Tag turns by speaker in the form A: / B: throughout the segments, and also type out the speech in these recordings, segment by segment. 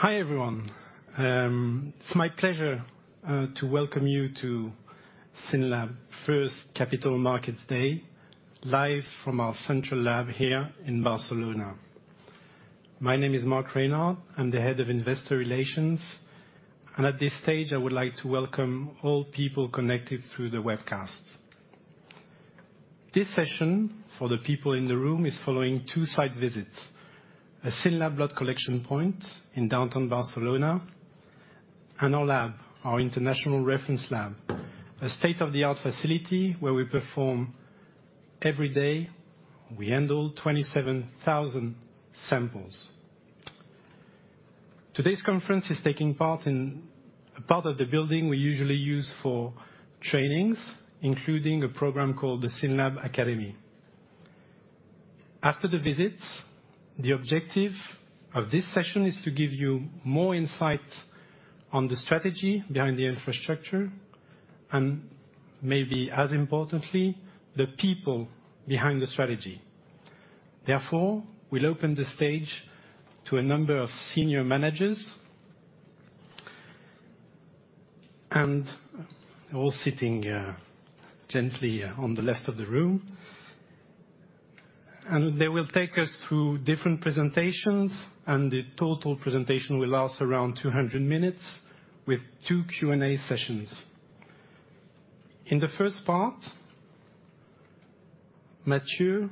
A: Hi, everyone. It's my pleasure to welcome you to SYNLAB's First Capital Markets Day, live from our Central Lab here in Barcelona. My name is Mark Reinhard, I'm the Head of Investor Relations. At this stage, I would like to welcome all people connected through the webcast. This session, for the people in the room, is following two site visits, a SYNLAB blood collection point in downtown Barcelona and our lab, our international reference lab. A state-of-the-art facility where we perform. Everyday, we handle 27,000 samples. Today's conference is taking place in a part of the building we usually use for trainings, including a program called the SYNLAB Academy. After the visit, the objective of this session is to give you more insight on the strategy behind the infrastructure and maybe as importantly, the people behind the strategy. Therefore, we'll open the stage to a number of Senior Managers. They're all sitting gently on the left of the room. They will take us through different presentations, and the total presentation will last around 200 minutes with two Q&A sessions. In the first part, Mathieu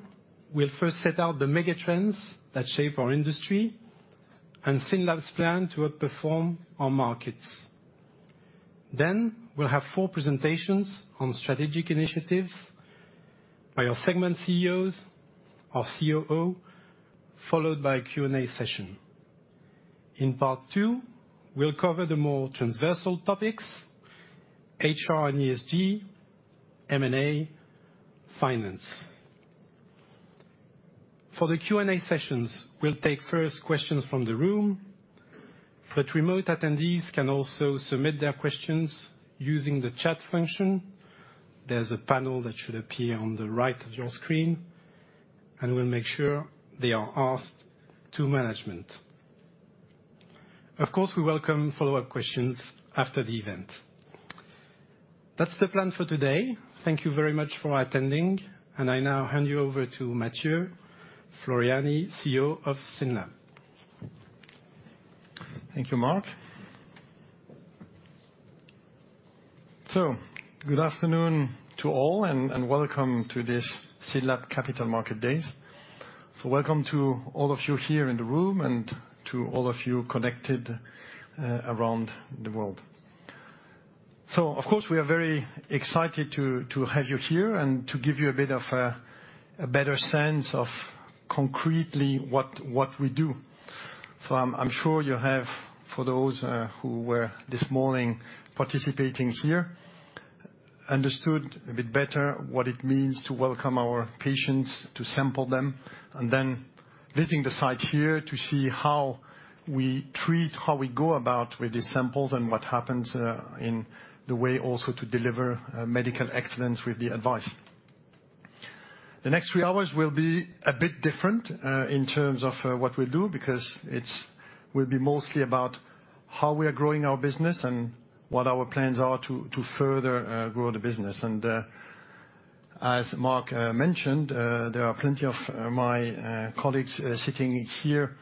A: will first set out the mega trends that shape our industry and SYNLAB's plan to outperform our markets. We'll have four presentations on strategic initiatives by our segment CEOs, our COO, followed by a Q&A session. In part two, we'll cover the more transversal topics, HR and ESG, M&A, finance. For the Q&A sessions, we'll take first questions from the room, but remote attendees can also submit their questions using the chat function. There's a panel that should appear on the right of your screen, and we'll make sure they are asked to management. Of course, we welcome follow-up questions after the event. That's the plan for today. Thank you very much for attending. I now hand you over to Mathieu Floreani, CEO of SYNLAB.
B: Thank you, Mark. Good afternoon to all, and welcome to this SYNLAB Capital Markets Day. Welcome to all of you here in the room and to all of you connected around the world. Of course, we are very excited to have you here and to give you a bit of a better sense of concretely what we do. I'm sure you have, for those who were this morning participating here, understood a bit better what it means to welcome our patients, to sample them, and then visiting the site here to see how we treat, how we go about with these samples and what happens in the way also to deliver medical excellence with the advice. The next three hours will be a bit different in terms of what we do because it's. Will be mostly about how we are growing our business and what our plans are to further grow the business. As Mark mentioned, there are plenty of my colleagues sitting here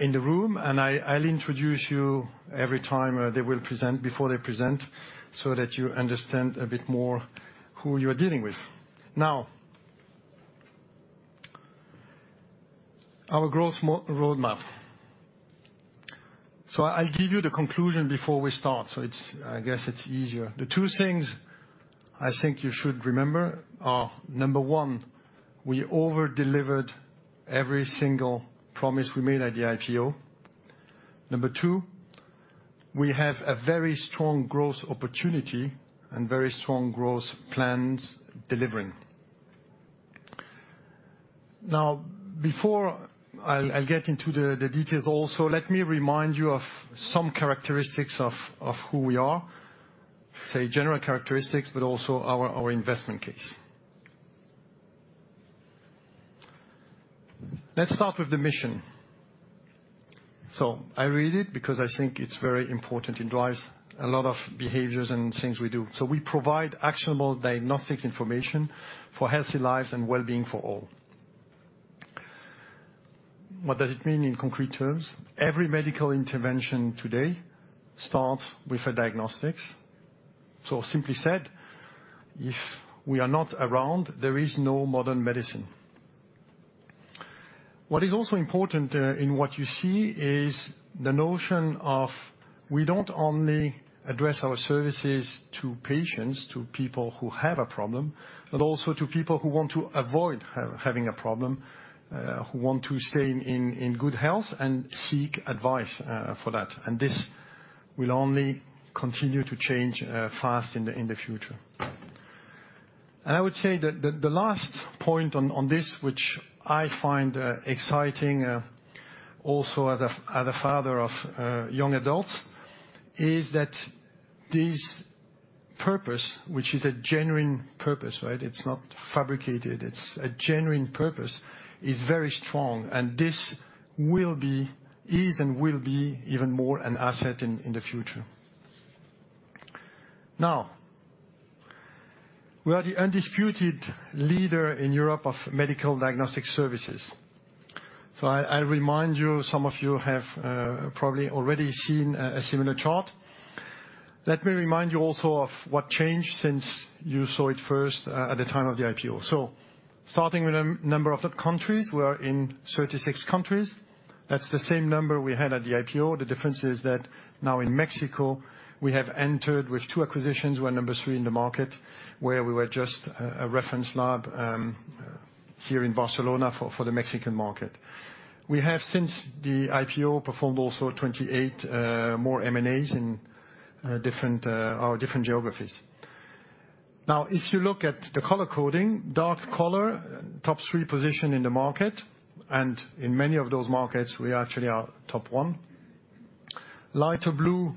B: in the room, and I'll introduce you every time they will present, before they present, so that you understand a bit more who you're dealing with. Now, our growth roadmap. I'll give you the conclusion before we start. I guess it's easier. The two things I think you should remember are, number one, we over-delivered every single promise we made at the IPO. Number two, we have a very strong growth opportunity and very strong growth plans delivering. Now, before I'll get into the details also, let me remind you of some characteristics of who we are. So, general characteristics, but also our investment case. Let's start with the mission. I read it because I think it's very important. It drives a lot of behaviors and things we do. We provide actionable diagnostics information for healthy lives and well-being for all. What does it mean in concrete terms? Every medical intervention today starts with a diagnostic. Simply said, if we are not around, there is no modern medicine. What is also important in what you see is the notion that we don't only address our services to patients, to people who have a problem, but also to people who want to avoid having a problem, who want to stay in good health and seek advice for that. This will only continue to change fast in the future. I would say that the last point on this, which I find exciting, also as a father of young adults, is that this purpose, which is a genuine purpose, right? It's not fabricated, it's a genuine purpose, is very strong, and this is and will be even more an asset in the future. Now, we are the undisputed leader in Europe of medical diagnostic services. I remind you, some of you have probably already seen a similar chart. Let me remind you also of what changed since you saw it first at the time of the IPO. Starting with a number of the countries, we are in 36 countries. That's the same number we had at the IPO. The difference is that now in Mexico, we have entered with two acquisitions. We're number three in the market, where we were just a reference lab here in Barcelona for the Mexican market. We have, since the IPO, performed also 28 more M&As in different geographies. Now, if you look at the color coding, dark color, top three position in the market, and in many of those markets, we actually are top one. Lighter blue,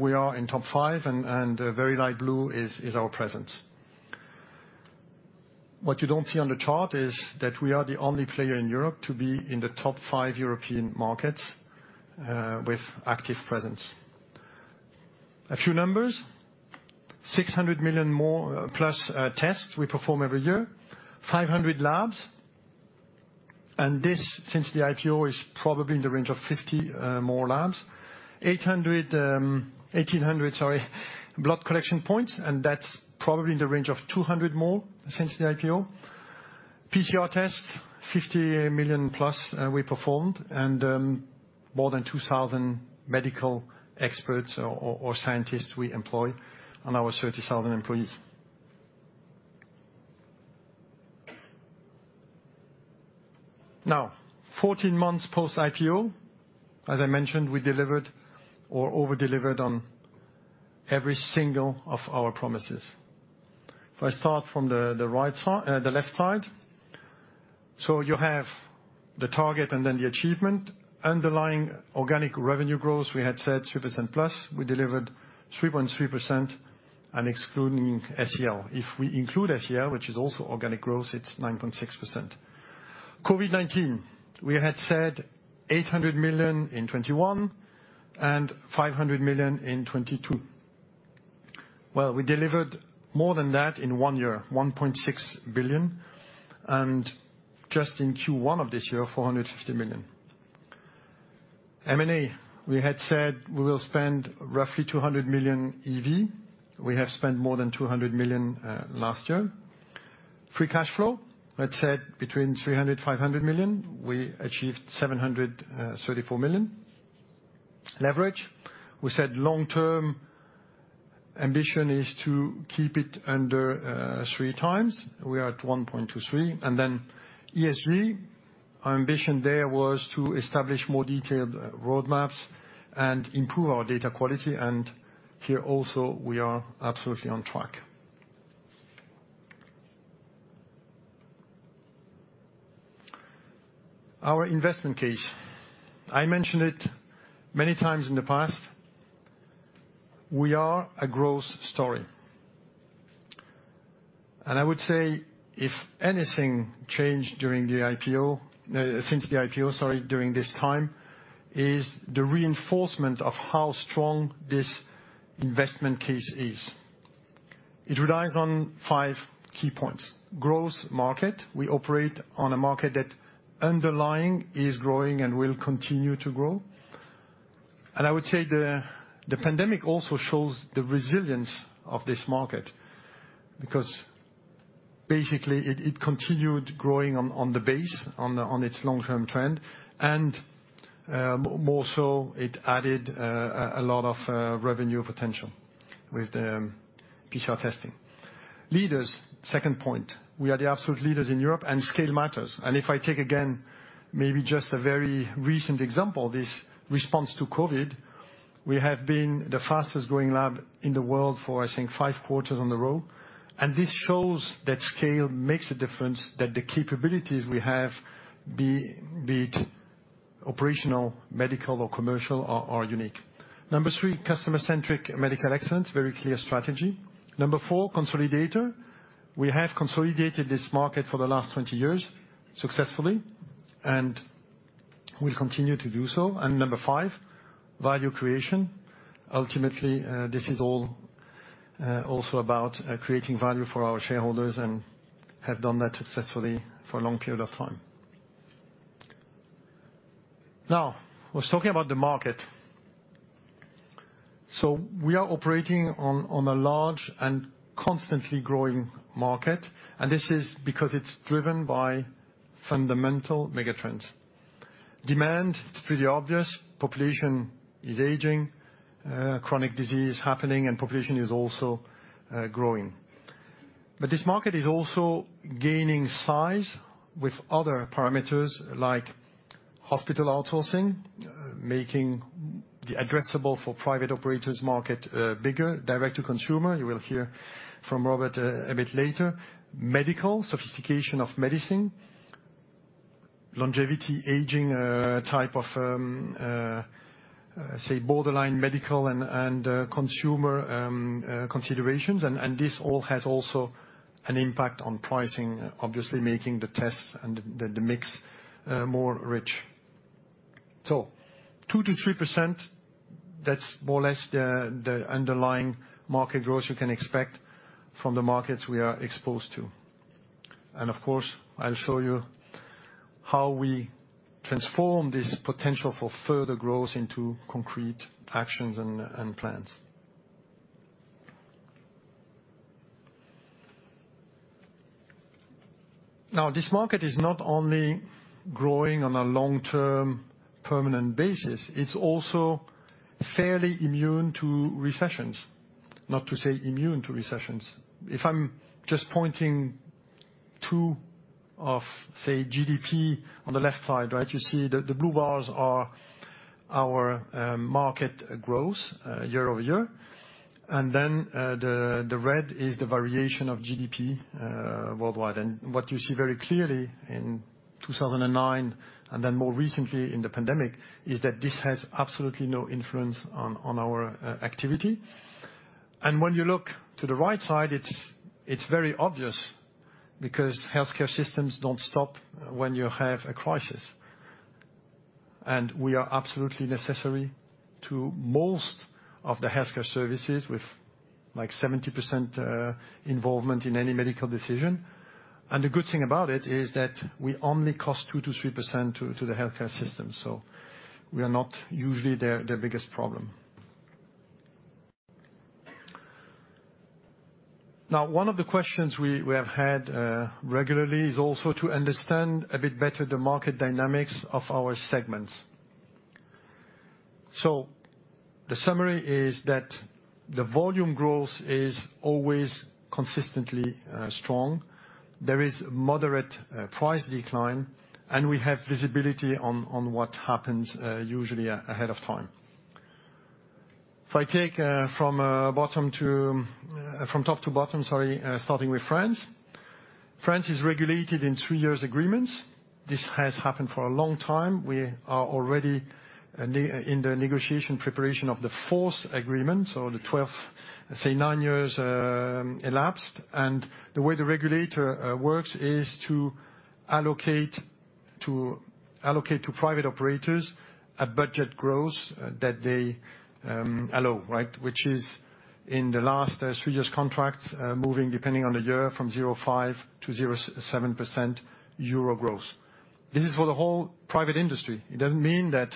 B: we are in top five, and very light blue is our presence. What you don't see on the chart is that we are the only player in Europe to be in the top five European markets with active presence. A few numbers, 600 million more tests we perform every year, 500 labs, and this, since the IPO, is probably in the range of 50 more labs. 1,800 blood collection points, and that's probably in the range of 200 more since the IPO. PCR tests, 50 million plus, we performed, and more than 2,000 medical experts or scientists we employ on our 30,000 employees. Now, 14 months post-IPO, as I mentioned, we delivered or over-delivered on every single of our promises. If I start from the right side, the left side, so you have the target and then the achievement. Underlying organic revenue growth, we had said 3% plus. We delivered 3.3% and excluding SEL. If we include SEL, which is also organic growth, it's 9.6%. COVID-19, we had said 800 million in 2021 and 500 million in 2022. Well, we delivered more than that in one year, 1.6 billion, and just in Q1 of this year, 450 million. M&A, we had said we will spend roughly 200 million EV. We have spent more than 200 million last year. Free cash flow, we had said between 300 million and 500 million, we achieved 734 million. Leverage, we said long-term ambition is to keep it under 3x. We are at 1.23x. Then ESG, our ambition there was to establish more detailed road maps and improve our data quality, and here also we are absolutely on track. Our investment case, I mentioned it many times in the past, we are a growth story. I would say if anything changed during this time is the reinforcement of how strong this investment case is. It relies on five key points. Growth market, we operate on a market that underlying is growing and will continue to grow. I would say the pandemic also shows the resilience of this market because basically it continued growing on its long-term trend, and more so it added a lot of revenue potential with PCR testing. Leaders, second point. We are the absolute leaders in Europe, and scale matters. If I take again maybe just a very recent example, this response to COVID, we have been the fastest-growing lab in the world for, I think, five quarters in a row. This shows that scale makes a difference, that the capabilities we have be it operational, medical or commercial are unique. Number three, customer-centric medical excellence, very clear strategy. Number four, consolidator. We have consolidated this market for the last 20 years successfully, and we continue to do so. Number five, value creation. Ultimately, this is all also about creating value for our shareholders and have done that successfully for a long period of time. Now, I was talking about the market. We are operating on a large and constantly growing market, and this is because it's driven by fundamental megatrends. Demand, it's pretty obvious. Population is aging, chronic disease happening, and population is also growing. This market is also gaining size with other parameters like hospital outsourcing, making the addressable for private operators market bigger, direct to consumer. You will hear from Robert a bit later, medical sophistication of medicine, longevity, aging, type of borderline medical and consumer considerations. This all has also an impact on pricing, obviously, making the tests and the mix more rich. 2%-3%, that's more or less the underlying market growth you can expect from the markets we are exposed to. Of course, I'll show you how we transform this potential for further growth into concrete actions and plans. This market is not only growing on a long-term permanent basis, it's also fairly immune to recessions, not to say immune to recessions. If I'm just pointing to, say, GDP on the left side, right? You see the blue bars are our market growth year-over-year. Then the red is the variation of GDP worldwide. What you see very clearly in 2009, and then more recently in the pandemic, is that this has absolutely no influence on our activity. When you look to the right side, it's very obvious because healthcare systems don't stop when you have a crisis. We are absolutely necessary to most of the healthcare services with, like, 70% involvement in any medical decision. The good thing about it is that we only cost 2%-3% to the healthcare system, so we are not usually their biggest problem. Now, one of the questions we have had regularly is also to understand a bit better the market dynamics of our segments. The summary is that the volume growth is always consistently strong. There is moderate price decline, and we have visibility on what happens usually ahead of time. If I take from top to bottom, sorry, starting with France. France is regulated in three-year agreements. This has happened for a long time. We are already in the negotiation preparation of the fourth agreement, so the twelfth, say, nine years elapsed. The way the regulator works is to allocate to private operators a budget growth that they allow, right? Which is in the last three years contracts moving depending on the year from 0.5%-0.57% EUR growth. This is for the whole private industry. It doesn't mean that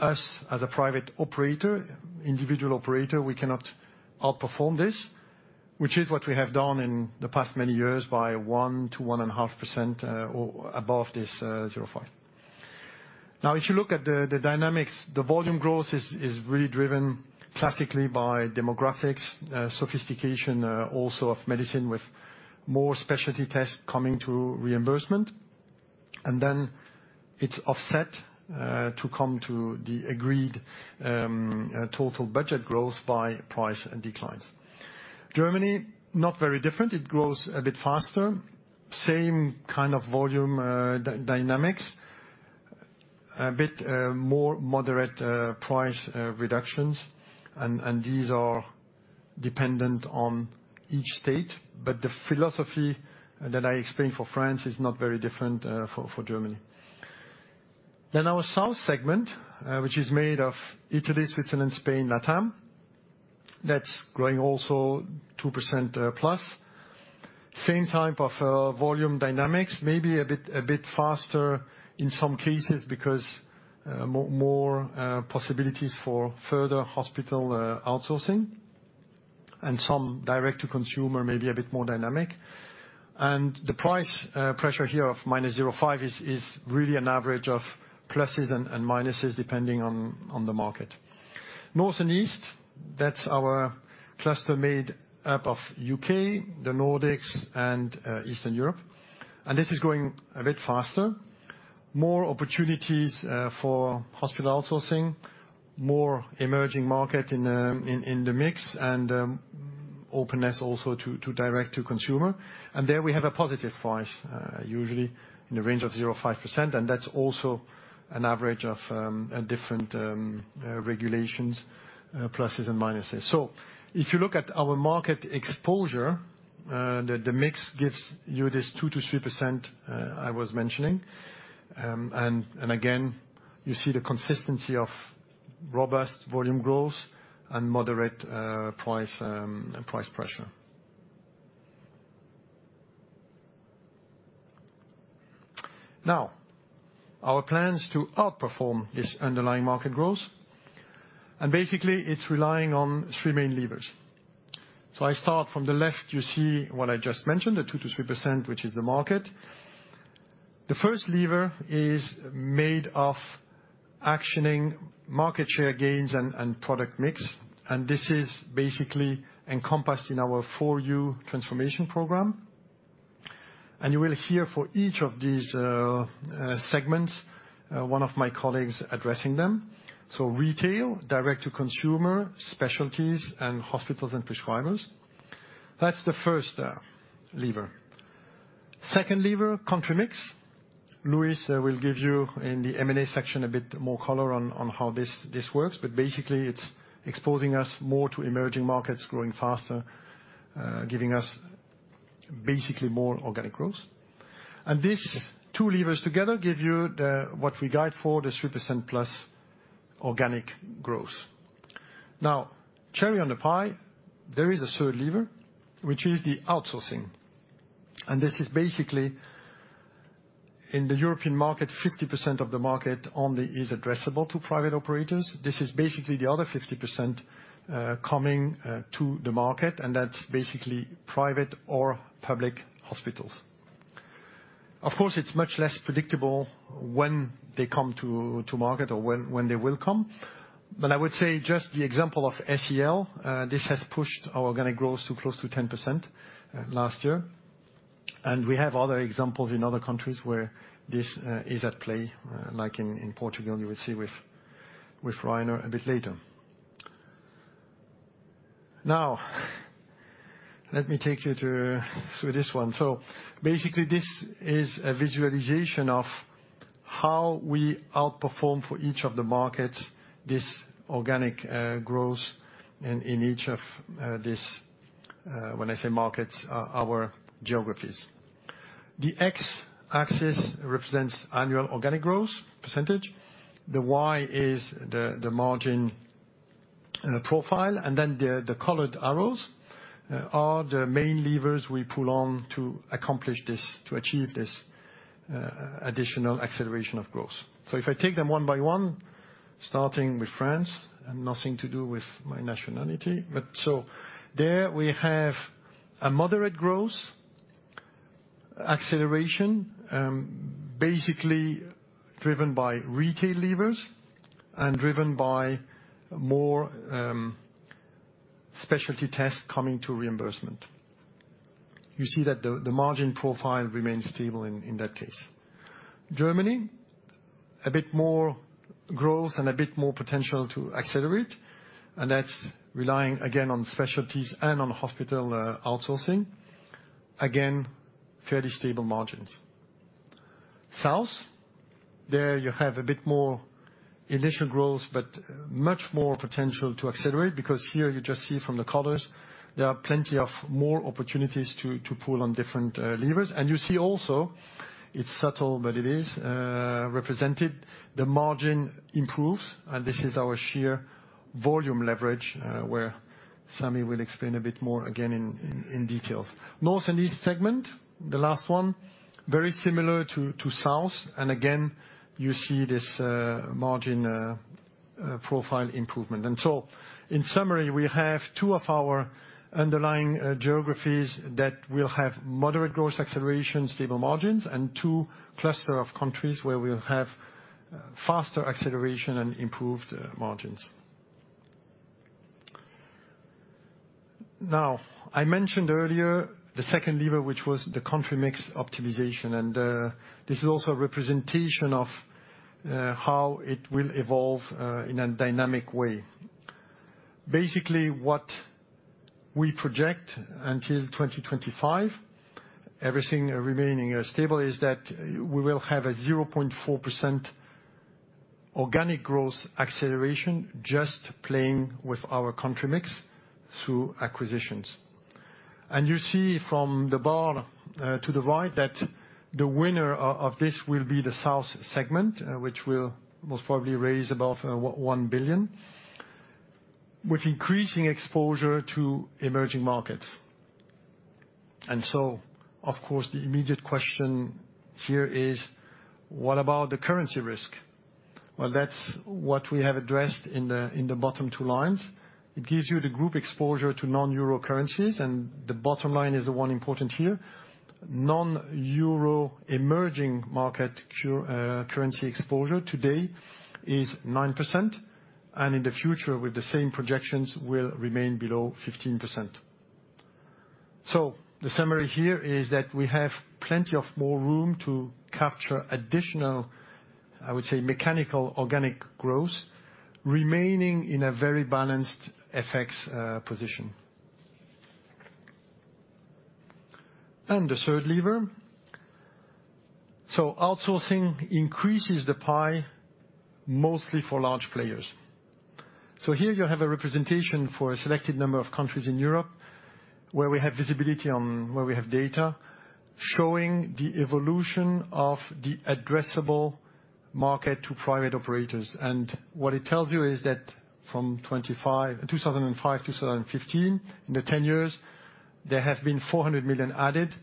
B: us, as a private operator, individual operator, we cannot outperform this, which is what we have done in the past many years by 1%-1.5% above this 0.5. Now, if you look at the dynamics, the volume growth is really driven classically by demographics, sophistication also of medicine with more specialty tests coming to reimbursement. Then it's offset to come to the agreed total budget growth by price and declines. Germany, not very different. It grows a bit faster, same kind of volume dynamics, a bit more moderate price reductions, and these are dependent on each state. The philosophy that I explained for France is not very different for Germany. Our South segment, which is made of Italy, Switzerland, Spain, LatAm, that's growing also 2%+. Same type of volume dynamics, maybe a bit faster in some cases because more possibilities for further hospital outsourcing and some direct to consumer may be a bit more dynamic. The price pressure here of -0.5% is really an average of pluses and minuses depending on the market. North and East, that's our cluster made up of U.K., the Nordics and Eastern Europe. This is growing a bit faster. More opportunities for hospital outsourcing, more emerging market in the mix and openness also to direct to consumer. There we have a positive price usually in the range of 0.5%, and that's also an average of different regulations pluses and minuses. If you look at our market exposure, the mix gives you this 2%-3%, I was mentioning. Again, you see the consistency of robust volume growth and moderate price pressure. Our plans to outperform this underlying market growth, and basically it's relying on three main levers. I start from the left, you see what I just mentioned, the 2%-3%, which is the market. The first lever is made of actioning market share gains and product mix, and this is basically encompassed in our FOR YOU transformation program. You will hear for each of these segments one of my colleagues addressing them. Retail, direct to consumer, specialties, and hospitals and prescribers. That's the first lever. Second lever, country mix. Luis will give you in the M&A section a bit more color on how this works, but basically it's exposing us more to emerging markets growing faster, giving us basically more organic growth. These two levers together give you what we guide for, the 3%+ organic growth. Now, cherry on the pie, there is a third lever, which is the outsourcing. This is basically in the European market, 50% of the market only is addressable to private operators. This is basically the other 50% coming to the market, and that's basically private or public hospitals. Of course, it's much less predictable when they come to market or when they will come. I would say just the example of SEL, this has pushed our organic growth to close to 10% last year. We have other examples in other countries where this is at play, like in Portugal, you will see with Reiner a bit later. Now let me take you through this one. Basically this is a visualization of how we outperform for each of the markets, this organic growth in each of this when I say markets, our geographies. The X-axis represents annual organic growth percentage. The Y-axis is the margin profile. The colored arrows are the main levers we pull on to accomplish this, to achieve this, additional acceleration of growth. If I take them one by one, starting with France, and nothing to do with my nationality. There we have a moderate growth acceleration, basically driven by retail levers and driven by more, specialty tests coming to reimbursement. You see that the margin profile remains stable in that case. Germany, a bit more growth and a bit more potential to accelerate, and that's relying again on specialties and on hospital outsourcing. Again, fairly stable margins. South, there you have a bit more initial growth, but much more potential to accelerate because here you just see from the colors there are plenty of more opportunities to pull on different levers. You see also, it's subtle, but it is represented, the margin improves, and this is our sheer volume leverage, where Sami will explain a bit more again in details. North and East segment, the last one, very similar to South. Again, you see this margin profile improvement. In summary, we have two of our underlying geographies that will have moderate growth acceleration, stable margins, and two cluster of countries where we'll have faster acceleration and improved margins. Now, I mentioned earlier the second lever, which was the country mix optimization, and this is also a representation of how it will evolve in a dynamic way. Basically what we project until 2025, everything remaining stable, is that we will have a 0.4% organic growth acceleration just playing with our country mix through acquisitions. You see from the bar to the right that the winner of this will be the South segment, which will most probably reach above 1 billion, with increasing exposure to emerging markets. Of course, the immediate question here is what about the currency risk? Well, that's what we have addressed in the bottom two lines. It gives you the group exposure to non-euro currencies, and the bottom line is the one important here. Non-euro emerging market currency exposure today is 9%, and in the future with the same projections will remain below 15%. The summary here is that we have plenty of more room to capture additional, I would say, mechanical organic growth remaining in a very balanced FX position. The third lever. Outsourcing increases the pie mostly for large players. Here you have a representation for a selected number of countries in Europe where we have visibility on where we have data showing the evolution of the addressable market to private operators. What it tells you is that from 2005-2015, in the 10 years, there have been 400 million added,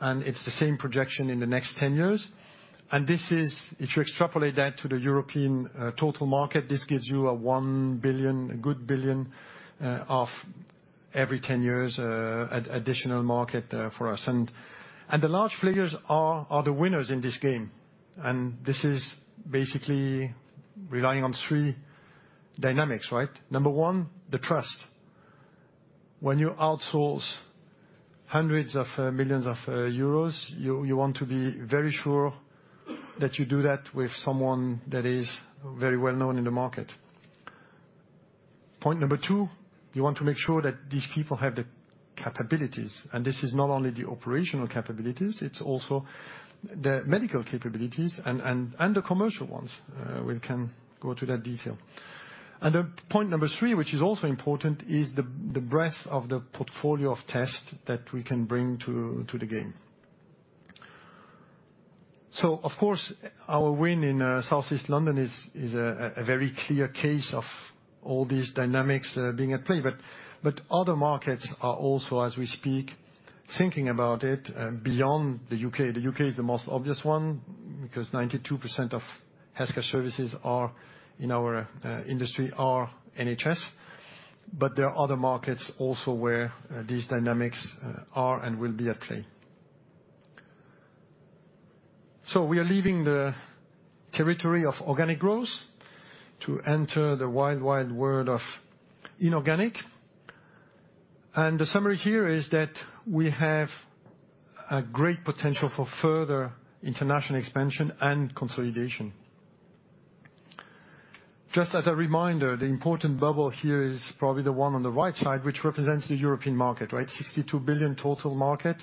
B: and it's the same projection in the next 10 years. This is, if you extrapolate that to the European total market, this gives you a 1 billion, a good billion, of every 10 years additional market for us. The large players are the winners in this game. This is basically relying on three dynamics, right? Number one, the trust. When you outsource hundreds of millions of EUR, you want to be very sure that you do that with someone that is very well-known in the market. Point number two, you want to make sure that these people have the capabilities, and this is not only the operational capabilities, it's also the medical capabilities and the commercial ones. We can go to that detail. Point number three, which is also important, is the breadth of the portfolio of tests that we can bring to the game. Of course, our win in Southeast London is a very clear case of all these dynamics being at play. Other markets are also, as we speak, thinking about it, beyond the U.K. The U.K. is the most obvious one because 92% of healthcare services in our industry are NHS, but there are other markets also where these dynamics are and will be at play. We are leaving the territory of organic growth to enter the wide world of inorganic. The summary here is that we have a great potential for further international expansion and consolidation. Just as a reminder, the important bubble here is probably the one on the right side, which represents the European market, right? 62 billion total market.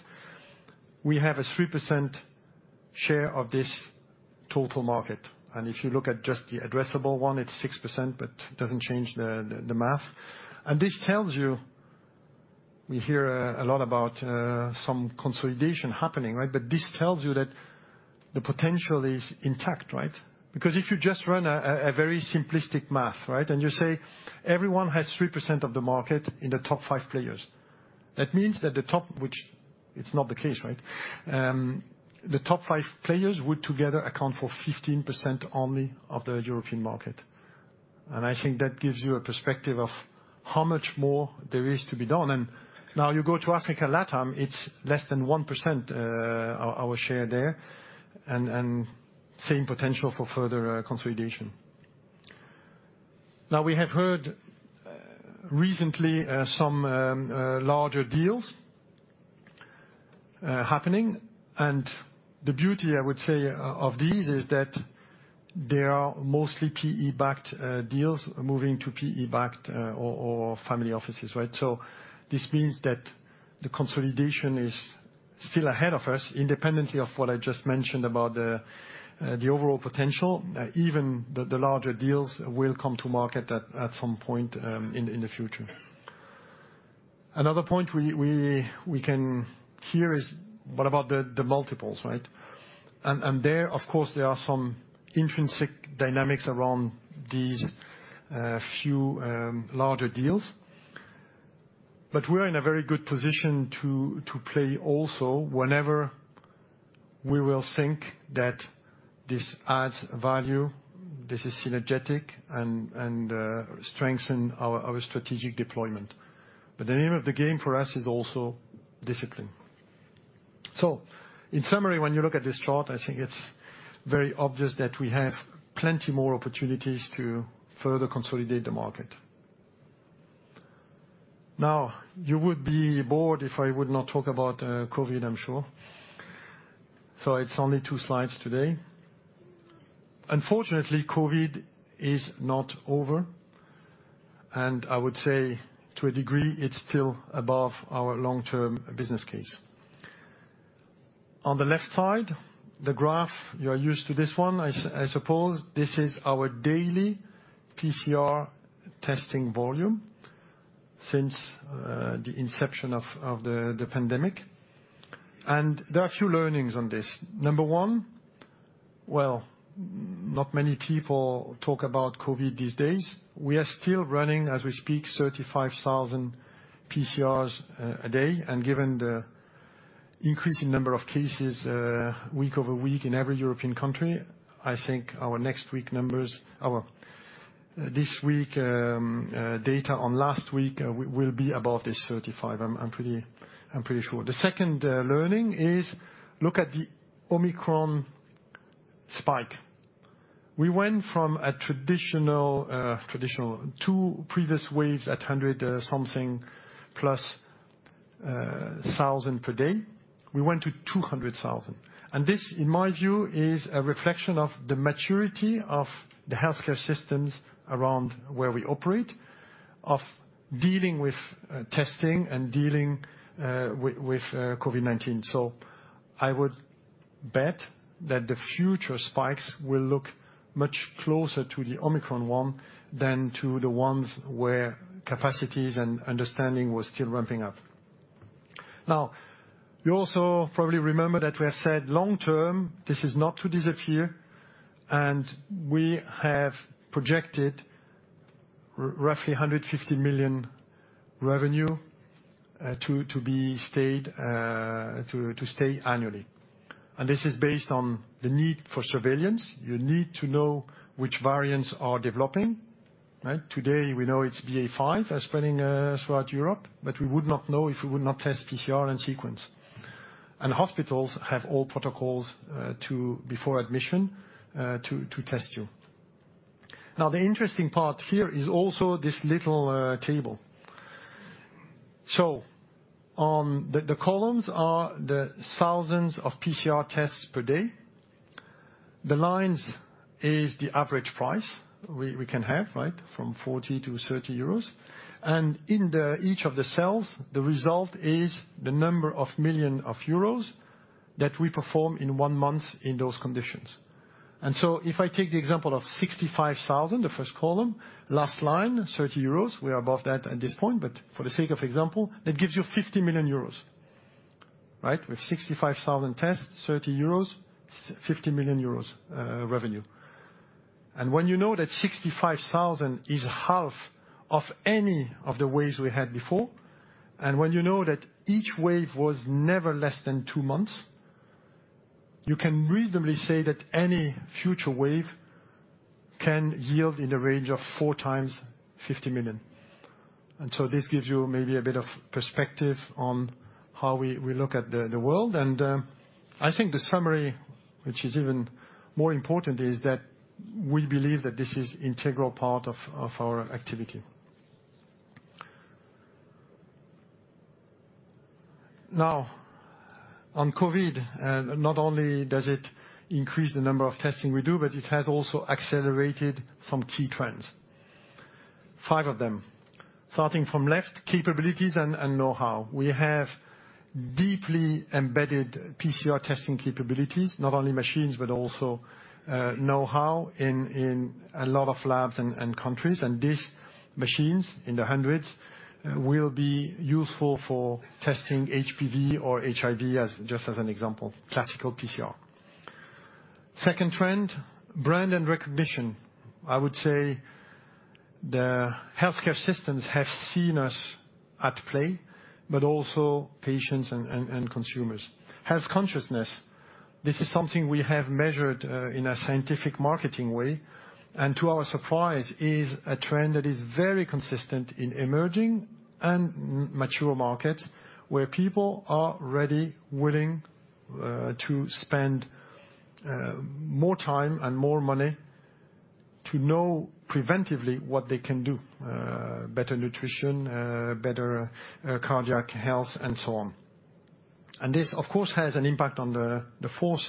B: We have a 3% share of this total market. If you look at just the addressable one, it's 6%, but it doesn't change the math. This tells you, we hear a lot about some consolidation happening, right? This tells you that the potential is intact, right? Because if you just run very simplistic math, right? You say everyone has 3% of the market in the top five players. That means that the top, which it's not the case, right? The top five players would together account for 15% only of the European market. I think that gives you a perspective of how much more there is to be done. Now you go to Africa, LatAm, it's less than 1%, our share there, and same potential for further consolidation. Now, we have heard recently some larger deals happening, and the beauty, I would say, of these is that they are mostly PE-backed deals moving to PE-backed or family offices, right? This means that the consolidation is still ahead of us, independently of what I just mentioned about the overall potential. Even the larger deals will come to market at some point in the future. Another point we can hear is what about the multiples, right? There, of course, there are some intrinsic dynamics around these few larger deals. We're in a very good position to play also whenever we will think that this adds value, this is synergistic and strengthen our strategic deployment. The name of the game for us is also discipline. In summary, when you look at this chart, I think it's very obvious that we have plenty more opportunities to further consolidate the market. Now, you would be bored if I would not talk about COVID, I'm sure. It's only two slides today. Unfortunately, COVID is not over, and I would say to a degree, it's still above our long-term business case. On the left side, the graph, you are used to this one, I suppose this is our daily PCR testing volume since the inception of the pandemic. There are a few learnings on this. Number one, not many people talk about COVID these days. We are still running, as we speak, 35,000 PCRs a day. Given the increasing number of cases, week over week in every European country, I think our next week numbers. This week data on last week will be above this 35. I'm pretty sure. The second learning is look at the Omicron spike. We went from a traditional two previous waves at 100-something+ thousand per day. We went to 200,000. This, in my view, is a reflection of the maturity of the healthcare systems around where we operate, of dealing with testing and dealing with COVID-19. I would bet that the future spikes will look much closer to the Omicron one than to the ones where capacities and understanding was still ramping up. Now, you also probably remember that we have said long-term, this is not to disappear, and we have projected roughly 150 million revenue to stay annually. This is based on the need for surveillance. You need to know which variants are developing, right? Today, we know it's BA.5 spreading throughout Europe, but we would not know if we would not test PCR and sequence. Hospitals have all protocols to, before admission, to test you. Now, the interesting part here is also this little table. The columns are the thousands of PCR tests per day. The lines is the average price we can have, right? From 40 to 30 euros. In each of the cells, the result is the number of million of euros that we perform in one month in those conditions. If I take the example of 65,000, the first column, last line, 30 euros, we are above that at this point, but for the sake of example, that gives you 50 million euros, right? With 65,000 tests, 30 euros, 50 million euros revenue. When you know that 65,000 is half of any of the waves we had before, and when you know that each wave was never less than two months, you can reasonably say that any future wave can yield in the range of four times 50 million. This gives you maybe a bit of perspective on how we look at the world. I think the summary, which is even more important, is that we believe that this is integral part of our activity. Now, on COVID, not only does it increase the number of testing we do, but it has also accelerated some key trends. Five of them. Starting from left, capabilities and know-how. We have deeply embedded PCR testing capabilities, not only machines, but also know-how in a lot of labs and countries. These machines, in the hundreds, will be useful for testing HPV or HIV as just as an example, classical PCR. Second trend, brand and recognition. I would say the healthcare systems have seen us at play, but also patients and consumers. Health consciousness. This is something we have measured in a scientific marketing way, and to our surprise, is a trend that is very consistent in emerging and mature markets, where people are ready, willing to spend more time and more money to know preventively what they can do. Better nutrition, better cardiac health, and so on. This, of course, has an impact on the fourth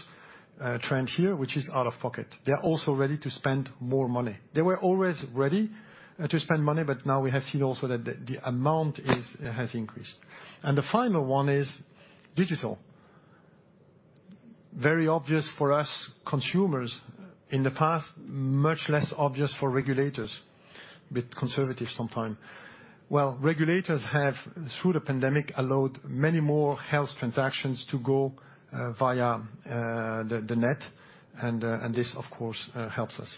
B: trend here, which is out-of-pocket. They are also ready to spend more money. They were always ready to spend money, but now we have seen also that the amount has increased. The final one is digital. Very obvious for us consumers. In the past, much less obvious for regulators, a bit conservative sometimes. Well, regulators have, through the pandemic, allowed many more health transactions to go via the net, and this, of course, helps us.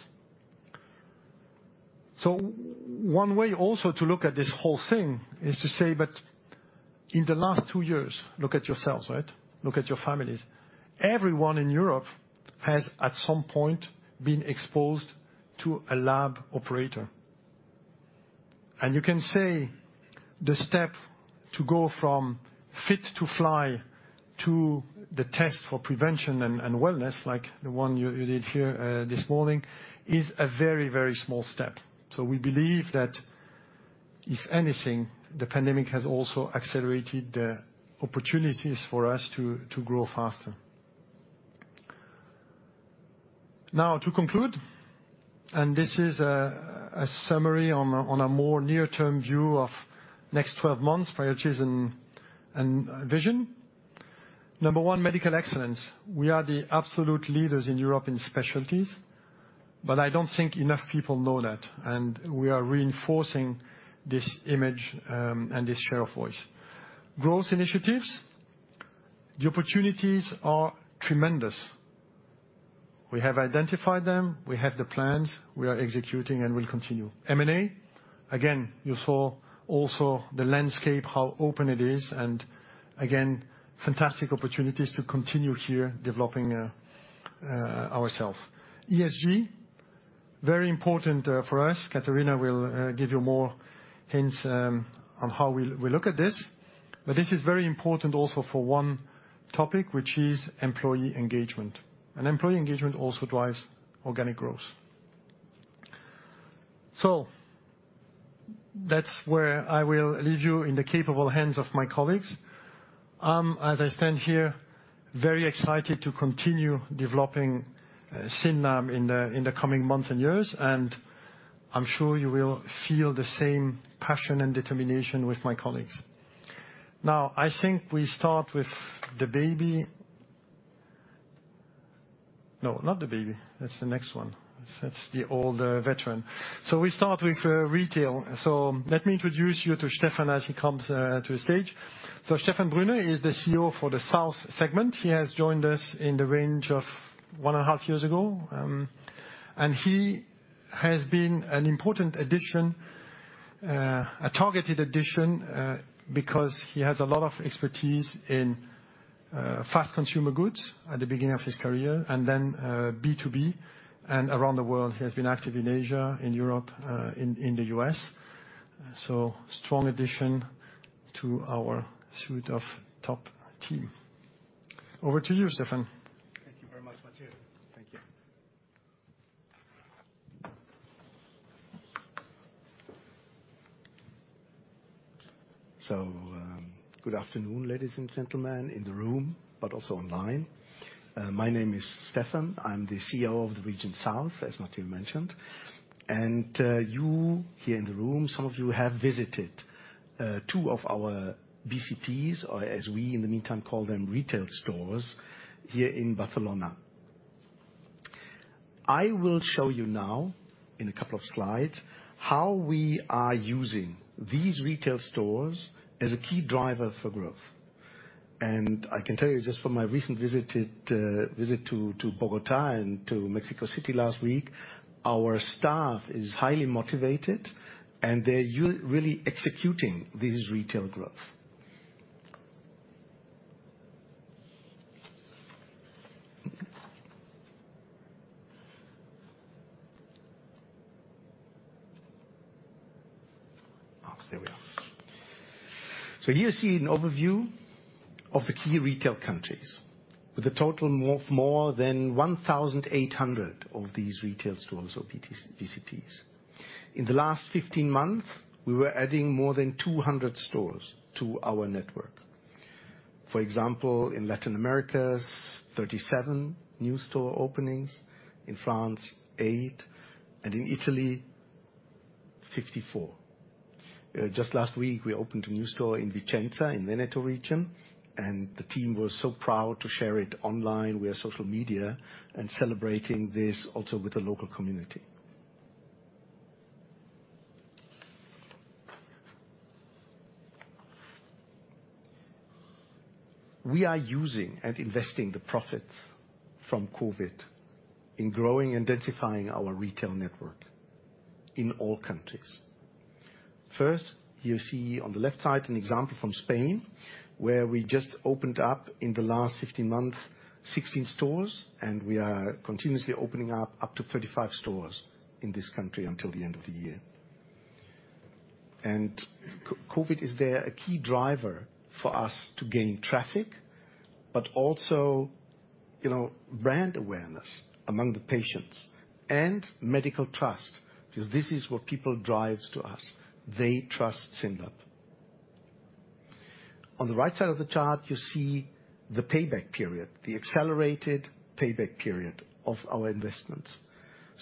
B: One way also to look at this whole thing is to say, but in the last two years, look at yourselves, right? Look at your families. Everyone in Europe has, at some point, been exposed to a lab operator. You can say the step to go from fit to fly to the test for prevention and wellness, like the one you did here this morning, is a very, very small step. We believe that if anything, the pandemic has also accelerated the opportunities for us to grow faster. Now, to conclude, this is a summary on a more near-term view of next 12 months, priorities and vision. Number one, medical excellence. We are the absolute leaders in Europe in specialties, but I don't think enough people know that, and we are reinforcing this image and this share of voice. Growth initiatives. The opportunities are tremendous. We have identified them, we have the plans, we are executing and will continue. M&A. Again, you saw also the landscape, how open it is, and again, fantastic opportunities to continue here developing ourselves. ESG. Very important for us. Catharina will give you more hints on how we look at this. But this is very important also for one topic, which is employee engagement. Employee engagement also drives organic growth. That's where I will leave you in the capable hands of my colleagues. As I stand here, very excited to continue developing SYNLAB in the coming months and years, and I'm sure you will feel the same passion and determination with my colleagues. Now, I think we start with the baby. No, not the baby. That's the next one. That's the older veteran. We start with retail. Let me introduce you to Stephan as he comes to the stage. Stephan Brune is the CEO for the South segment. He has joined us in the range of one and a half years ago. He has been an important addition, a targeted addition, because he has a lot of expertise in fast consumer goods at the beginning of his career, and then B2B and around the world. He has been active in Asia, in Europe, in the U.S. Strong addition to our suite of top team. Over to you, Stephan.
C: Thank you very much, Mathieu. Thank you. Good afternoon, ladies and gentlemen in the room, but also online. My name is Stephan. I'm the CEO of the Region South, as Mathieu mentioned. You here in the room, some of you have visited two of our BCPs or as we in the meantime call them, retail stores here in Barcelona. I will show you now in a couple of slides how we are using these retail stores as a key driver for growth. I can tell you just from my recent visit to Bogotá and to Mexico City last week, our staff is highly motivated and they're really executing this retail growth. There we are. Here you see an overview of the key retail countries with a total more than 1,800 of these retail stores or BCPs. In the last 15 months, we were adding more than 200 stores to our network. For example, in Latin America, 37 new store openings, in France, eight, and in Italy, 54. Just last week we opened a new store in Vicenza, in Veneto region, and the team was so proud to share it online via social media and celebrating this also with the local community. We are using and investing the profits from COVID in growing and densifying our retail network in all countries. First, you see on the left side an example from Spain, where we just opened up in the last 15 months, 16 stores, and we are continuously opening up to 35 stores in this country until the end of the year. COVID is a key driver for us to gain traffic, but also, you know, brand awareness among the patients and medics trust, because this is what people drives to us. They trust SYNLAB. On the right side of the chart, you see the payback period, the accelerated payback period of our investments.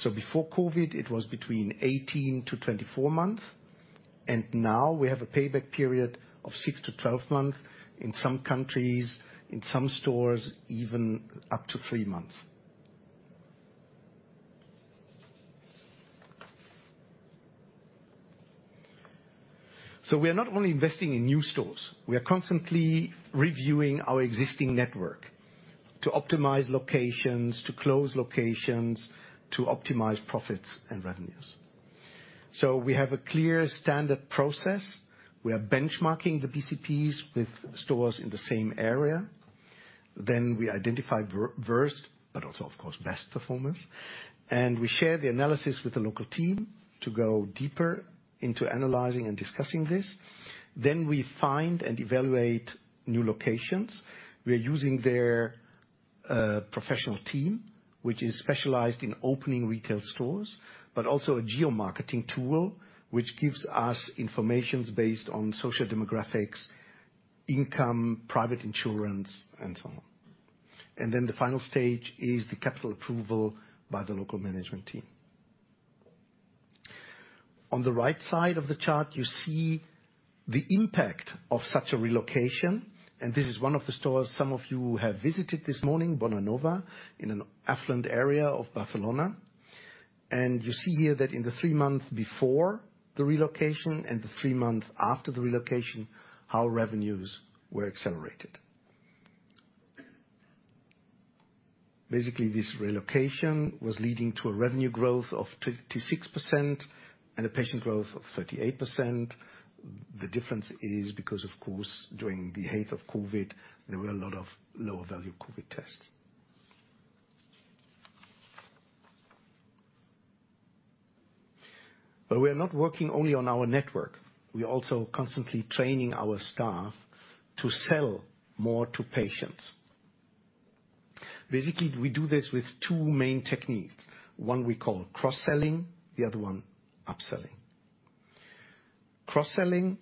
C: Before COVID, it was between 18-24 months, and now we have a payback period of 6-12 months in some countries, in some stores, even up to three months. We are not only investing in new stores, we are constantly reviewing our existing network to optimize locations, to close locations, to optimize profits and revenues. We have a clear standard process. We are benchmarking the BCPs with stores in the same area. We identify worst, but also of course, best performance, and we share the analysis with the local team to go deeper into analyzing and discussing this. We find and evaluate new locations. We are using their professional team, which is specialized in opening retail stores, but also a geomarketing tool, which gives us information based on social demographics, income, private insurance, and so on. The final stage is the capital approval by the local management team. On the right side of the chart, you see the impact of such a relocation, and this is one of the stores some of you have visited this morning, Bonanova, in an affluent area of Barcelona. You see here that in the three months before the relocation and the three months after the relocation, our revenues were accelerated. Basically, this relocation was leading to a revenue growth of 56% and a patient growth of 38%. The difference is because of course, during the height of COVID, there were a lot of lower value COVID tests. We're not working only on our network. We're also constantly training our staff to sell more to patients. Basically, we do this with two main techniques. One we call cross-selling, the other one upselling. Cross-selling,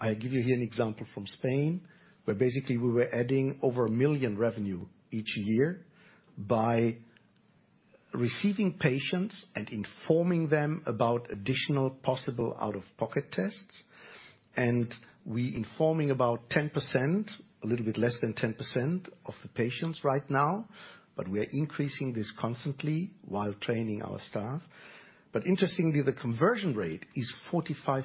C: I give you here an example from Spain, where basically we were adding over 1 million revenue each year by receiving patients and informing them about additional possible out-of-pocket tests. We're informing about 10%, a little bit less than 10% of the patients right now, but we are increasing this constantly while training our staff. Interestingly, the conversion rate is 45%.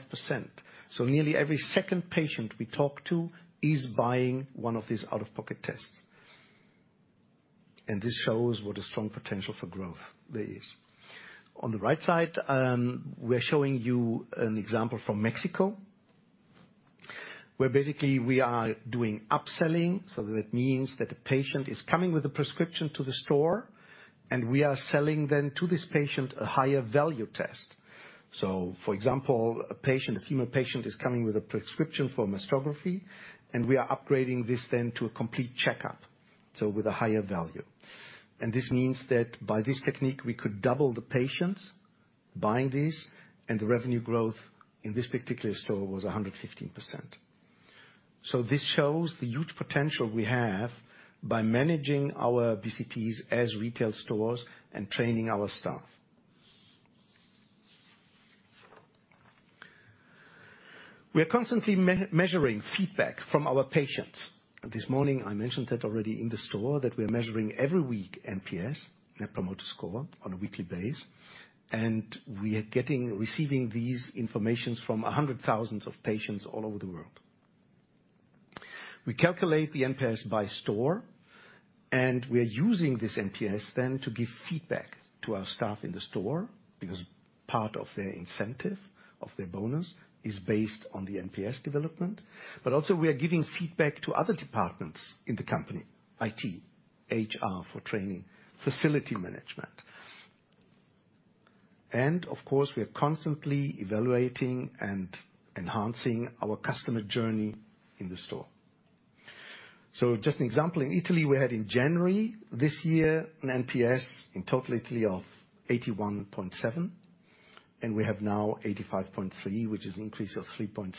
C: Nearly every second patient we talk to is buying one of these out-of-pocket tests. This shows what a strong potential for growth there is. On the right side, we're showing you an example from Mexico, where basically we are doing upselling. That means that the patient is coming with a prescription to the store, and we are selling then to this patient a higher value test. For example, a patient, a female patient is coming with a prescription for mammography, and we are upgrading this then to a complete checkup. With a higher value. This means that by this technique, we could double the patients buying this, and the revenue growth in this particular store was 115%. This shows the huge potential we have by managing our B2Cs as retail stores and training our staff. We are constantly measuring feedback from our patients. This morning, I mentioned that already in the store, that we are measuring every week NPS, Net Promoter Score, on a weekly basis. We are receiving these information from 100,000 patients all over the world. We calculate the NPS by store, and we're using this NPS then to give feedback to our staff in the store, because part of their incentive, of their bonus is based on the NPS development. Also, we are giving feedback to other departments in the company, IT, HR for training, facility management. Of course, we are constantly evaluating and enhancing our customer journey in the store. Just an example, in Italy, we had in January this year an NPS in total Italy of 81.7, and we have now 85.3, which is an increase of 3.6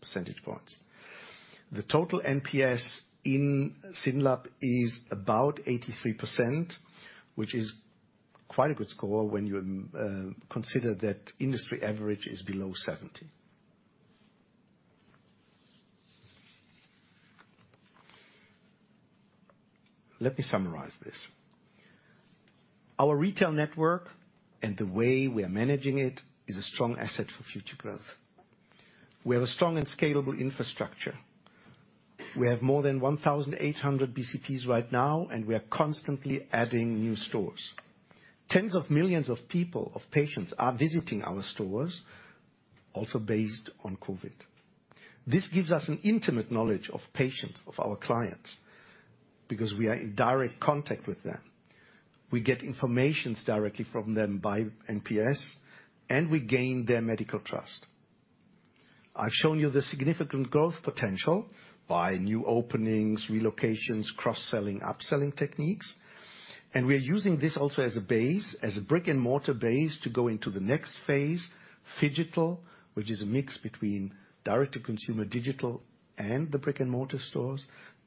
C: percentage points. The total NPS in SYNLAB is about 83%, which is quite a good score when you consider that industry average is below 70. Let me summarize this. Our retail network and the way we are managing it is a strong asset for future growth. We have a strong and scalable infrastructure. We have more than 1,800 BCPs right now, and we are constantly adding new stores. Tens of millions of people, of patients are visiting our stores, also based on COVID. This gives us an intimate knowledge of patients, of our clients, because we are in direct contact with them. We get information directly from them by NPS, and we gain their medical trust. I've shown you the significant growth potential by new openings, relocations, cross-selling, upselling techniques, and we are using this also as a base, as a brick-and-mortar base to go into the next phase, phygital, which is a mix between direct-to-consumer digital and the brick-and-mortar stores,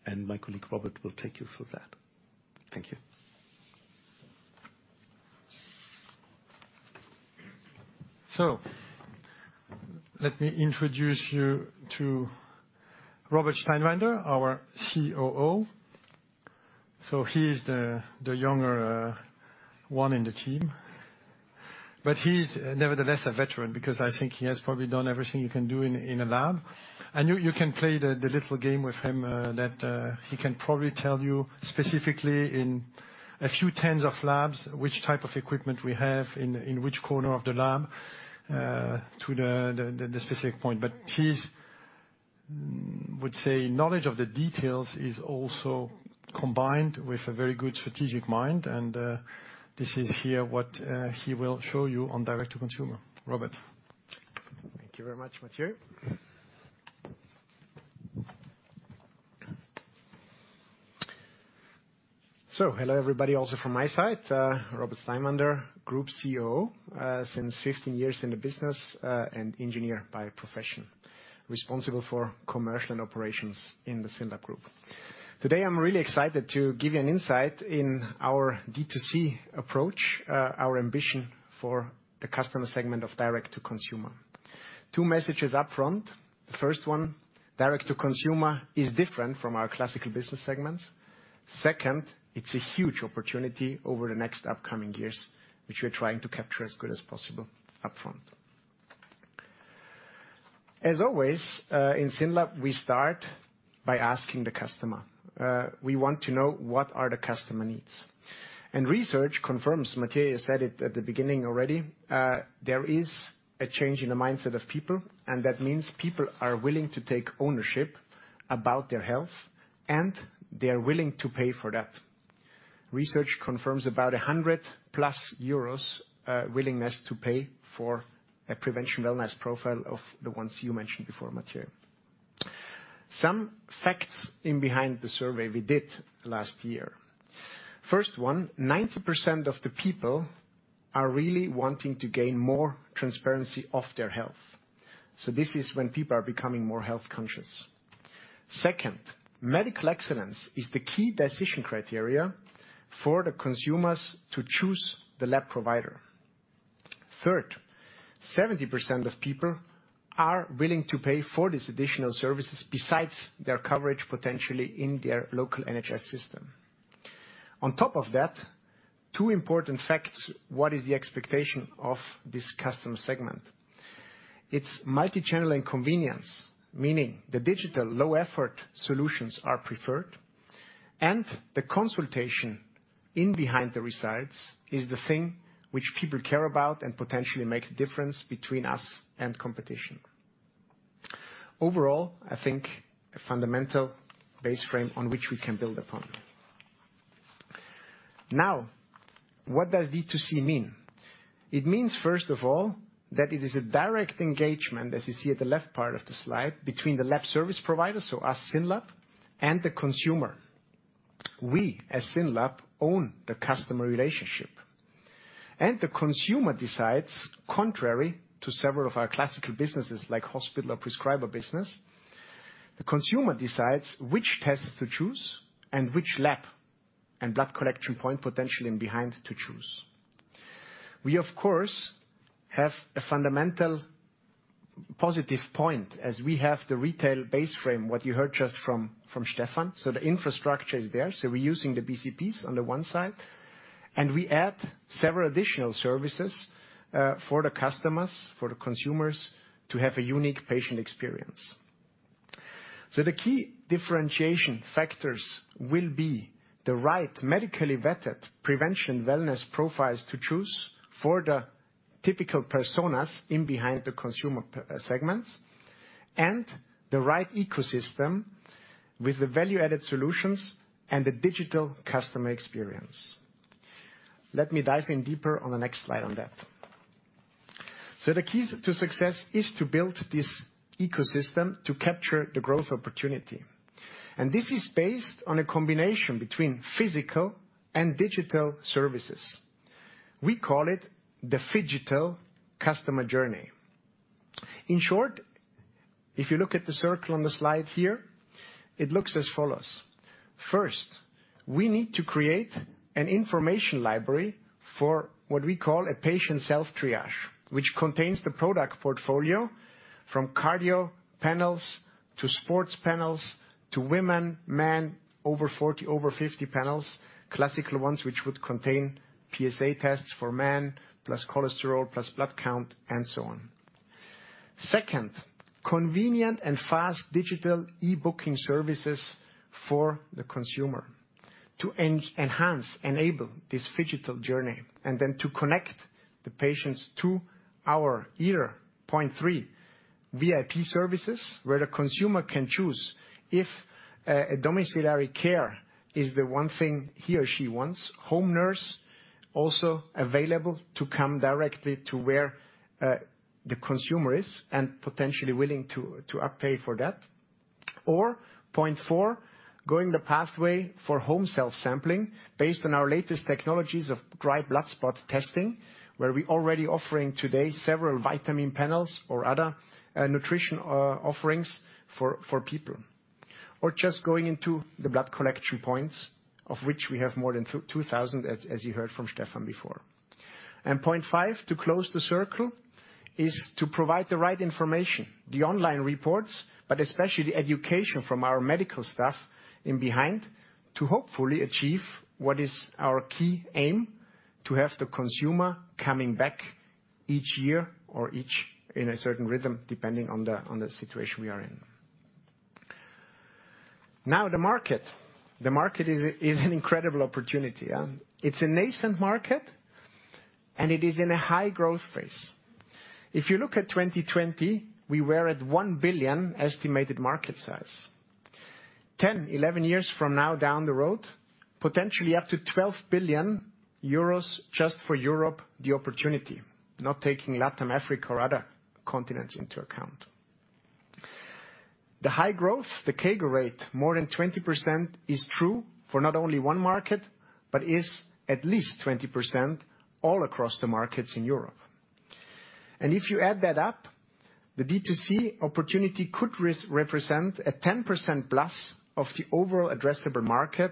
C: and my colleague, Robert, will take you through that. Thank you.
B: Let me introduce you to Robert Steinwander, our COO. He's the younger one in the team, but he's nevertheless a veteran because I think he has probably done everything you can do in a lab. You can play the little game with him that he can probably tell you specifically in a few tens of labs which type of equipment we have in which corner of the lab to the specific point. But, I would say, his knowledge of the details is also combined with a very good strategic mind, and this is what he will show you on direct-to-consumer. Robert.
D: Thank you very much, Mathieu. Hello, everybody, also from my side. Robert Steinwander, Group COO, since 15 years in the business, and engineer by profession, responsible for commercial and operations in the SYNLAB group. Today, I'm really excited to give you an insight in our D2C approach, our ambition for the customer segment of direct-to-consumer. Two messages up front. The first one, direct-to-consumer is different from our classical business segments. Second, it's a huge opportunity over the next upcoming years, which we are trying to capture as good as possible up front. As always, in SYNLAB, we start by asking the customer, we want to know what are the customer needs. Research confirms, Mathieu said it at the beginning already, there is a change in the mindset of people, and that means people are willing to take ownership about their health, and they are willing to pay for that. Research confirms about 100+ euros willingness to pay for a prevention wellness profile of the ones you mentioned before, Mathieu. Some facts behind the survey we did last year. First one, 90% of the people are really wanting to gain more transparency of their health. This is when people are becoming more health-conscious. Second, medical excellence is the key decision criteria for the consumers to choose the lab provider. Third, 70% of people are willing to pay for these additional services besides their coverage potentially in their local NHS system. On top of that, two important facts. What is the expectation of this customer segment? It's multi-channel and convenience, meaning the digital low-effort solutions are preferred, and the consultation behind the results is the thing which people care about and potentially make a difference between us and competition. Overall, I think a fundamental framework on which we can build upon. Now, what does D2C mean? It means, first of all, that it is a direct engagement, as you see at the left part of the slide, between the lab service provider, so us, SYNLAB, and the consumer. We, as SYNLAB, own the customer relationship. The consumer decides, contrary to several of our classical businesses like hospital or prescriber business, the consumer decides which tests to choose and which lab and blood collection point potentially in the end to choose. We, of course, have a fundamental positive point, as we have the retail base frame, what you heard just from Stephan. The infrastructure is there. We're using the BCPs on the one side, and we add several additional services for the customers, for the consumers, to have a unique patient experience. The key differentiation factors will be the right medically vetted prevention wellness profiles to choose for the typical personas in behind the consumer segments and the right ecosystem with the value-added solutions and the digital customer experience. Let me dive in deeper on the next slide on that. The key to success is to build this ecosystem to capture the growth opportunity, and this is based on a combination between physical and digital services. We call it the phygital customer journey. In short, if you look at the circle on the slide here, it looks as follows. First, we need to create an information library for what we call a patient self-triage, which contains the product portfolio from cardio panels to sports panels to women, men, over 40, over 50 panels, classical ones, which would contain PSA tests for men, plus cholesterol, plus blood count, and so on. Second, convenient and fast digital e-booking services for the consumer to enable this phygital journey and then to connect the patients to our year point three VIP services where the consumer can choose if a domiciliary care is the one thing he or she wants. Home nurse also available to come directly to where the consumer is and potentially willing to pay for that. Point four, going the pathway for home self-sampling based on our latest technologies of dried blood spot testing, where we're already offering today several vitamin panels or other nutrition offerings for people. Just going into the blood collection points, of which we have more than 2,000, as you heard from Stephan before. Point five, to close the circle, is to provide the right information, the online reports, but especially the education from our medical staff in behind to hopefully achieve what is our key aim, to have the consumer coming back each year or each in a certain rhythm, depending on the situation we are in. The market is an incredible opportunity. It's a nascent market, and it is in a high-growth phase. If you look at 2020, we were at 1 billion estimated market size. Ten, eleven years from now down the road, potentially up to 12 billion euros just for Europe, the opportunity. Not taking LATAM, Africa or other continents into account. The high growth, the CAGR rate, more than 20% is true for not only one market, but is at least 20% all across the markets in Europe. If you add that up, the D2C opportunity could represent a 10% plus of the overall addressable market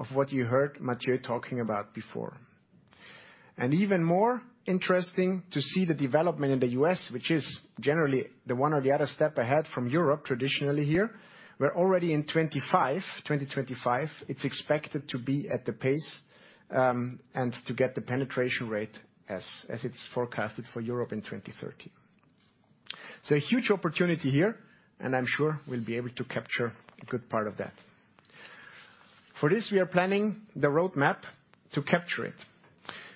D: of what you heard Mathieu talking about before. Even more interesting to see the development in the U.S., which is generally the one or the other step ahead from Europe traditionally here, where already in 2025, it's expected to be at the pace, and to get the penetration rate as it's forecasted for Europe in 2030. A huge opportunity here, and I'm sure we'll be able to capture a good part of that. For this, we are planning the roadmap to capture it.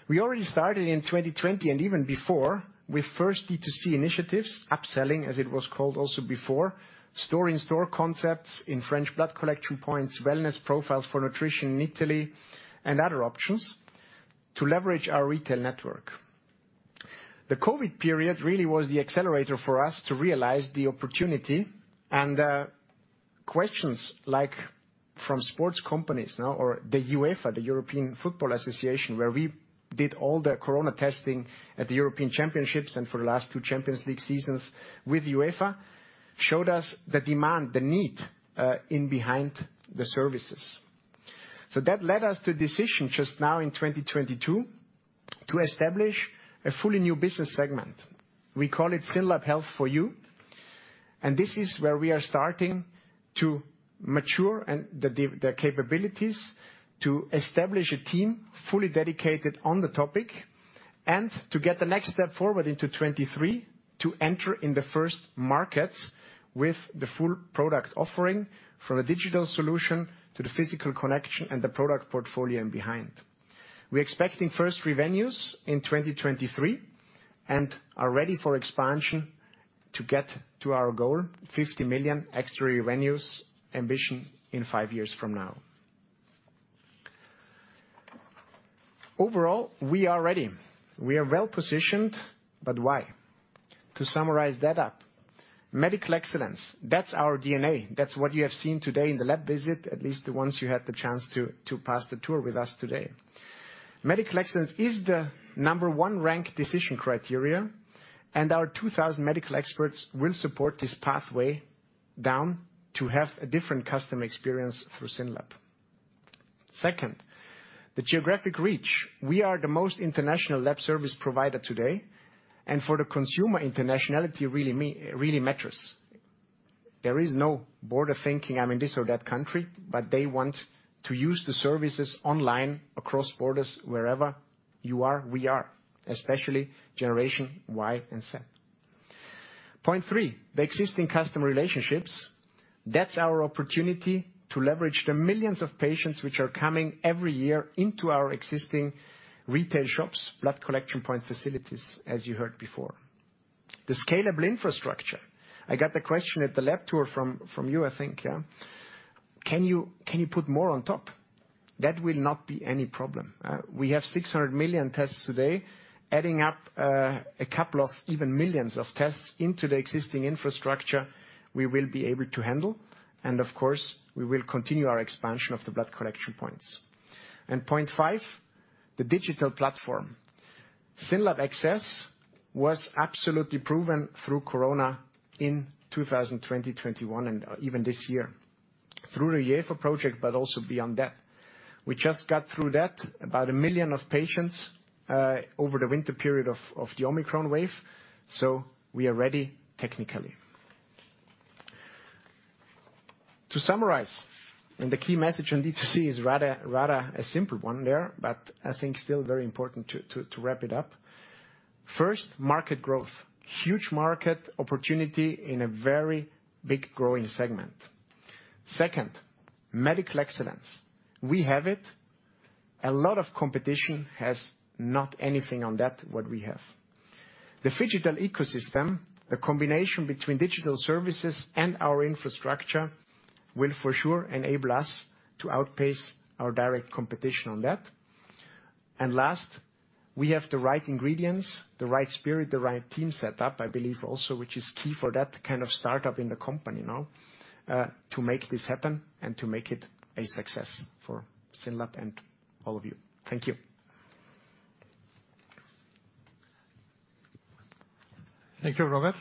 D: We already started in 2020 and even before with first D2C initiatives, upselling, as it was called also before, store-in-store concepts in French blood collection points, wellness profiles for nutrition in Italy and other options to leverage our retail network. The COVID period really was the accelerator for us to realize the opportunity and, questions like from sports companies now or the UEFA, the Union of European Football Associations, where we did all the corona testing at the European Championships and for the last two Champions League seasons with UEFA, showed us the demand, the need, in behind the services. That led us to decision just now in 2022 to establish a fully new business segment. We call it SYNLAB Health for You, and this is where we are starting to mature and the capabilities to establish a team fully dedicated on the topic and to get the next step forward into 2023 to enter in the first markets with the full product offering from a digital solution to the physical connection and the product portfolio in behind. We're expecting first revenues in 2023 and are ready for expansion. To get to our goal, 50 million extra revenues ambition in five years from now. Overall, we are ready. We are well-positioned, but why? To summarize that up, medical excellence, that's our DNA. That's what you have seen today in the lab visit, at least the ones you had the chance to pass the tour with us today. Medical excellence is the number one ranked decision criteria, and our 2,000 medical experts will support this pathway down to have a different customer experience through SYNLAB. Second, the geographic reach. We are the most international lab service provider today, and for the consumer, internationality really matters. There is no border thinking, I'm in this or that country, but they want to use the services online across borders. Wherever you are, we are, especially generation Y and Z. Point three, the existing customer relationships. That's our opportunity to leverage the millions of patients which are coming every year into our existing retail shops, blood collection point facilities, as you heard before. The scalable infrastructure. I got a question at the lab tour from you, I think, yeah. Can you put more on top? That will not be any problem. We have 600 million tests today. Adding up, a couple of even millions of tests into the existing infrastructure we will be able to handle. Of course, we will continue our expansion of the blood collection points. Point five, the digital platform. SYNLAB Access was absolutely proven through Corona in 2020-2021 and even this year through the EU project, but also beyond that. We just got through that, about 1 million patients over the winter period of the Omicron wave, so we are ready technically. To summarize, the key message on D2C is rather a simple one there, but I think still very important to wrap it up. First, market growth. Huge market opportunity in a very big growing segment. Second, medical excellence. We have it. A lot of competition has not anything on that what we have. The phygital ecosystem, the combination between digital services and our infrastructure will for sure enable us to outpace our direct competition on that. Last, we have the right ingredients, the right spirit, the right team set up, I believe also, which is key for that kind of startup in the company now, to make this happen and to make it a success for SYNLAB and all of you. Thank you.
B: Thank you, Robert.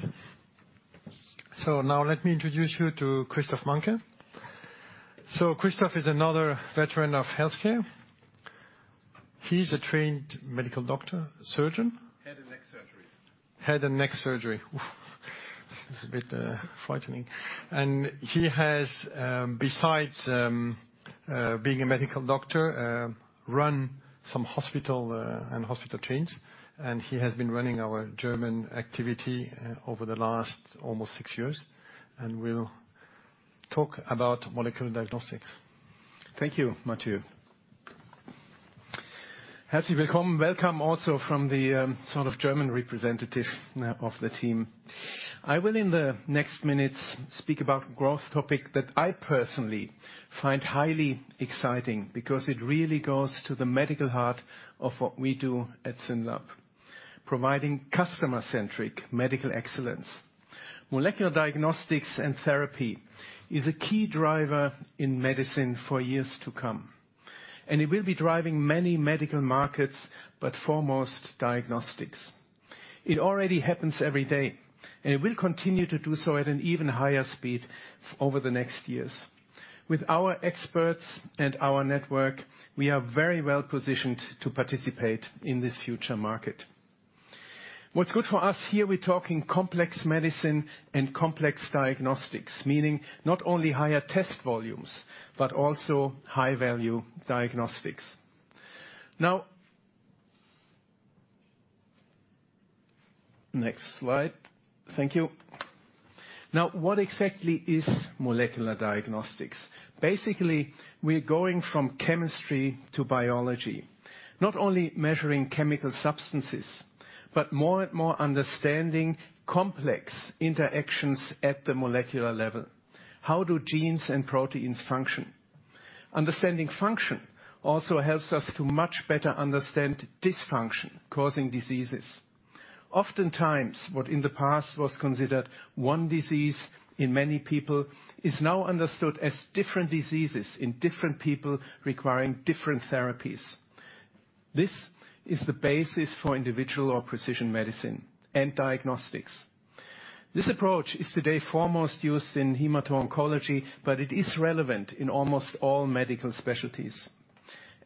B: Now let me introduce you to Christoph Mahnke. Christoph is another veteran of healthcare. He's a trained medical doctor, surgeon.
E: Head and neck surgery.
B: Head and neck surgery. This is a bit frightening. He has, besides being a medical doctor, run some hospital and hospital chains, and he has been running our German activity over the last almost six years and will talk about molecular diagnostics.
E: Thank you, Mathieu. Hearty welcome. Welcome also from the sort of German representative of the team. I will in the next minutes speak about growth topic that I personally find highly exciting because it really goes to the medical heart of what we do at SYNLAB, providing customer-centric medical excellence. Molecular diagnostics and therapy is a key driver in medicine for years to come, and it will be driving many medical markets, but foremost diagnostics. It already happens every day, and it will continue to do so at an even higher speed over the next years. With our experts and our network, we are very well-positioned to participate in this future market. What's good for us here, we're talking complex medicine and complex diagnostics, meaning not only higher test volumes, but also high-value diagnostics. Now, next slide. Thank you. Now, what exactly is molecular diagnostics? Basically, we're going from Chemistry to Biology, not only measuring chemical substances, but more and more understanding complex interactions at the molecular level. How do genes and proteins function? Understanding function also helps us to much better understand dysfunction causing diseases. Oftentimes, what in the past was considered one disease in many people is now understood as different diseases in different people requiring different therapies. This is the basis for individual or precision medicine and diagnostics. This approach is today foremost used in hemato-oncology, but it is relevant in almost all medical specialties.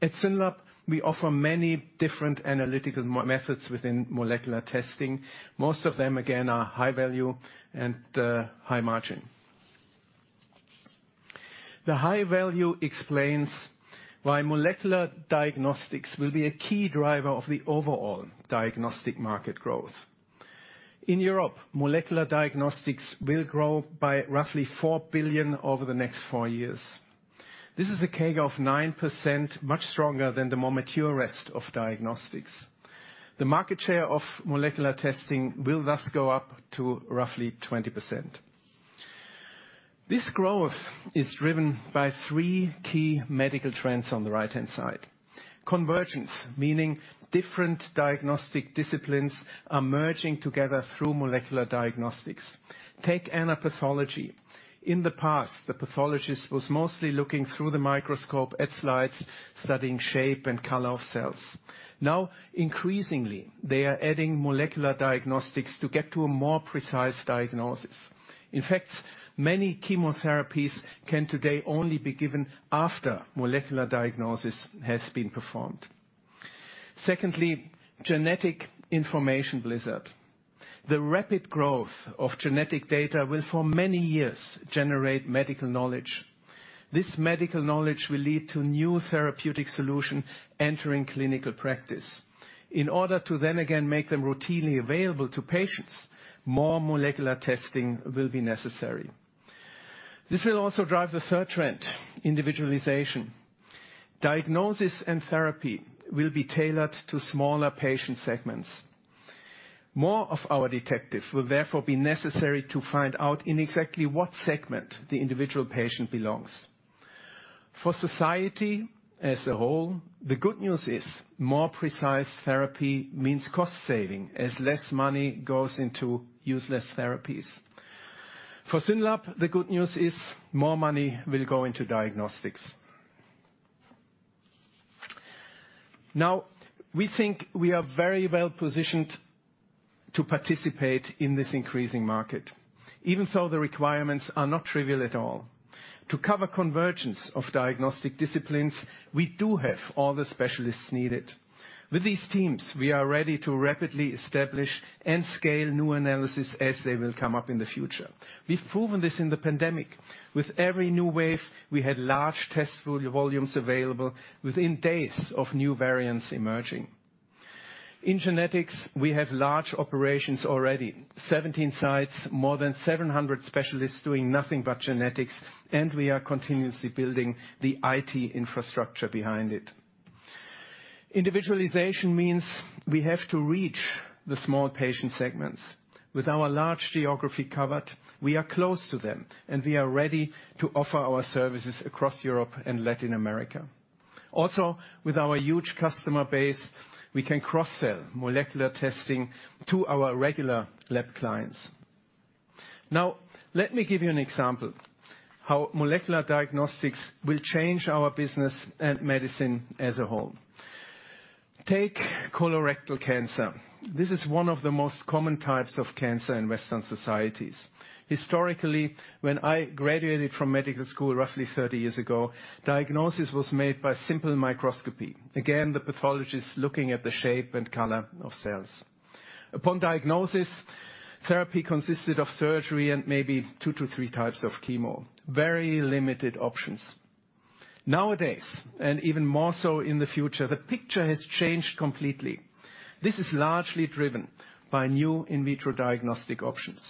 E: At SYNLAB, we offer many different analytical methods within molecular testing. Most of them, again, are high value and high margin. The high value explains why molecular diagnostics will be a key driver of the overall diagnostic market growth. In Europe, molecular diagnostics will grow by roughly 4 billion over the next four years. This is a CAGR of 9%, much stronger than the more mature rest of diagnostics. The market share of molecular testing will thus go up to roughly 20%. This growth is driven by three key medical trends on the right-hand side. Convergence, meaning different diagnostic disciplines are merging together through molecular diagnostics. Take anatomic pathology. In the past, the pathologist was mostly looking through the microscope at slides, studying shape and color of cells. Now, increasingly, they are adding molecular diagnostics to get to a more precise diagnosis. In fact, many chemotherapies can today only be given after molecular diagnosis has been performed. Secondly, genetic information blizzard. The rapid growth of genetic data will, for many years, generate medical knowledge. This medical knowledge will lead to new therapeutic solution entering clinical practice. In order to then again make them routinely available to patients, more molecular testing will be necessary. This will also drive the third trend, individualization. Diagnosis and therapy will be tailored to smaller patient segments. More of our diagnostics will therefore be necessary to find out in exactly what segment the individual patient belongs. For society as a whole, the good news is more precise therapy means cost saving, as less money goes into useless therapies. For SYNLAB, the good news is more money will go into diagnostics. Now, we think we are very well positioned to participate in this increasing market, even though the requirements are not trivial at all. To cover convergence of diagnostic disciplines, we do have all the specialists needed. With these teams, we are ready to rapidly establish and scale new analysis as they will come up in the future. We've proven this in the pandemic. With every new wave, we had large test volumes available within days of new variants emerging. In genetics, we have large operations already. 17 sites, more than 700 specialists doing nothing but genetics, and we are continuously building the IT infrastructure behind it. Individualization means we have to reach the small patient segments. With our large geography covered, we are close to them, and we are ready to offer our services across Europe and Latin America. Also, with our huge customer base, we can cross-sell molecular testing to our regular lab clients. Now, let me give you an example how molecular diagnostics will change our business and medicine as a whole. Take colorectal cancer. This is one of the most common types of cancer in Western societies. Historically, when I graduated from medical school roughly 30 years ago, diagnosis was made by simple microscopy. Again, the pathologist looking at the shape and color of cells. Upon diagnosis, therapy consisted of surgery and maybe two-three types of chemo. Very limited options. Nowadays, and even more so in the future, the picture has changed completely. This is largely driven by new in vitro diagnostic options.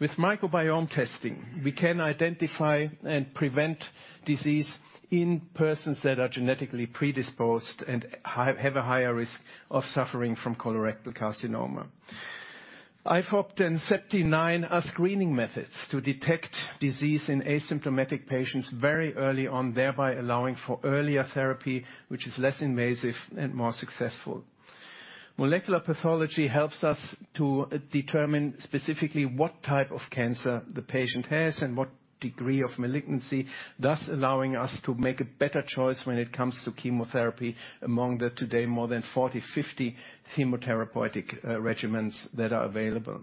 E: With microbiome testing, we can identify and prevent disease in persons that are genetically predisposed and have a higher risk of suffering from colorectal carcinoma. iFOBT, then Septin9, are screening methods to detect disease in asymptomatic patients very early on, thereby allowing for earlier therapy, which is less invasive and more successful. Molecular pathology helps us to determine specifically what type of cancer the patient has and what degree of malignancy, thus allowing us to make a better choice when it comes to chemotherapy among the today more than 40-50 chemotherapeutic regimens that are available.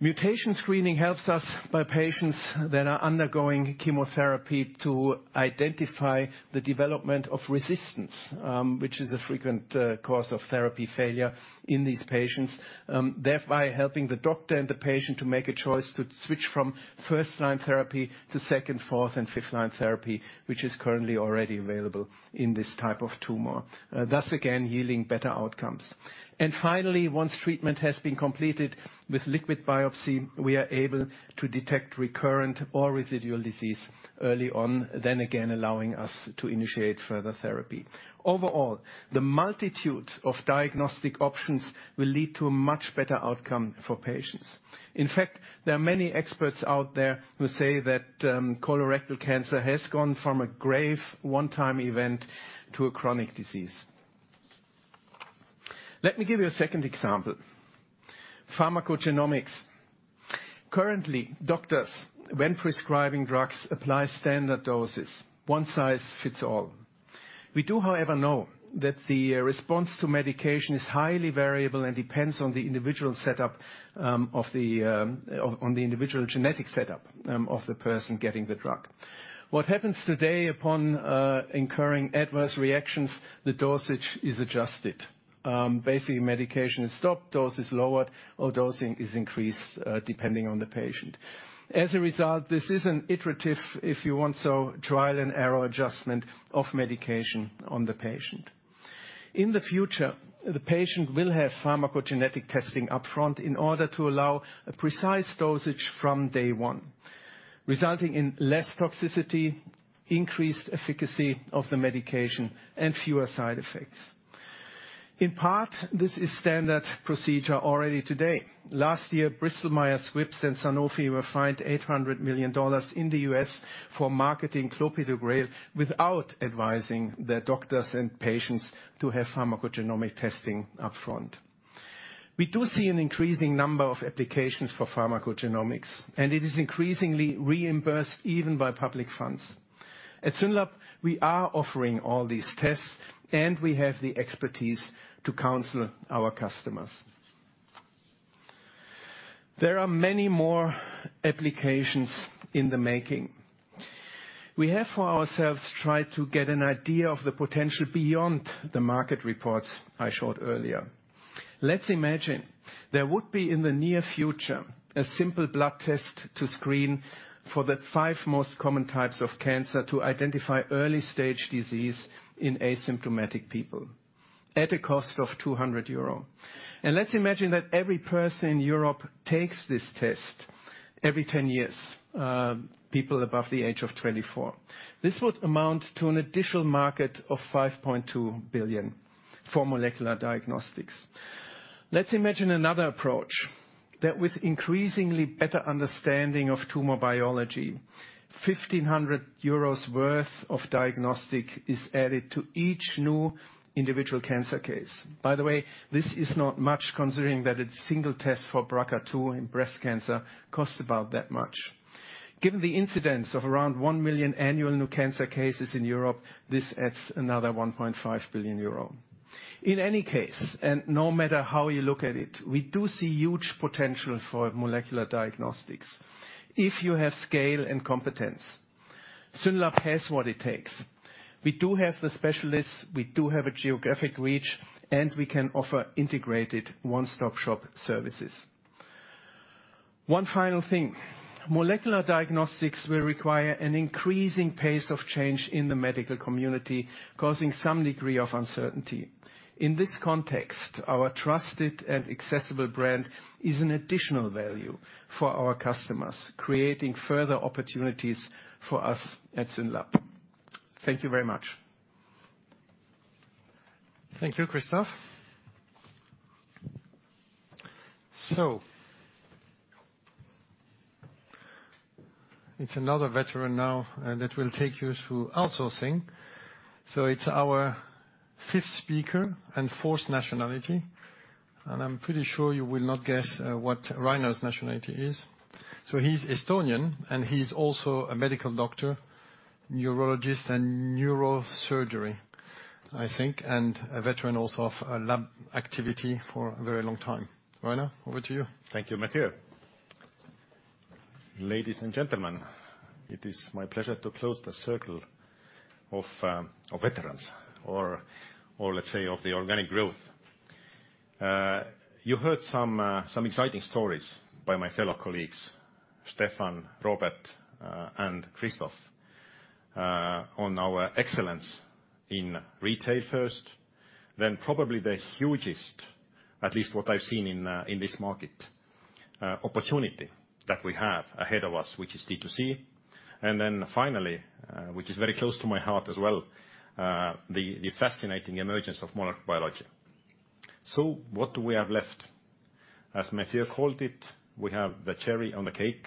E: Mutation screening helps us by patients that are undergoing chemotherapy to identify the development of resistance, which is a frequent cause of therapy failure in these patients, thereby helping the doctor and the patient to make a choice to switch from first-line therapy to second, fourth, and fifth-line therapy, which is currently already available in this type of tumor, thus again, yielding better outcomes. Finally, once treatment has been completed with liquid biopsy, we are able to detect recurrent or residual disease early on, then again, allowing us to initiate further therapy. Overall, the multitude of diagnostic options will lead to a much better outcome for patients. In fact, there are many experts out there who say that, colorectal cancer has gone from a grave one-time event to a chronic disease. Let me give you a second example. Pharmacogenomics. Currently, doctors, when prescribing drugs, apply standard doses. One size fits all. We do, however, know that the response to medication is highly variable and depends on the individual genetic setup of the person getting the drug. What happens today upon incurring adverse reactions, the dosage is adjusted. Basically, medication is stopped, dose is lowered, or dosing is increased, depending on the patient. As a result, this is an iterative, if you want so, trial-and-error adjustment of medication on the patient. In the future, the patient will have pharmacogenetic testing up front in order to allow a precise dosage from day one, resulting in less toxicity, increased efficacy of the medication, and fewer side effects. In part, this is standard procedure already today. Last year, Bristol Myers Squibb and Sanofi were fined $800 million in the US for marketing Clopidogrel without advising their doctors and patients to have pharmacogenomic testing up front. We do see an increasing number of applications for pharmacogenomics, and it is increasingly reimbursed even by public funds. At SYNLAB, we are offering all these tests, and we have the expertise to counsel our customers. There are many more applications in the making. We have, for ourselves, tried to get an idea of the potential beyond the market reports I showed earlier. Let's imagine there would be, in the near future, a simple blood test to screen for the five most common types of cancer to identify early-stage disease in asymptomatic people at a cost of 200 euro. Let's imagine that every person in Europe takes this test every 10 years, people above the age of 24. This would amount to an additional market of 5.2 billion for molecular diagnostics. Let's imagine another approach, that with increasingly better understanding of tumor biology, 1,500 euros worth of diagnostic is added to each new individual cancer case. By the way, this is not much considering that a single test for BRCA2 in breast cancer costs about that much. Given the incidence of around 1 million annual new cancer cases in Europe, this adds another 1.5 billion euro. In any case, and no matter how you look at it, we do see huge potential for molecular diagnostics if you have scale and competence. SYNLAB has what it takes. We do have the specialists, we do have a geographic reach, and we can offer integrated one-stop shop services. One final thing, molecular diagnostics will require an increasing pace of change in the medical community, causing some degree of uncertainty. In this context, our trusted and accessible brand is an additional value for our customers, creating further opportunities for us at SYNLAB. Thank you very much.
B: Thank you, Christoph. It's another veteran now that will take you through outsourcing. It's our fifth speaker and fourth nationality, and I'm pretty sure you will not guess what Rainar's nationality is. He's Estonian, and he's also a Medical Doctor, Neurologist in neurosurgery, I think, and a veteran also of lab activity for a very long time. Rainar, over to you.
F: Thank you, Mathieu. Ladies and gentlemen, it is my pleasure to close the circle of veterans or let's say of the organic growth. You heard some exciting stories by my fellow colleagues, Stephan, Robert, and Christoph, on our excellence in retail first, then probably the hugest, at least what I've seen in this market, opportunity that we have ahead of us, which is D2C. Then finally, which is very close to my heart as well, the fascinating emergence of molecular biology. What do we have left? As Mathieu called it, we have the cherry on the cake,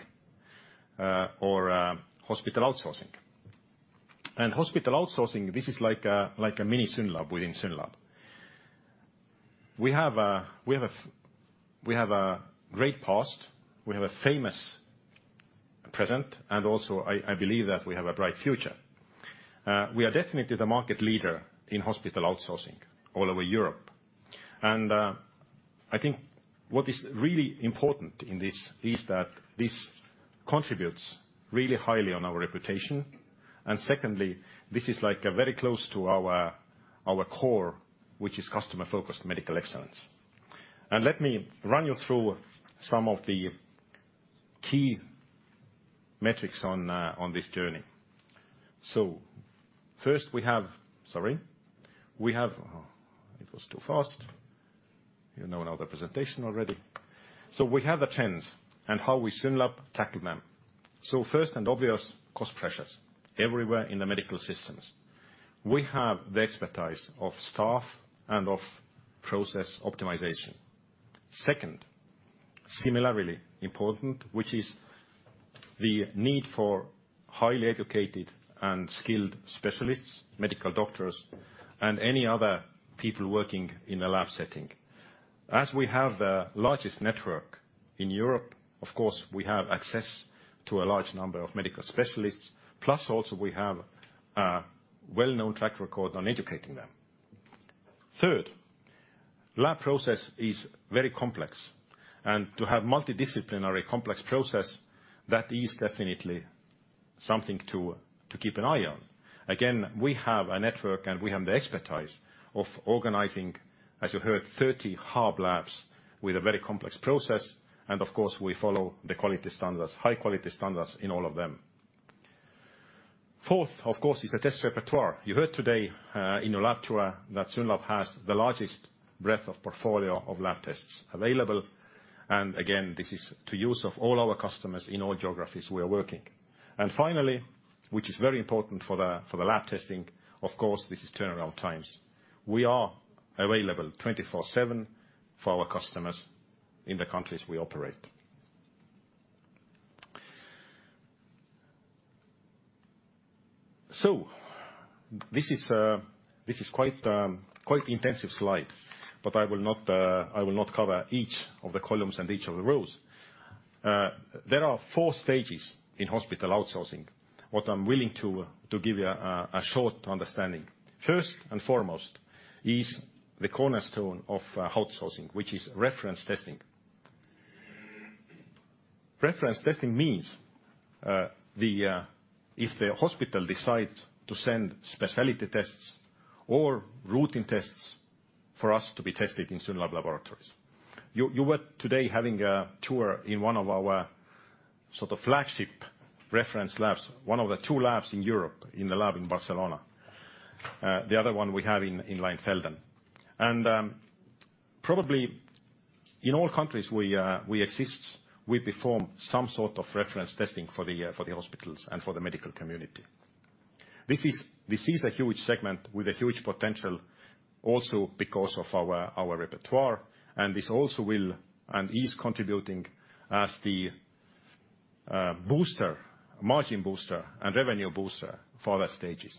F: or hospital outsourcing. Hospital outsourcing, this is like a mini SYNLAB within SYNLAB. We have a great past, we have a famous present, and also, I believe that we have a bright future. We are definitely the market leader in hospital outsourcing all over Europe. I think what is really important in this is that this contributes really highly on our reputation. Secondly, this is like very close to our core, which is customer-focused medical excellence. Let me run you through some of the key metrics on this journey. First we have the trends and how we SYNLAB tackle them. First and obvious, cost pressures everywhere in the medical systems. We have the expertise of staff and of process optimization. Second, similarly important, which is the need for highly educated and skilled specialists, medical doctors, and any other people working in a lab setting. As we have the largest network in Europe, of course, we have access to a large number of medical specialists, plus also we have a well-known track record on educating them. Third, lab process is very complex, and to have multidisciplinary complex process, that is definitely something to keep an eye on. Again, we have a network, and we have the expertise of organizing, as you heard, 30 hub labs with a very complex process, and of course, we follow the quality standards, high-quality standards in all of them. Fourth, of course, is the test repertoire. You heard today, in your lab tour that SYNLAB has the largest breadth of portfolio of lab tests available. This is the use of all our customers in all geographies we are working. Finally, which is very important for the lab testing, of course, this is turnaround times. We are available 24/7 for our customers in the countries we operate. This is quite intensive slide, but I will not cover each of the columns and each of the rows. There are four stages in hospital outsourcing. What I'm willing to give you a short understanding. First and foremost is the cornerstone of outsourcing, which is reference testing. Reference testing means the hospital decides to send specialty tests or routine tests for us to be tested in SYNLAB laboratories. You were today having a tour in one of our sort of flagship reference labs, one of the two labs in Europe, in the lab in Barcelona. The other one we have in Leinfelden. Probably in all countries we exist, we perform some sort of reference testing for the hospitals and for the medical community. This is a huge segment with a huge potential also because of our repertoire, and this also will and is contributing as the booster, margin booster and revenue booster for the stages.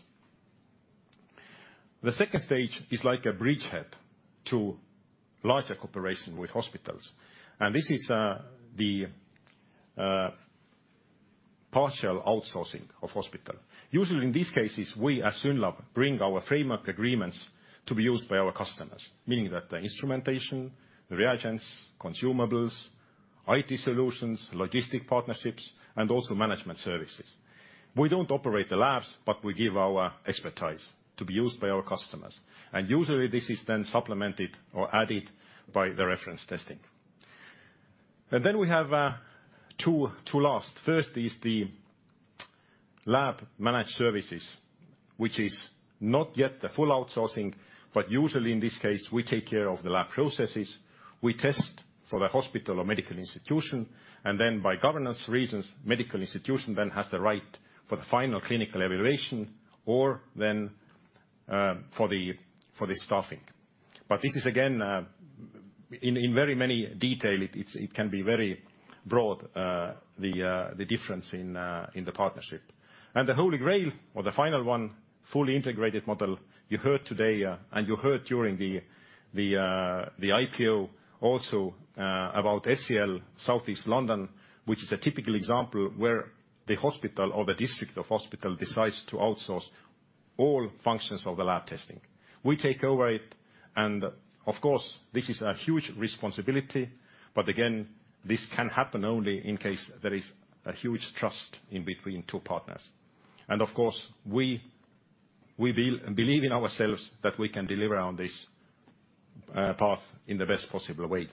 F: The second stage is like a bridgehead to larger cooperation with hospitals, and this is the partial outsourcing of hospital. Usually, in these cases, we as SYNLAB bring our framework agreements to be used by our customers, meaning that the instrumentation, the reagents, consumables, IT solutions, logistic partnerships, and also management services. We don't operate the labs, but we give our expertise to be used by our customers. Usually this is then supplemented or added by the reference testing. Then we have two last. First is the lab managed services, which is not yet the full outsourcing, but usually in this case we take care of the lab processes, we test for the hospital or medical institution, and then by governance reasons, medical institution then has the right for the final clinical evaluation or for the staffing. This is again in very many detail. It can be very broad, the difference in the partnership. The Holy Grail or the final one, fully integrated model you heard today, and you heard during the IPO also about SEL South East London, which is a typical example where the hospital or the district hospital decides to outsource all functions of the lab testing. We take over it and of course this is a huge responsibility, but again, this can happen only in case there is a huge trust between two partners. Of course, we believe in ourselves that we can deliver on this path in the best possible way.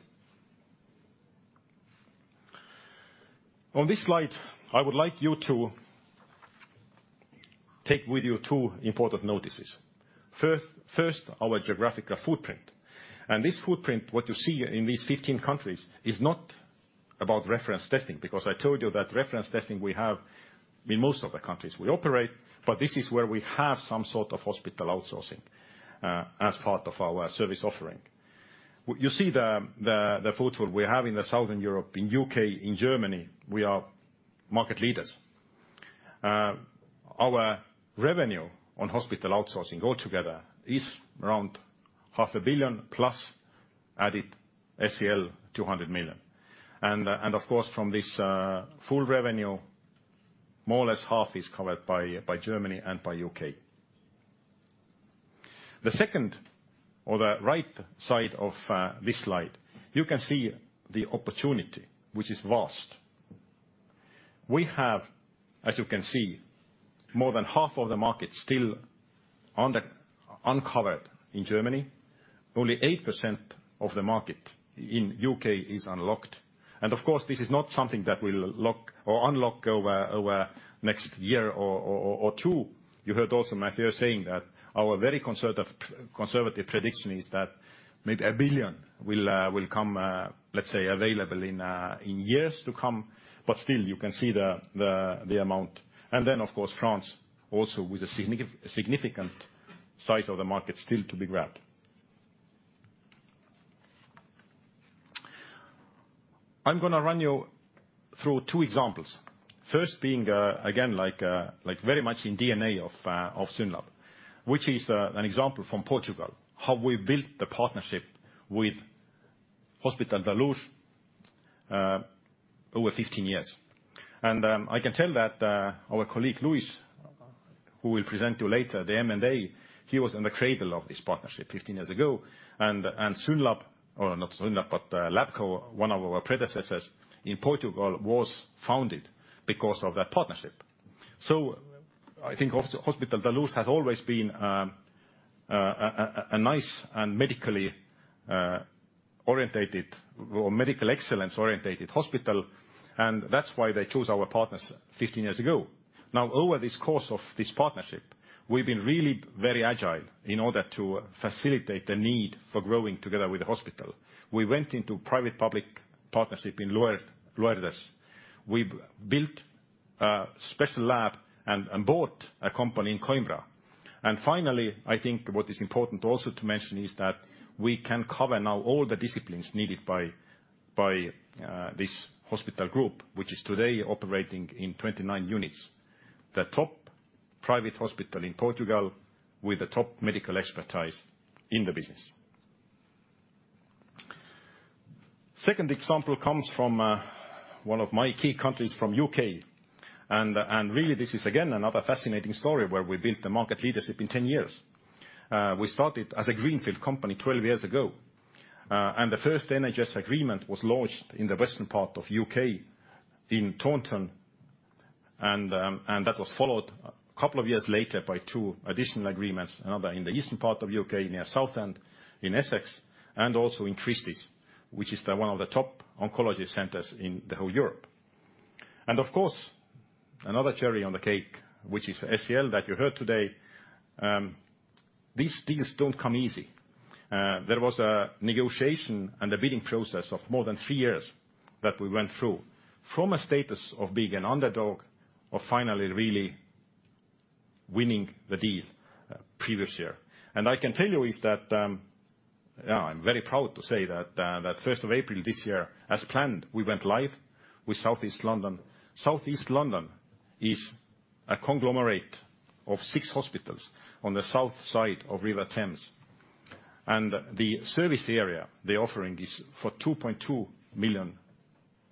F: On this slide, I would like you to take with you two important notices. First, our geographical footprint. This footprint, what you see in these 15 countries, is not about reference testing because I told you that reference testing we have in most of the countries we operate, but this is where we have some sort of hospital outsourcing as part of our service offering. You see the footprint we have in southern Europe, in U.K., in Germany, we are market leaders. Our revenue on hospital outsourcing altogether is around half a billion EUR plus added SEL 200 million EUR. And of course from this full revenue, more or less half is covered by Germany and by U.K. The second or the right side of this slide, you can see the opportunity, which is vast. We have, as you can see, more than half of the market still uncovered in Germany. Only 8% of the market in U.K. is unlocked. Of course, this is not something that will lock or unlock over next year or two. You heard also Mathieu saying that our very conservative prediction is that maybe 1 billion will come, let's say, available in years to come, but still you can see the amount. Of course France also with a significant size of the market still to be grabbed. I'm gonna run you through two examples. First being, again, like very much in DNA of SYNLAB, which is an example from Portugal, how we built the partnership with Hospital da Luz over 15 years. I can tell that our colleague Luis, who will present to you later the M&A, he was in the cradle of this partnership 15 years ago. SYNLAB, or not SYNLAB, but Labco, one of our predecessors in Portugal was founded because of that partnership. I think Hospital da Luz has always been a nice and medically orientated or medical excellence orientated hospital, and that's why they chose our partners 15 years ago. Now, over this course of this partnership, we've been really very agile in order to facilitate the need for growing together with the hospital. We went into private-public partnership in Loures. We built a special lab and bought a company in Coimbra. Finally, I think what is important also to mention is that we can cover now all the disciplines needed by this hospital group, which is today operating in 29 units. The top private hospital in Portugal with a top medical expertise in the business. Second example comes from one of my key countries, from U.K. Really this is again another fascinating story where we built the market leadership in 10 years. We started as a greenfield company 12 years ago, and the first NHS agreement was launched in the western part of U.K. in Taunton and that was followed a couple of years later by two. Additional agreements, another in the eastern part of U.K., near Southend in Essex, and also in Christie, which is one of the top oncology centers in the whole Europe. Of course, another cherry on the cake, which is SEL that you heard today, these deals don't come easy. There was a negotiation and a bidding process of more than three years that we went through. From a status of being an underdog or finally really winning the deal, previous year. I can tell you is that, yeah, I'm very proud to say that first of April this year, as planned, we went live with Southeast London. Southeast London is a conglomerate of six hospitals on the south side of River Thames. The service area, the offering is for 2.2 million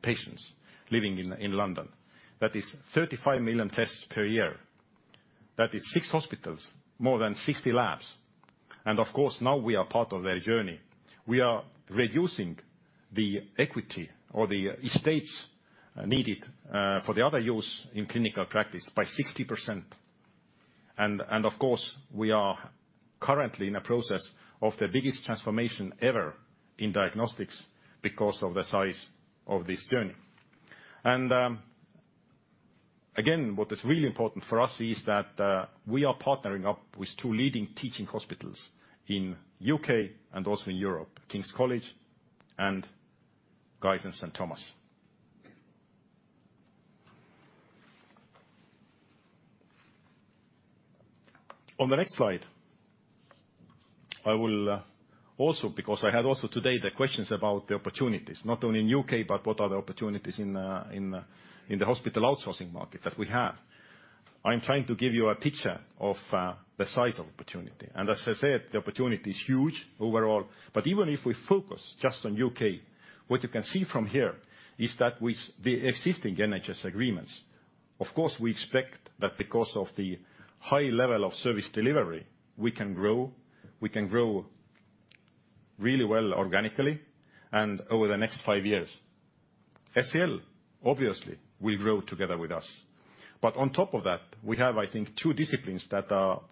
F: patients living in London. That is 35 million tests per year. That is six hospitals, more than 60 labs. Of course, now we are part of their journey. We are reducing the equity or the estates needed for the other use in clinical practice by 60%. Of course, we are currently in a process of the biggest transformation ever in diagnostics because of the size of this journey. Again, what is really important for us is that we are partnering up with two leading teaching hospitals in U.K. and also in Europe, King's College and Guy's and St Thomas. On the next slide, I will also, because I had also today the questions about the opportunities, not only in U.K., but what are the opportunities in the hospital outsourcing market that we have. I'm trying to give you a picture of the size of opportunity. As I said, the opportunity is huge overall. Even if we focus just on U.K., what you can see from here is that with the existing NHS agreements, of course, we expect that because of the high level of service delivery, we can grow. We can grow really well organically and over the next five years. SEL, obviously, will grow together with us. On top of that, we have, I think, two disciplines that are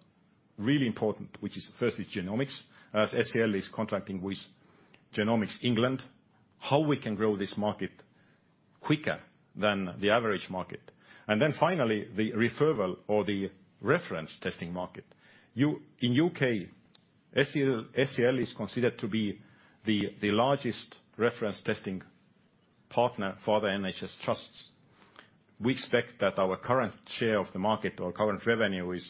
F: really important, which is firstly genomics, as SEL is contracting with Genomics England, how we can grow this market quicker than the average market. Then finally, the referral or the reference testing market. In U.K., SEL is considered to be the largest reference testing partner for the NHS trusts. We expect that our current share of the market or current revenue is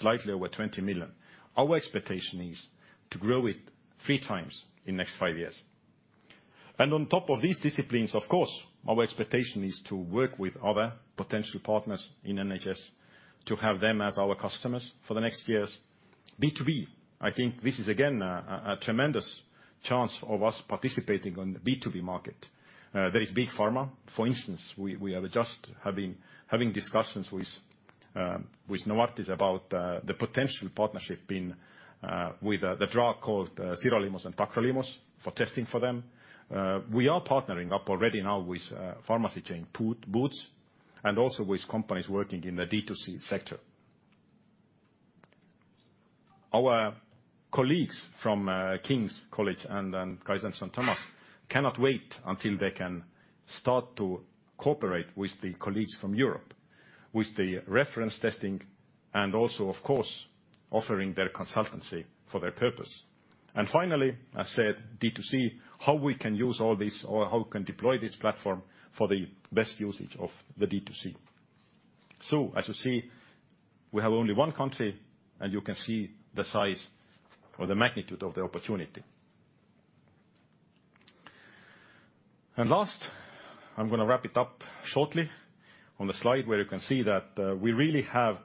F: slightly over 20 million. Our expectation is to grow it three times in next five years. On top of these disciplines, of course, our expectation is to work with other potential partners in NHS to have them as our customers for the next years. B2B, I think this is again a tremendous chance of us participating on the B2B market. There is Big Pharma. For instance, we are just having discussions with Novartis about the potential partnership with the drug called sirolimus and tacrolimus for testing for them. We are partnering up already now with pharmacy chain Boots, and also with companies working in the D2C sector. Our colleagues from King's College and Guy's and St Thomas cannot wait until they can start to cooperate with the colleagues from Europe with the reference testing and also, of course, offering their consultancy for their purpose. Finally, I said D2C, how we can use all this or how we can deploy this platform for the best usage of the D2C. As you see, we have only one country, and you can see the size or the magnitude of the opportunity. Last, I'm going to wrap it up shortly on the slide where you can see that we really have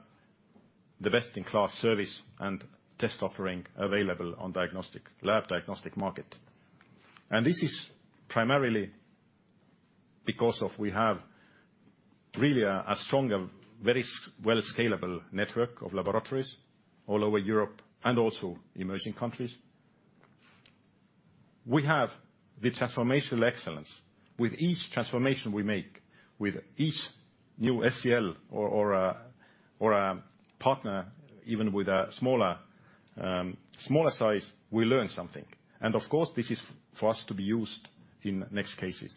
F: the best-in-class service and test offering available on the diagnostic lab diagnostic market. This is primarily because we have really a strong and very well scalable network of laboratories all over Europe and also emerging countries. We have the transformational excellence. With each transformation we make, with each new SEL or a partner, even with a smaller size, we learn something. Of course, this is for us to be used in next cases.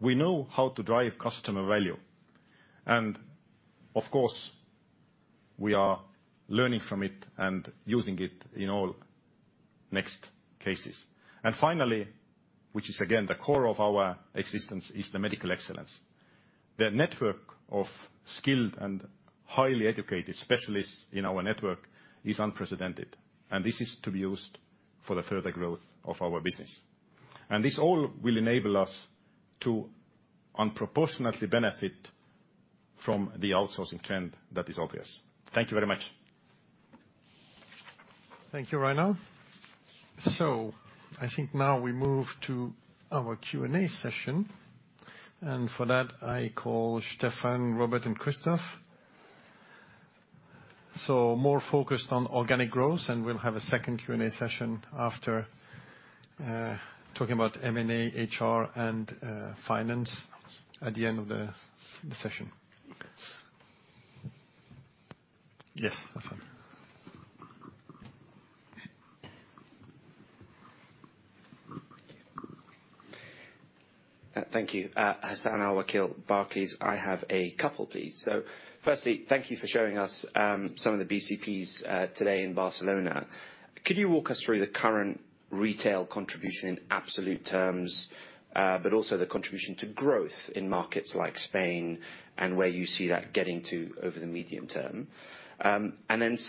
F: We know how to drive customer value, and of course, we are learning from it and using it in all next cases. Finally, which is again the core of our existence, is the medical excellence. The network of skilled and highly educated specialists in our network is unprecedented, and this is to be used for the further growth of our business. This all will enable us to unproportionately benefit from the outsourcing trend that is obvious. Thank you very much.
B: Thank you, Rainar. I think now we move to our Q&A session, and for that I call Stephan, Robert, and Christoph. More focused on organic growth, and we'll have a second Q&A session after talking about M&A, HR, and finance at the end of the session. Yes, Hassan.
G: Thank you. Hassan Al-Wakeel, Barclays. I have a couple, please. Firstly, thank you for showing us some of the BCPs today in Barcelona. Could you walk us through the current retail contribution in absolute terms, but also the contribution to growth in markets like Spain and where you see that getting to over the medium term?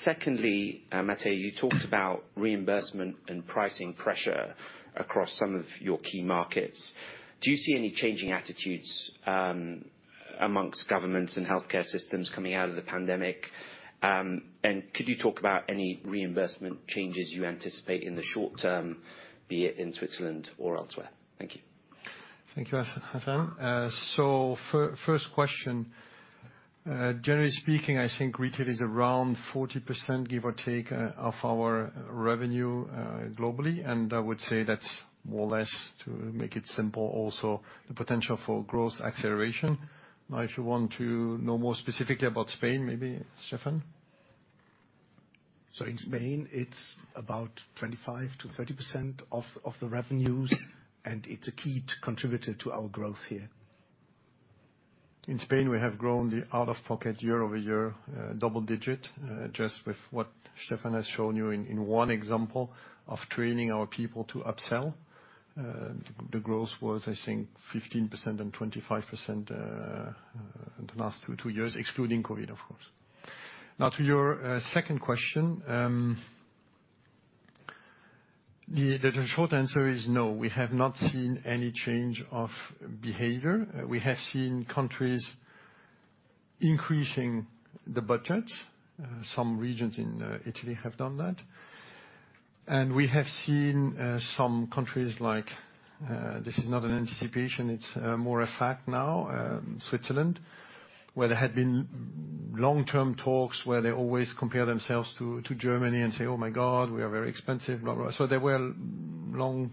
G: Secondly, Mathieu, you talked about reimbursement and pricing pressure across some of your key markets. Do you see any changing attitudes among governments and healthcare systems coming out of the pandemic? Could you talk about any reimbursement changes you anticipate in the short term, be it in Switzerland or elsewhere? Thank you.
B: Thank you, Hassan. First question. Generally speaking, I think retail is around 40%, give or take, of our revenue, globally, and I would say that's more or less to make it simple, also the potential for growth acceleration. Now, if you want to know more specifically about Spain, maybe Stephan.
C: In Spain, it's about 25%-30% of the revenues, and it's a key contributor to our growth here.
B: In Spain, we have grown the out-of-pocket year-over-year, double digit, just with what Stephan has shown you in one example of training our people to upsell. The growth was, I think, 15% and 25%, the last two years, excluding COVID, of course. Now to your second question, the short answer is no. We have not seen any change of behavior. We have seen countries increasing the budget. Some regions in Italy have done that. We have seen some countries like, this is not an anticipation, it's more a fact now, Switzerland, where there had been long-term talks where they always compare themselves to Germany and say, "Oh my God, we are very expensive," blah, blah. There were long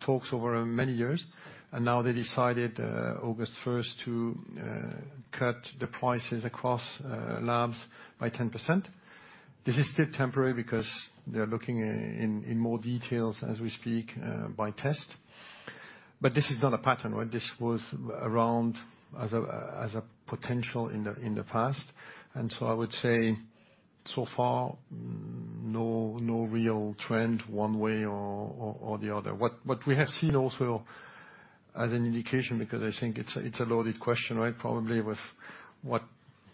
B: talks over many years, and now they decided August first to cut the prices across labs by 10%. This is still temporary because they're looking into more details as we speak by test. This is not a pattern, right? This was around as a potential in the past. I would say so far no real trend one way or the other. What we have seen also as an indication, because I think it's a loaded question, right? Probably with what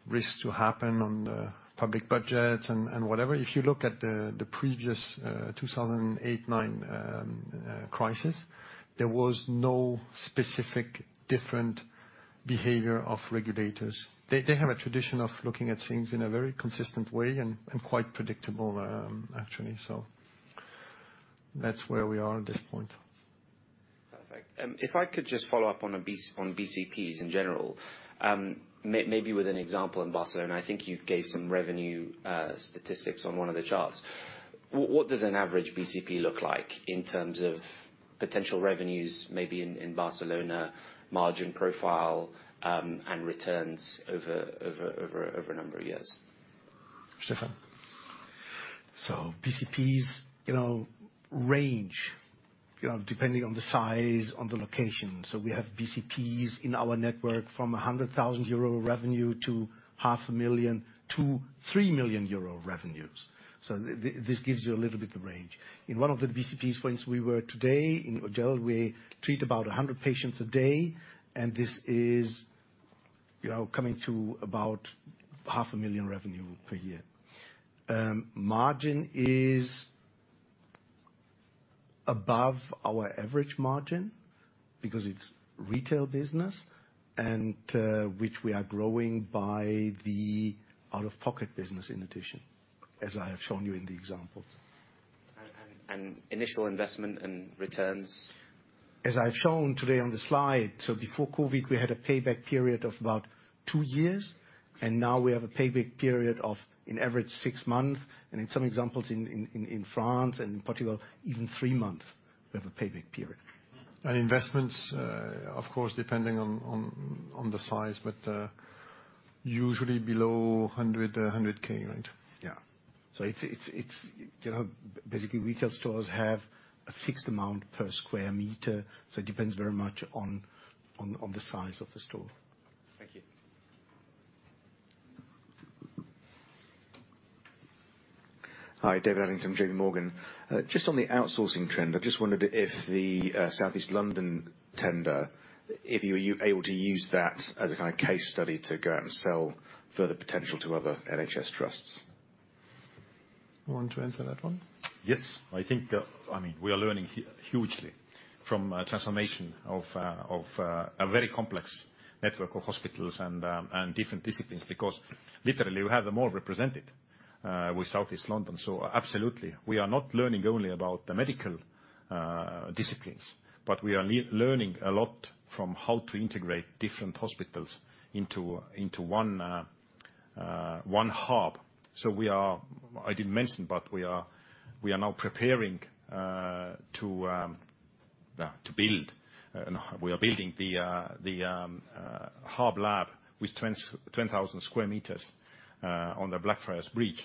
B: risks to happen on the public budget and whatever. If you look at the previous 2008-2009 crisis, there was no specific different behavior of regulators. They have a tradition of looking at things in a very consistent way and quite predictable, actually. That's where we are at this point.
G: Perfect. If I could just follow up on BCPs in general, maybe with an example in Barcelona. I think you gave some revenue statistics on one of the charts. What does an average BCP look like in terms of potential revenues maybe in Barcelona, margin profile, and returns over a number of years?
B: Stephan?
C: BCPs, you know, range, you know, depending on the size, on the location. We have BCPs in our network from 100,000 euro revenue to half a million to 3 million euro revenues. This gives you a little bit of range. In one of the BCPs, for instance, we were today in Odell, we treat about 100 patients a day, and this is, you know, coming to about half a million EUR revenue per year. Margin is above our average margin because it's retail business and, which we are growing by the out-of-pocket business in addition, as I have shown you in the examples.
G: Initial investment and returns?
F: As I've shown today on the slide, before COVID, we had a payback period of about two years, and now we have a payback period of, on average, six months, and in some examples in France and Portugal, even three months we have a payback period.
B: Investments, of course, depending on the size, but usually below 100,000, right?
F: Yeah. It's you know, basically, retail stores have a fixed amount per square meter, so it depends very much on the size of the store.
H: Thank you.
I: Hi. David Adlington, JPMorgan. Just on the outsourcing trend, I just wondered if the Southeast London tender, if you were able to use that as a kind of case study to go out and sell further potential to other NHS trusts?
B: You want to answer that one?
F: Yes. I think, I mean, we are learning hugely from a transformation of a very complex network of hospitals and different disciplines because literally we have them all represented with Southeast London. Absolutely. We are not learning only about the medical disciplines, but we are learning a lot from how to integrate different hospitals into one hub. I didn't mention, but we are now preparing to build. We are building the hub lab with 20,000 square meters on the Blackfriars Bridge.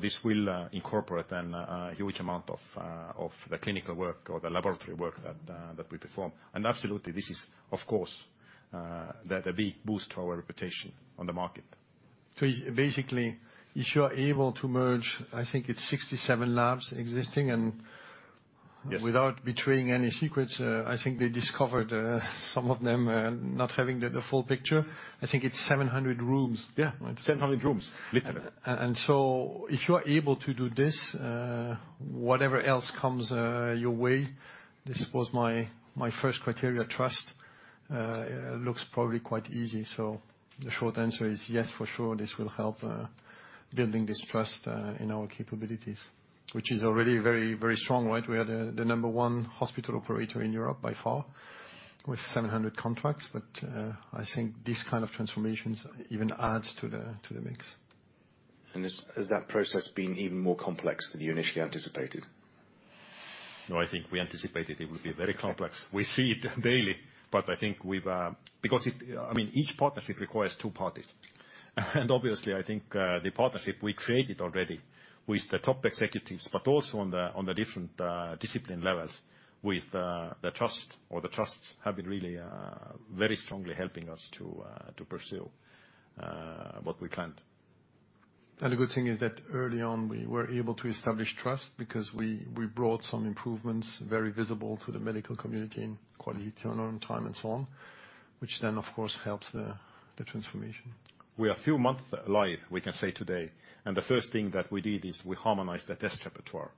F: This will incorporate then a huge amount of the clinical work or the laboratory work that we perform. Absolutely, this is, of course, that's a big boost to our reputation on the market.
B: Basically, if you are able to merge, I think it's 67 labs existing and-
F: Yes.
B: Without betraying any secrets, I think they discovered some of them not having the full picture. I think it's 700 rooms.
F: Yeah. 700 rooms, literally.
B: If you are able to do this, whatever else comes your way, this was my first criteria trust, looks probably quite easy. The short answer is yes, for sure, this will help building this trust in our capabilities, which is already very, very strong, right? We are the number one hospital operator in Europe by far with 700 contracts. I think this kind of transformations even adds to the mix.
I: Has that process been even more complex than you initially anticipated?
F: No, I think we anticipated it would be very complex. We see it daily, but I think we've I mean, each partnership requires two parties. Obviously, I think, the partnership we created already with the top executives, but also on the different discipline levels with the trust or the trusts have been really very strongly helping us to pursue what we planned.
B: The good thing is that early on, we were able to establish trust because we brought some improvements very visible to the medical community in quality, turnaround time, and so on, which then, of course, helps the transformation.
F: We are a few months live, we can say today, and the first thing that we did is we harmonized the test repertoire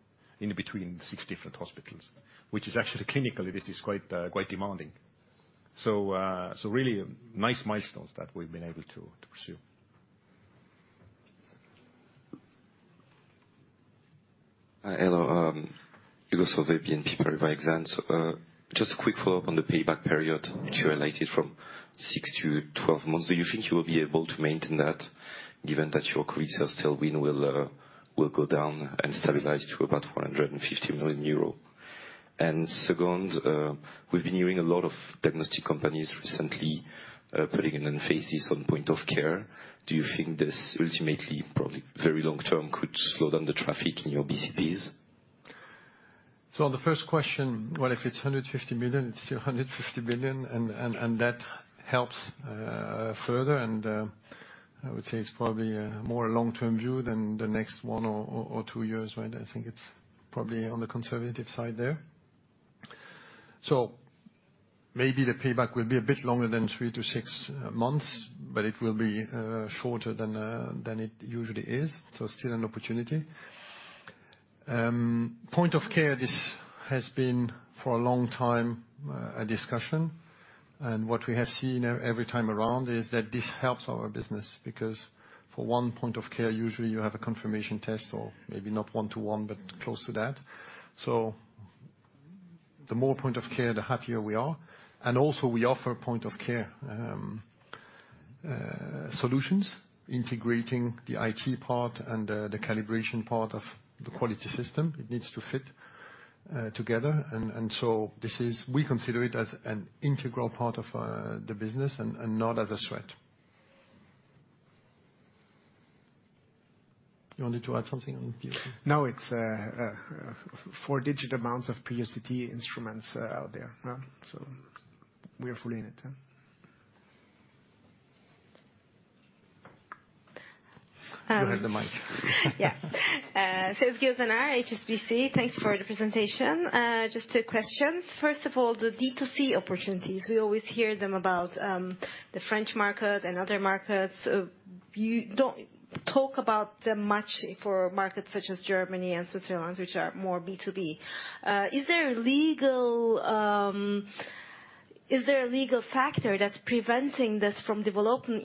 F: between six different hospitals, which is actually clinically quite demanding. Really nice milestones that we've been able to pursue.
J: Hi. Hello. Hugo Solvet, BNP Paribas Exane. Just a quick follow-up on the payback period, which you reduced from six to 12 months. Do you think you will be able to maintain that given that your COVID sales tailwind will go down and stabilize to about 450 million euro? Second, we've been hearing a lot of diagnostic companies recently putting an emphasis on point of care. Do you think this ultimately, probably very long-term, could slow down the traffic in your BCPs?
B: On the first question, well, if it's 150 million, it's still 150 billion, and that helps further. I would say it's probably a more long-term view than the next one or two years, right? I think it's probably on the conservative side there. Maybe the payback will be a bit longer than three-six months, but it will be shorter than it usually is, still an opportunity. Point of care, this has been, for a long time, a discussion. What we have seen every time around is that this helps our business because for one point of care, usually you have a confirmation test or maybe not one-to-one, but close to that. The more point of care, the happier we are. Also we offer point of care solutions integrating the IT part and the calibration part of the quality system. It needs to fit together. We consider it as an integral part of the business and not as a threat. You wanted to add something on POC?
F: No, it's four-digit amounts of POCT instruments out there. We are fully in it, huh?
B: You have the mic.
H: Yeah. Sezgi Ozener, HSBC. Thanks for the presentation. Just two questions. First of all, the D2C opportunities, we always hear them about, the French market and other markets. You don't talk about them much for markets such as Germany and Switzerland, which are more B2B. Is there a legal factor that's preventing this from developing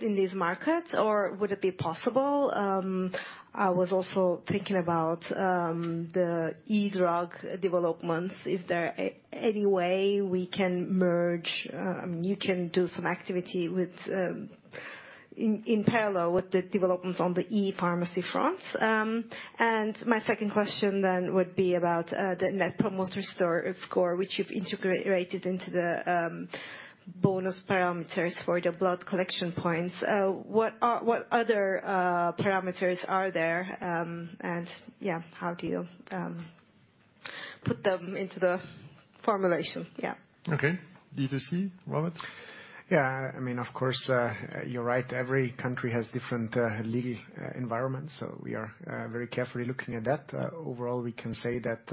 H: in these markets, or would it be possible? I was also thinking about, the e-drug developments. Is there any way we can merge, you can do some activity with, in parallel with the developments on the ePharmacy front? My second question would be about, the net promoter score which you've integrated into the, bonus parameters for the blood collection points. What other parameters are there, and how do you put them into the formulation?
B: Okay. D2C, Robert?
D: I mean, of course, you're right, every country has different legal environments, so we are very carefully looking at that. Overall, we can say that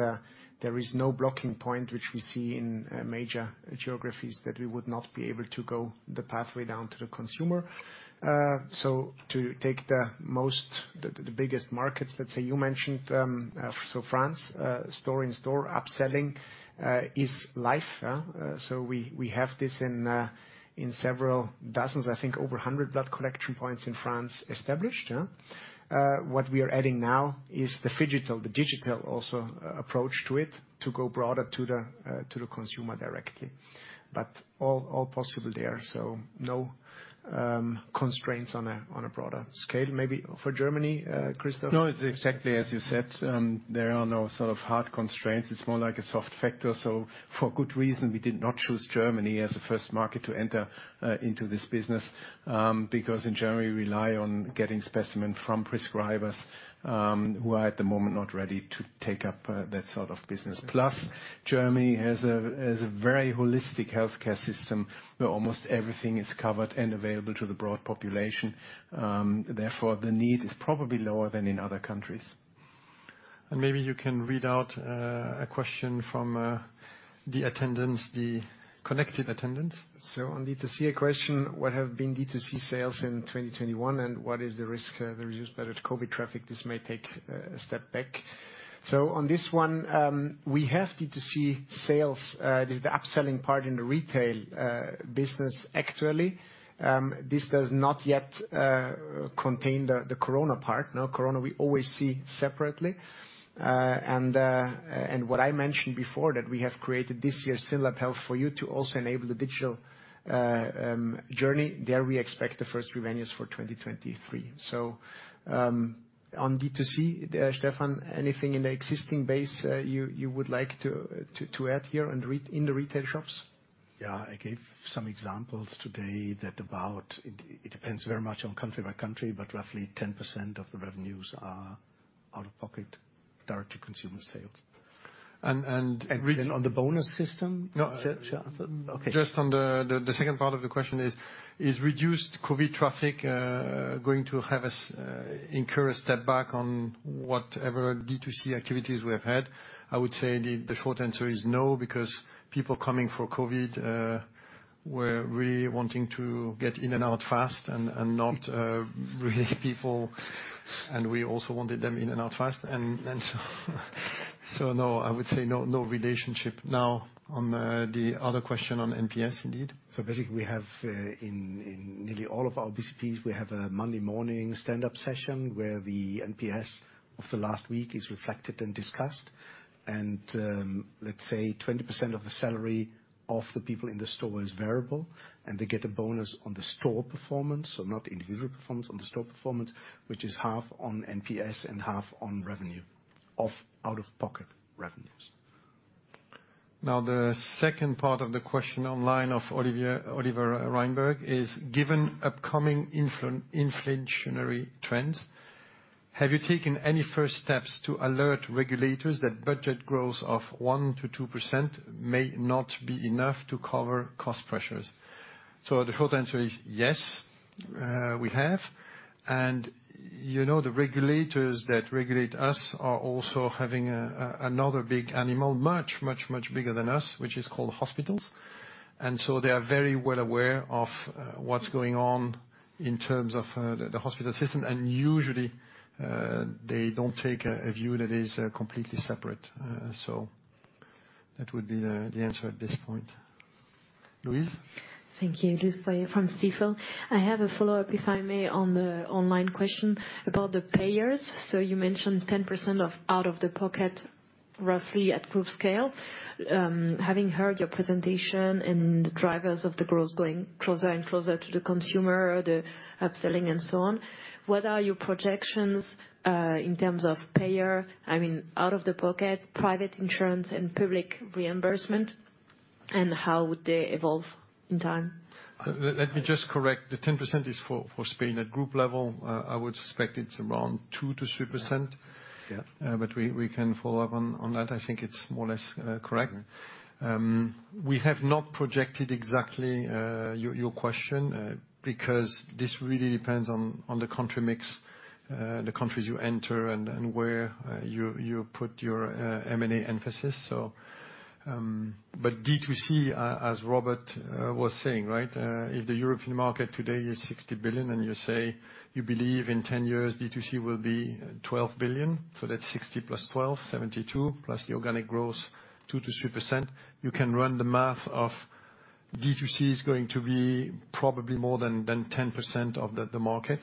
D: there is no blocking point which we see in major geographies that we would not be able to go the pathway down to the consumer. To take the biggest markets, let's say you mentioned, so France, store-in-store upselling is live. We have this in several dozens, I think over 100 blood collection points in France established. What we are adding now is the phygital, the digital also approach to it to go broader to the consumer directly. All possible there. No constraints on a broader scale. Maybe for Germany, Christoph?
E: No, it's exactly as you said. There are no sort of hard constraints. It's more like a soft factor. For good reason, we did not choose Germany as the first market to enter into this business, because in Germany we rely on getting specimen from prescribers, who are at the moment not ready to take up that sort of business. Plus, Germany has a very holistic healthcare system where almost everything is covered and available to the broad population. Therefore, the need is probably lower than in other countries. Maybe you can read out a question from the attendants, the connected attendants. On D2C question, what have been D2C sales in 2021, and what is the risk of the reduction by the COVID traffic? This may take a step back. On this one, we have D2C sales, this is the upselling part in the retail business actually. This does not yet contain the corona part. Now corona we always see separately. What I mentioned before that we have created this year SYNLAB Health for You to also enable the digital journey. There we expect the first revenues for 2023. On D2C, Stephan, anything in the existing base you would like to add here in the retail shops?
C: Yeah. I gave some examples today about it. It depends very much on country by country, but roughly 10% of the revenues are out-of-pocket direct-to-consumer sales.
B: And, and-
C: On the bonus system?
B: No.
C: Okay.
B: Just on the second part of the question is reduced COVID traffic going to have us incur a step back on whatever D2C activities we have had? I would say the short answer is no, because people coming for COVID were really wanting to get in and out fast and not really people. We also wanted them in and out fast. No, I would say no relationship. Now on the other question on NPS indeed.
C: Basically we have in nearly all of our BCPs, we have a Monday morning stand-up session where the NPS of the last week is reflected and discussed. Let's say 20% of the salary of the people in the store is variable, and they get a bonus on the store performance. Not individual performance, on the store performance, which is half on NPS and half on revenue of out-of-pocket revenues.
B: Now, the second part of the question online of Olivier Reinberg is, given upcoming inflationary trends, have you taken any first steps to alert regulators that budget growth of 1%-2% may not be enough to cover cost pressures? The short answer is yes, we have. You know, the regulators that regulate us are also having another big animal, much bigger than us, which is called hospitals. They are very well aware of what's going on in terms of the hospital system. Usually, they don't take a view that is completely separate. That would be the answer at this point. Louise?
K: Thank you. Louise Boyer from Stifel. I have a follow-up, if I may, on the online question about the payers. You mentioned 10% out of the pocket, roughly at group scale. Having heard your presentation and the drivers of the growth going closer and closer to the consumer, the upselling and so on, what are your projections in terms of payer, I mean, out of the pocket, private insurance and public reimbursement, and how would they evolve in time?
B: Let me just correct. The 10% is for Spain. At group level, I would suspect it's around 2%-3%.
C: Yeah.
B: We can follow up on that. I think it's more or less correct. We have not projected exactly your question because this really depends on the country mix, the countries you enter and where you put your M&A emphasis, so D2C, as Robert was saying, right, if the European market today is 60 billion and you say you believe in 10 years D2C will be 12 billion, so that's 60 + 12, 72, plus the organic growth 2%-3%, you can run the math of D2C is going to be probably more than 10% of the market.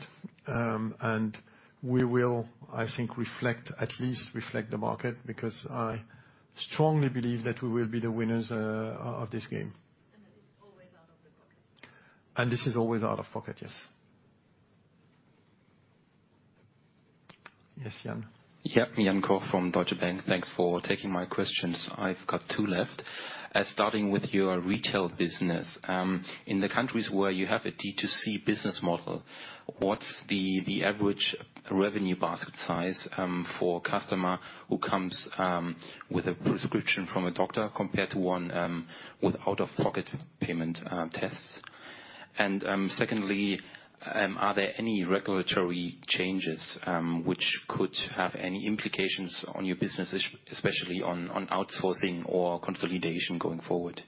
B: And we will, I think, reflect at least reflect the market, because I strongly believe that we will be the winners of this game.
K: It is always out of the pocket?
B: This is always out-of-pocket, yes. Yes, Jan.
L: Yeah, Jan Koch from Deutsche Bank. Thanks for taking my questions. I've got two left. Starting with your retail business. In the countries where you have a D2C business model, what's the average revenue basket size for a customer who comes with a prescription from a doctor compared to one with out-of-pocket payment tests? Secondly, are there any regulatory changes which could have any implications on your business, especially on outsourcing or consolidation going forward?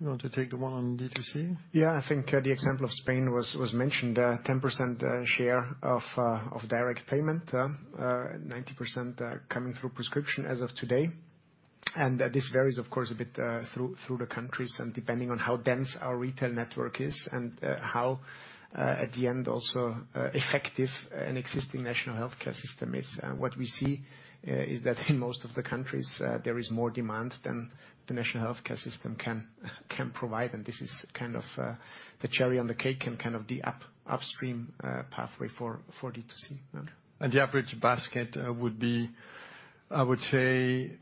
B: You want to take the one on D2C?
D: Yeah, I think the example of Spain was mentioned. 10% share of direct payment. 90% are coming through prescription as of today. This varies of course a bit through the countries and depending on how dense our retail network is and how at the end also effective an existing national healthcare system is. What we see is that in most of the countries there is more demand than the national healthcare system can provide, and this is kind of the cherry on the cake and kind of the upstream pathway for D2C.
B: The average basket would be, I would say,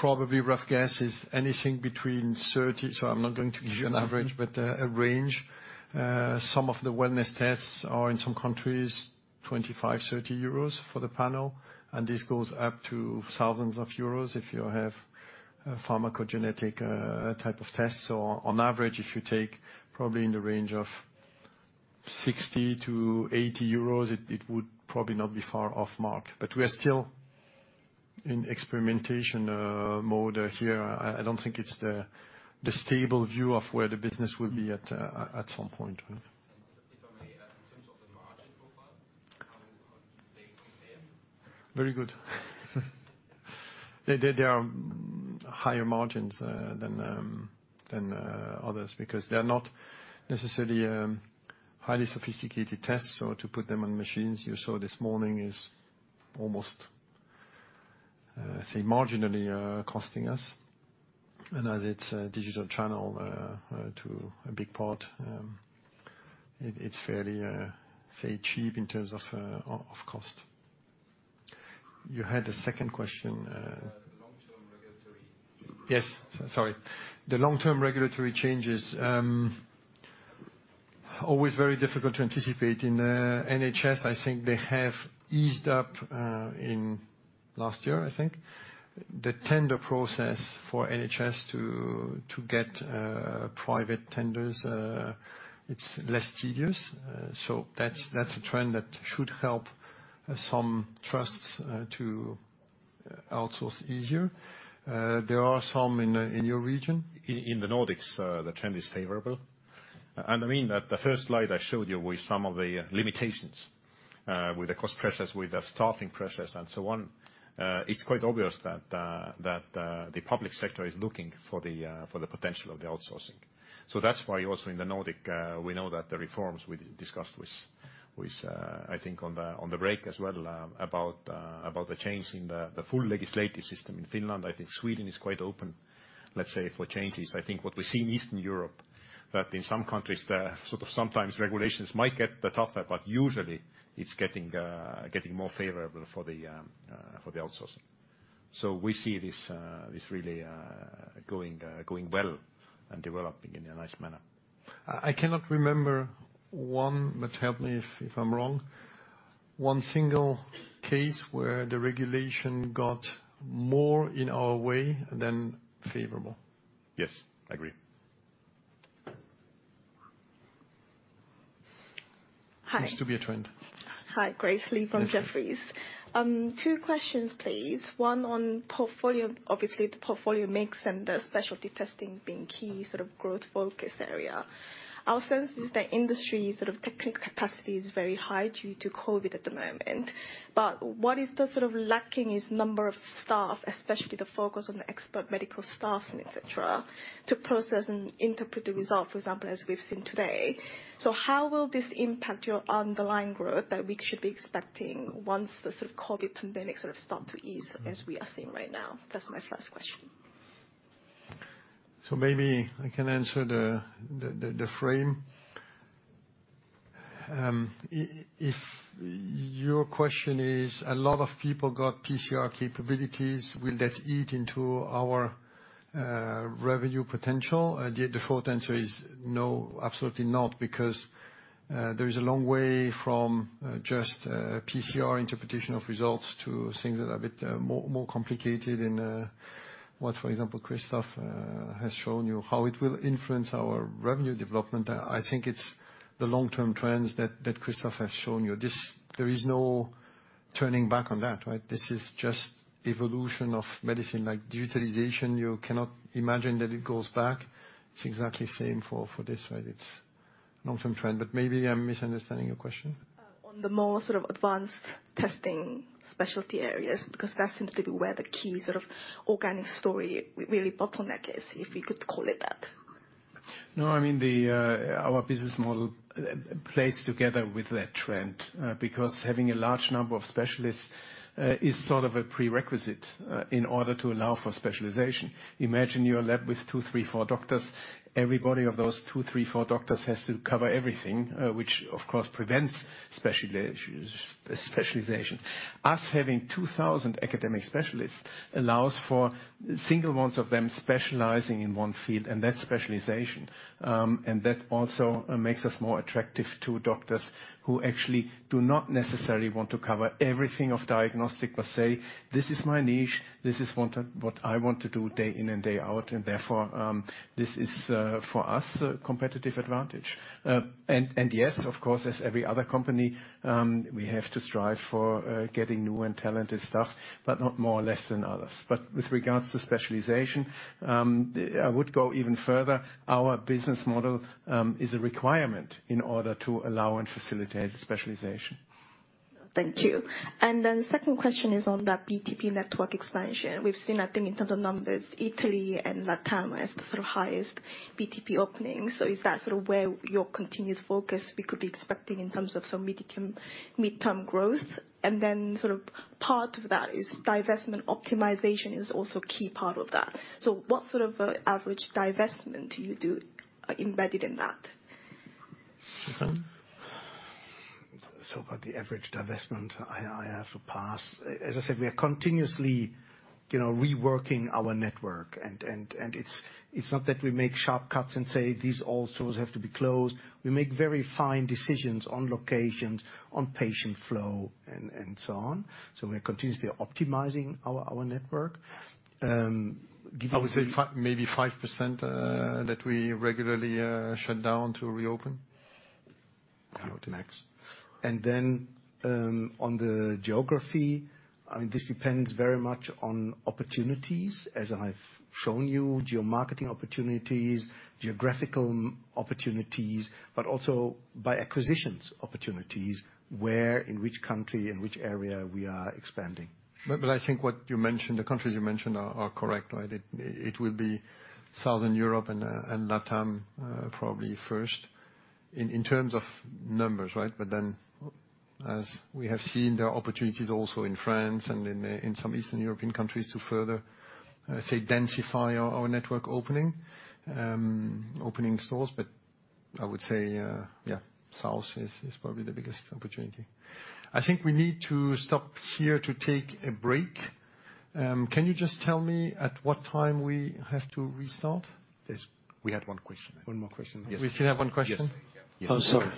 B: probably rough guess is anything between thirty. I'm not going to give you an average, but a range. Some of the wellness tests are in some countries 25-30 euros for the panel, and this goes up to thousands of EUR if you have a pharmacogenetic type of test. On average, if you take probably in the range of 60 -80 euros it would probably not be far off mark. We are still in experimentation mode here. I don't think it's the stable view of where the business will be at some point.
L: If I may ask, in terms of the margin profile, how do they compare?
B: Very good. They are higher margins than others because they're not necessarily highly sophisticated tests. To put them on machines, you saw this morning, is almost say marginally costing us. As it's a digital channel to a big part, it's fairly say cheap in terms of cost. You had a second question.
L: Long-term regulatory changes.
B: Yes. Sorry. The long-term regulatory changes always very difficult to anticipate. In NHS, I think they have eased up in last year, I think. The tender process for NHS to get private tenders, it's less tedious. That's a trend that should help some trusts to outsource easier. There are some in your region.
F: In the Nordics, the trend is favorable. I mean that the first slide I showed you with some of the limitations, with the cost pressures, with the staffing pressures and so on, it's quite obvious that the public sector is looking for the potential of the outsourcing. That's why also in the Nordic, we know that the reforms we discussed with I think on the break as well, about the change in the full legislative system in Finland. I think Sweden is quite open, let's say, for changes. I think what we see in Eastern Europe, that in some countries the sort of sometimes regulations might get tougher, but usually it's getting more favorable for the outsourcing. We see this really going well and developing in a nice manner.
B: I cannot remember one. Help me if I'm wrong. One single case where the regulation got more in our way than favorable.
F: Yes, I agree.
M: Hi.
B: Seems to be a trend.
M: Hi, Grace Li from Jefferies. Two questions please. One on portfolio, obviously the portfolio mix and the specialty testing being key sort of growth focus area. Our sense is the industry sort of technical capacity is very high due to COVID at the moment. What is the sort of lacking is number of staff, especially the focus on the expert medical staff and et cetera, to process and interpret the result, for example, as we've seen today. How will this impact your underlying growth that we should be expecting once the sort of COVID pandemic sort of start to ease as we are seeing right now? That's my first question.
B: Maybe I can answer the frame. If your question is a lot of people got PCR capabilities, will that eat into our revenue potential? The short answer is no, absolutely not, because there is a long way from just PCR interpretation of results to things that are a bit more complicated in what, for example, Christoph has shown you. How it will influence our revenue development, I think it's the long-term trends that Christoph has shown you. This. There is no turning back on that, right? This is just evolution of medicine. Like digitalization, you cannot imagine that it goes back. It's exactly same for this, right? It's long-term trend, but maybe I'm misunderstanding your question.
M: On the more sort of advanced testing specialty areas, because that seems to be where the key sort of organic story really bottleneck is, if we could call it that.
E: No, I mean, our business model plays together with that trend, because having a large number of specialists is sort of a prerequisite in order to allow for specialization. Imagine you're a lab with two, three, four doctors. Everybody of those two, three, four doctors has to cover everything, which of course prevents specializations. Us having 2,000 academic specialists allows for single ones of them specializing in one field, and that's specialization. And that also makes us more attractive to doctors who actually do not necessarily want to cover everything of diagnostics, but say, "This is my niche, this is what I want to do day in and day out." Therefore, this is for us a competitive advantage. Yes, of course, as every other company, we have to strive for getting new and talented staff, but not more or less than others. With regards to specialization, I would go even further. Our business model is a requirement in order to allow and facilitate specialization.
M: Thank you. Second question is on the BCP network expansion. We've seen, I think, in terms of numbers, Italy and LatAm as the sort of highest BCP openings. Is that sort of where your continued focus we could be expecting in terms of some midterm growth? Sort of part of that is divestment optimization is also a key part of that. What sort of average divestment do you do embedded in that?
B: Stephan?
C: About the average divestment, I have to pass. As I said, we are continuously, you know, reworking our network, and it's not that we make sharp cuts and say, "These all stores have to be closed." We make very fine decisions on locations, on patient flow, and so on. We are continuously optimizing our network. Giving- I would say maybe 5%, that we regularly shut down to reopen.
E: Max? On the geography, I mean, this depends very much on opportunities, as I've shown you, geomarketing opportunities, geographical opportunities, but also by acquisitions opportunities, where, in which country, in which area we are expanding.
B: I think what you mentioned, the countries you mentioned are correct, right? It will be Southern Europe and LatAm, probably first in terms of numbers, right? As we have seen, there are opportunities also in France and in some Eastern European countries to further say densify our network opening stores. I would say, yeah, south is probably the biggest opportunity. I think we need to stop here to take a break. Can you just tell me at what time we have to restart?
E: Yes. We had one question.
B: One more question.
E: Yes.
B: We still have one question?
E: Yes.
I: Oh, sorry.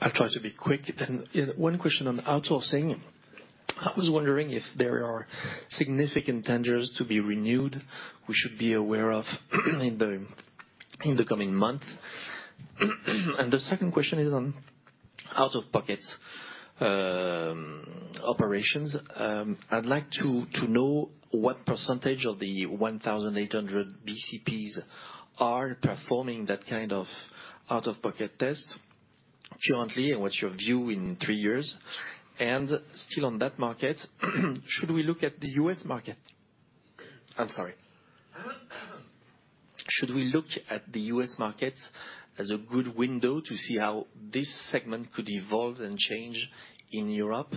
I: I'll try to be quick then. One question on outsourcing. I was wondering if there are significant tenders to be renewed we should be aware of in the coming month. The second question is on out-of-pocket operations. I'd like to know what percentage of the 1,800 BCPs are performing that kind of out-of-pocket test currently, and what's your view in three years? Still on that market, should we look at the U.S. market? I'm sorry. Should we look at the U.S. market as a good window to see how this segment could evolve and change in Europe?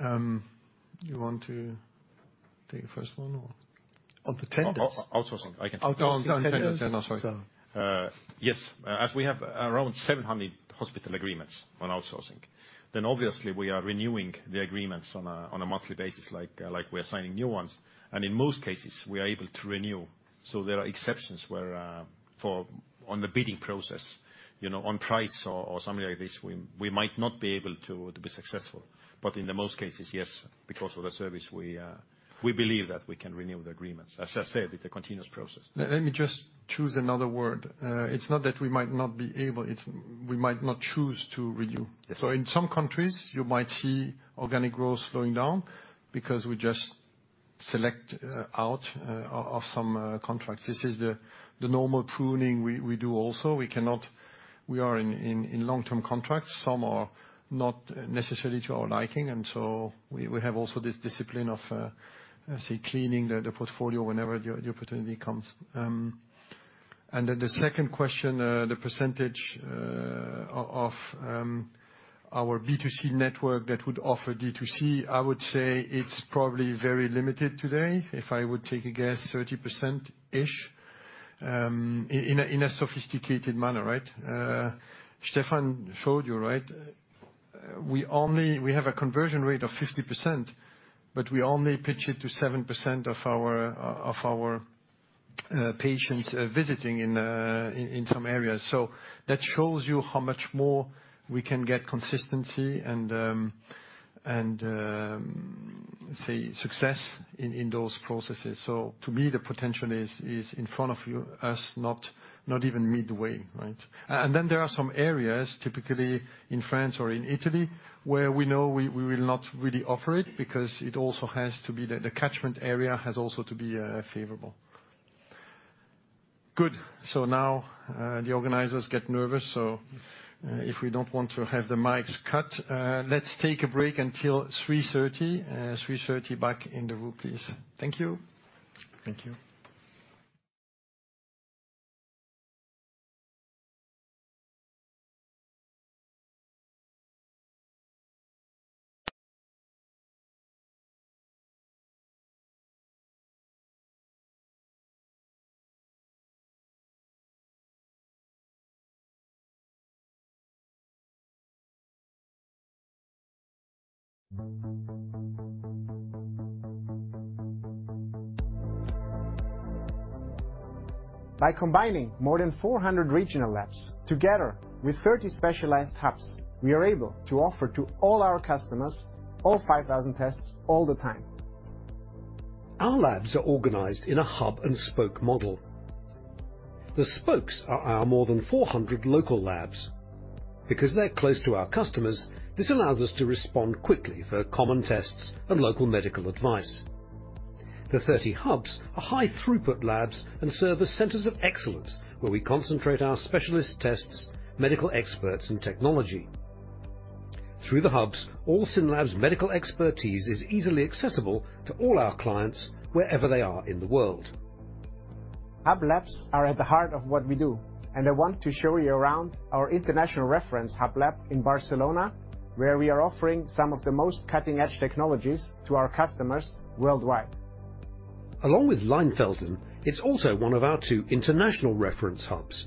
B: You want to take the first one or?
E: On the tenders?
B: Outsourcing. I can.
E: Outsourcing tenders.
B: No, no, sorry.
E: Yes. As we have around 700 hospital agreements on outsourcing, then obviously we are renewing the agreements on a monthly basis like we're signing new ones. In most cases, we are able to renew. There are exceptions where in the bidding process, you know, on price or something like this, we might not be able to be successful. In most cases, yes, because of the service, we believe that we can renew the agreements. As I said, it's a continuous process.
B: Let me just choose another word. It's not that we might not be able, it's we might not choose to renew.
E: Yes.
B: In some countries, you might see organic growth slowing down because we just select out of some contracts. This is the normal pruning we do also. We cannot. We are in long-term contracts. Some are not necessarily to our liking, and we have also this discipline of, say, cleaning the portfolio whenever the opportunity comes. The second question, the percentage of our B2C network that would offer D2C, I would say it's probably very limited today. If I would take a guess, 30%-ish in a sophisticated manner, right? Stephan showed you, right? We have a conversion rate of 50%, but we only pitch it to 7% of our patients visiting in some areas. That shows you how much more we can get consistency and say success in those processes. To me, the potential is in front of us not even midway, right? Then there are some areas, typically in France or in Italy, where we know we will not really offer it because it also has to be the catchment area has also to be favorable.
D: Good. Now, the organizers get nervous, so, if we don't want to have the mics cut, let's take a break until 3:30 P.M. 3:30 P.M. back in the room, please. Thank you.
I: Thank you.
D: By combining more than 400 regional labs together with 30 specialized hubs, we are able to offer to all our customers all 5,000 tests all the time.
I: Our labs are organized in a hub-and-spoke model. The spokes are our more than 400 local labs. Because they're close to our customers, this allows us to respond quickly for common tests and local medical advice. The 30 hubs are high-throughput labs and serve as centers of excellence where we concentrate our specialist tests, medical experts, and technology. Through the hubs, all SYNLAB's medical expertise is easily accessible to all our clients wherever they are in the world.
D: Hub labs are at the heart of what we do, and I want to show you around our international reference hub lab in Barcelona, where we are offering some of the most cutting-edge technologies to our customers worldwide.
I: Along with Leinfelden, it's also one of our two international reference hubs.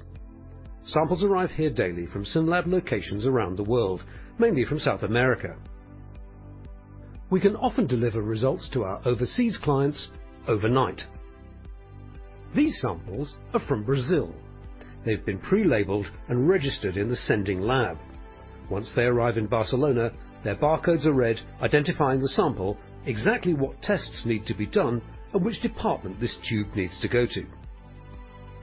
I: Samples arrive here daily from SYNLAB locations around the world, mainly from South America. We can often deliver results to our overseas clients overnight. These samples are from Brazil. They've been pre-labeled and registered in the sending lab. Once they arrive in Barcelona, their barcodes are read, identifying the sample, exactly what tests need to be done, and which department this tube needs to go to.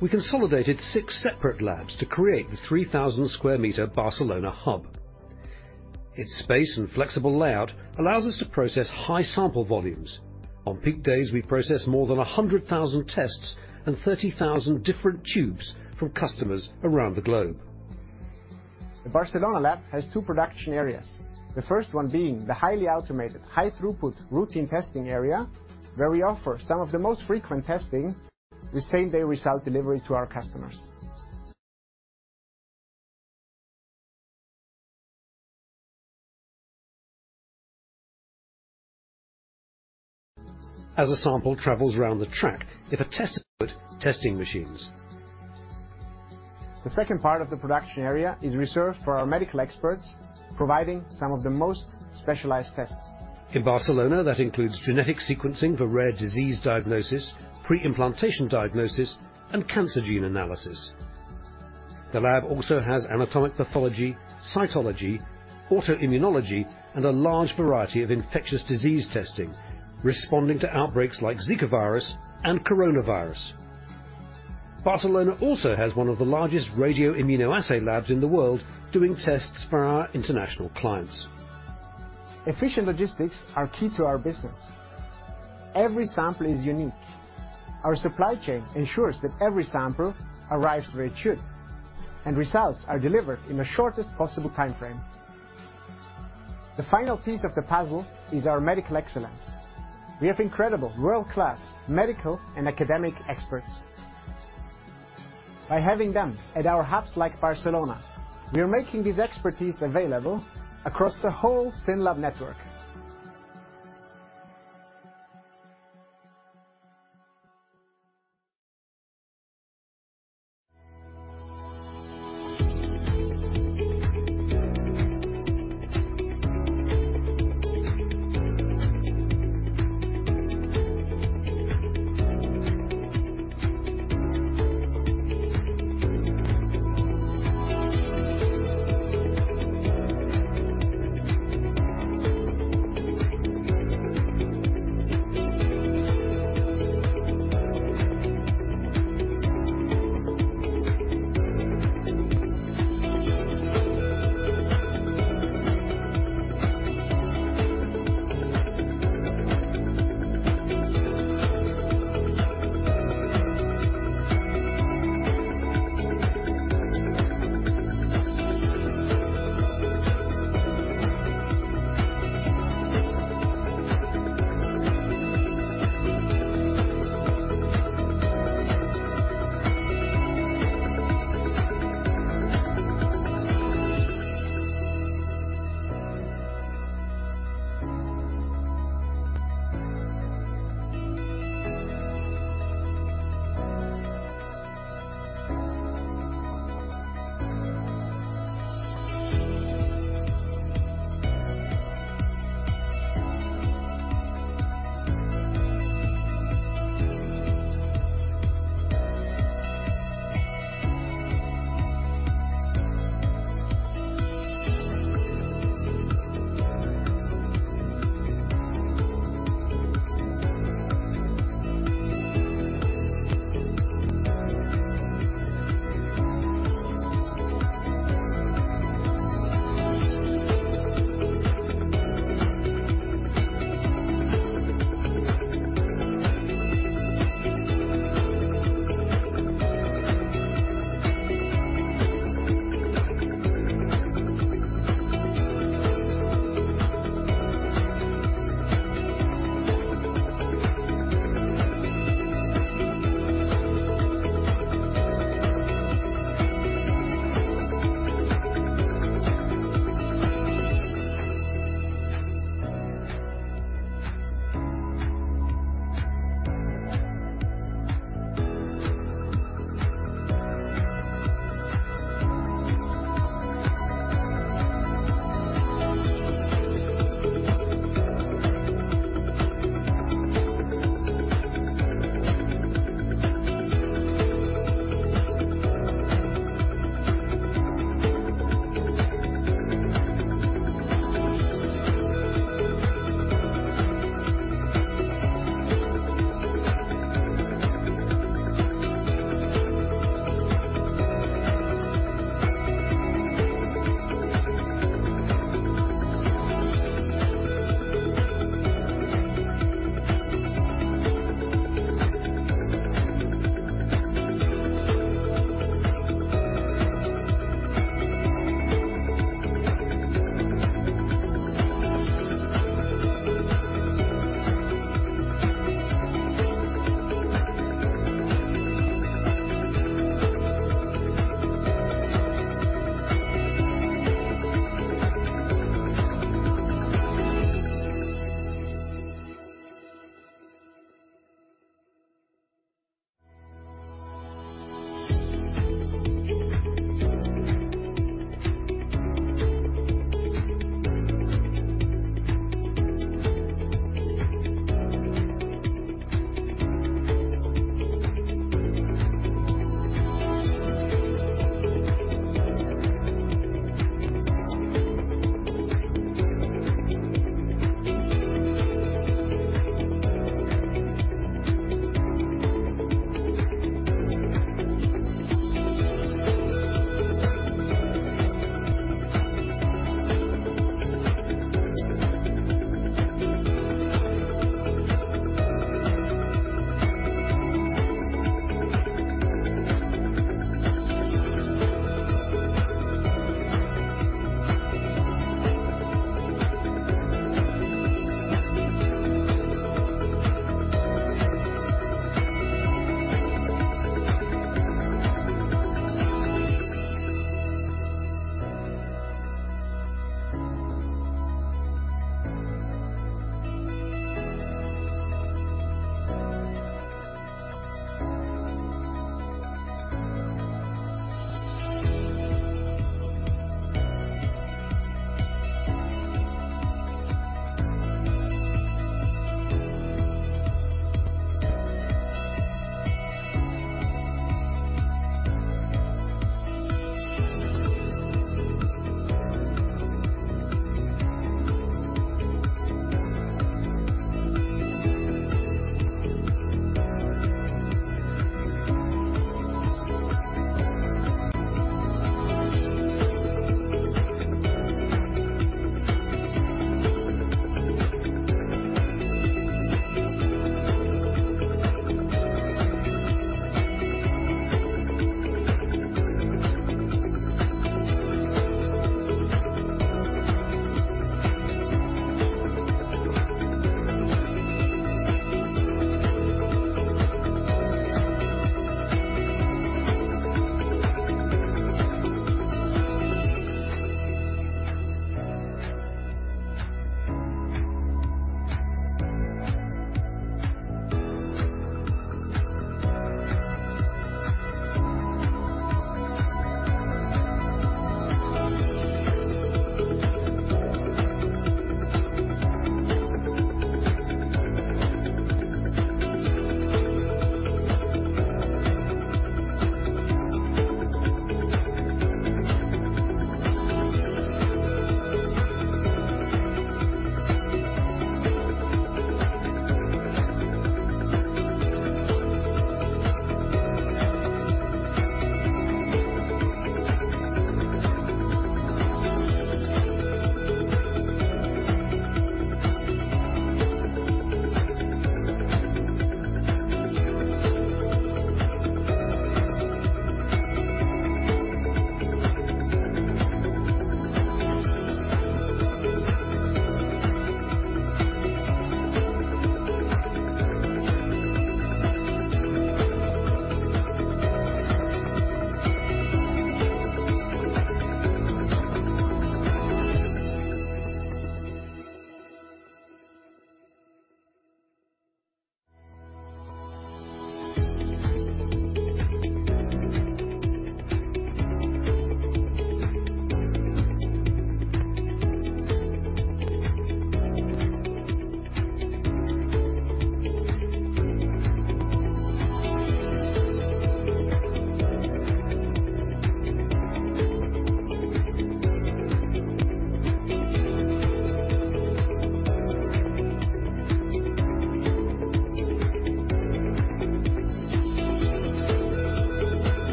I: We consolidated six separate labs to create the 3,000-square-meter Barcelona hub. Its space and flexible layout allows us to process high sample volumes. On peak days, we process more than 100,000 tests and 30,000 different tubes from customers around the globe.
D: The Barcelona lab has two production areas. The first one being the highly automated, high-throughput routine testing area, where we offer some of the most frequent testing with same-day result delivery to our customers.
I: As a sample travels around the track, it attests to its testing machines.
D: The second part of the production area is reserved for our medical experts, providing some of the most specialized tests.
I: In Barcelona, that includes genetic sequencing for rare disease diagnosis, pre-implantation diagnosis, and cancer gene analysis. The lab also has anatomic pathology, cytology, autoimmunology, and a large variety of infectious disease testing, responding to outbreaks like Zika virus and coronavirus. Barcelona also has one of the largest radioimmunoassay labs in the world, doing tests for our international clients.
D: Efficient logistics are key to our business. Every sample is unique. Our supply chain ensures that every sample arrives where it should, and results are delivered in the shortest possible timeframe. The final piece of the puzzle is our medical excellence. We have incredible world-class medical and academic experts. By having them at our hubs like Barcelona, we are making this expertise available across the whole SYNLAB network.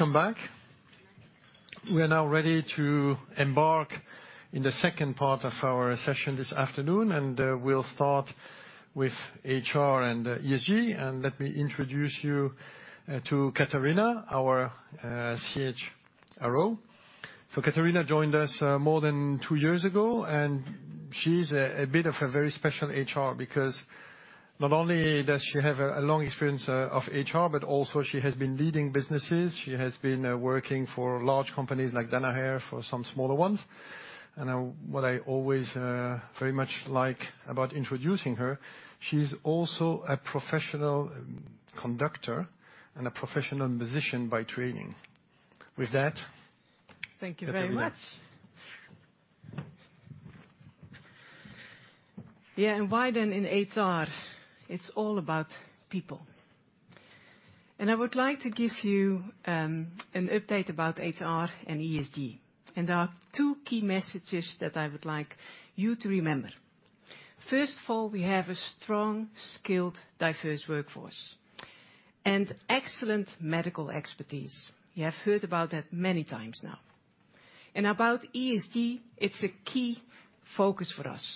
B: Welcome back. We are now ready to embark in the second part of our session this afternoon, and we'll start with HR and ESG. Let me introduce you to Catharina, our CHRO. Catharina joined us more than two years ago, and she's a bit of a very special HR because not only does she have a long experience of HR, but also she has been leading businesses. She has been working for large companies like Danaher, for some smaller ones. What I always very much like about introducing her, she's also a professional conductor and a professional musician by training. With that.
N: Thank you very much.
A: Catharina.
N: Yeah, why then in HR? It's all about people. I would like to give you an update about HR and ESG. There are two key messages that I would like you to remember. First of all, we have a strong, skilled, diverse workforce and excellent medical expertise. You have heard about that many times now. About ESG, it's a key focus for us,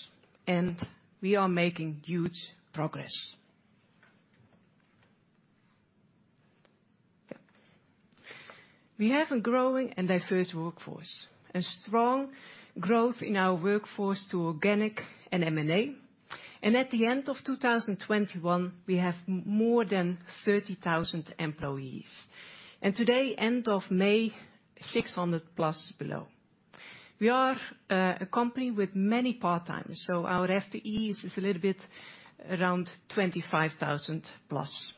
N: and we are making huge progress. Yeah. We have a growing and diverse workforce. A strong growth in our workforce to organic and M&A. At the end of 2021, we have more than 30,000 employees. Today, end of May, 600 plus below. We are a company with many part-timers, so our FTEs is a little bit around 25,000 plus.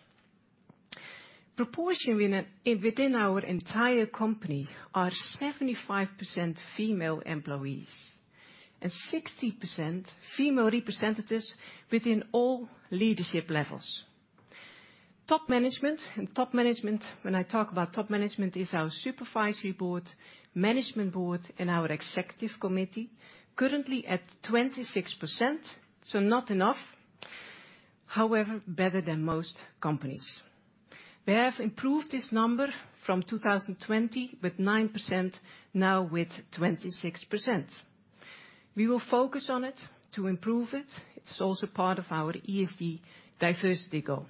N: Within our entire company are 75% female employees and 60% female representatives within all leadership levels. Top management, when I talk about top management is our supervisory board, management board, and our executive committee, currently at 26%, so not enough. However, better than most companies. We have improved this number from 2020 with 9%, now with 26%. We will focus on it to improve it. It's also part of our ESG diversity goal.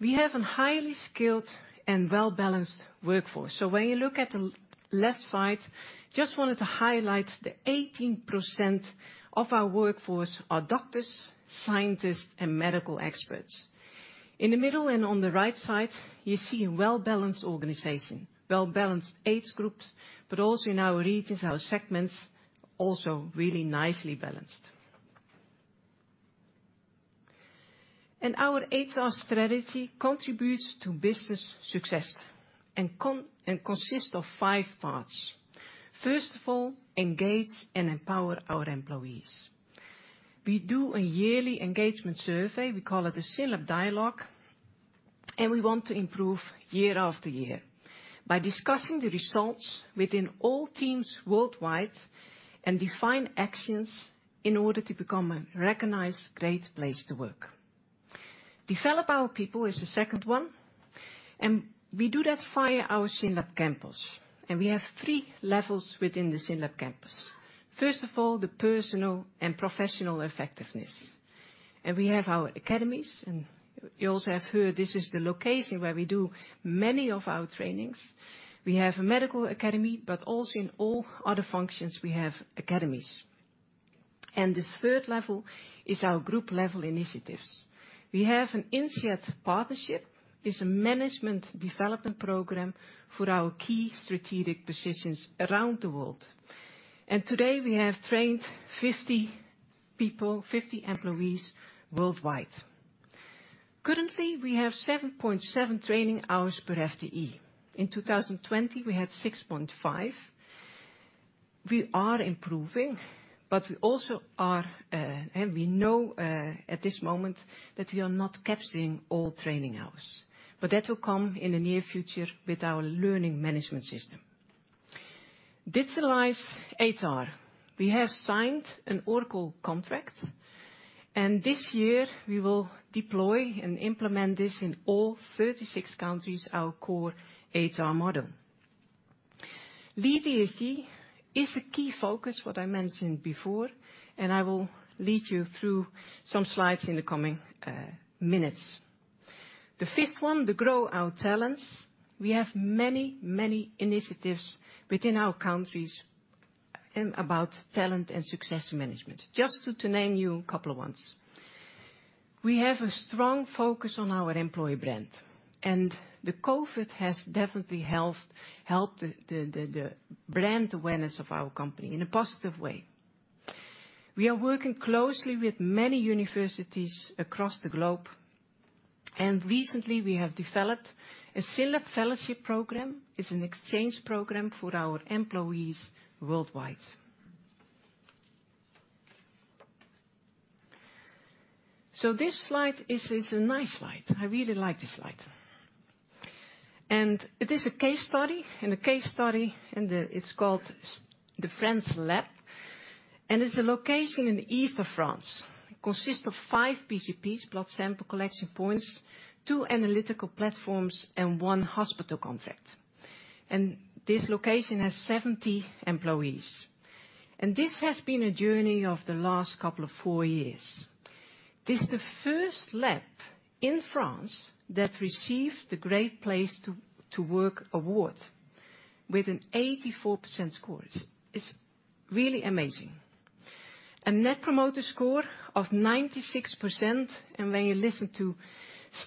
N: We have a highly skilled and well-balanced workforce. When you look at the left side, just wanted to highlight the 18% of our workforce are doctors, scientists, and medical experts. In the middle and on the right side, you see a well-balanced organization. Well-balanced age groups, but also in our regions, our segments, also really nicely balanced. Our HR strategy contributes to business success and consists of five parts. First of all, engage and empower our employees. We do a yearly engagement survey, we call it a SYNLAB Dialogue, and we want to improve year after year by discussing the results within all teams worldwide and define actions in order to become a recognized Great Place to Work. Develop our people is the second one, and we do that via our SYNLAB Campus. We have three levels within the SYNLAB Campus. First of all, the personal and professional effectiveness. We have our academies, and you also have heard this is the location where we do many of our trainings. We have a medical academy, but also in all other functions we have academies. The third level is our group level initiatives. We have an INSEAD partnership. It's a management development program for our key strategic positions around the world. Today, we have trained 50 people, 50 employees worldwide. Currently, we have 7.7 training hours per FTE. In 2020, we had 6.5. We are improving, but we also are, and we know, at this moment that we are not capturing all training hours. That will come in the near future with our learning management system. Digitalize HR. We have signed an Oracle contract, and this year we will deploy and implement this in all 36 countries, our core HR model. Leadership is a key focus what I mentioned before, and I will lead you through some slides in the coming minutes. The fifth one, to grow our talents. We have many, many initiatives within our countries and about talent and success management. Just to name a couple of ones. We have a strong focus on our employee brand, and the COVID has definitely helped the brand awareness of our company in a positive way. We are working closely with many universities across the globe, and recently we have developed a SYNLAB Fellowship program. It's an exchange program for our employees worldwide. This slide is a nice slide. I really like this slide. It is a case study, and it's called the France lab, and it's a location in the east of France. Consists of five BCPs, blood sample collection points, two analytical platforms, and one hospital contract. This location has 70 employees. This has been a journey of the last couple of four years. This is the first lab in France that received the Great Place to Work award with an 84% score. It's really amazing. A net promoter score of 96%, and when you listen to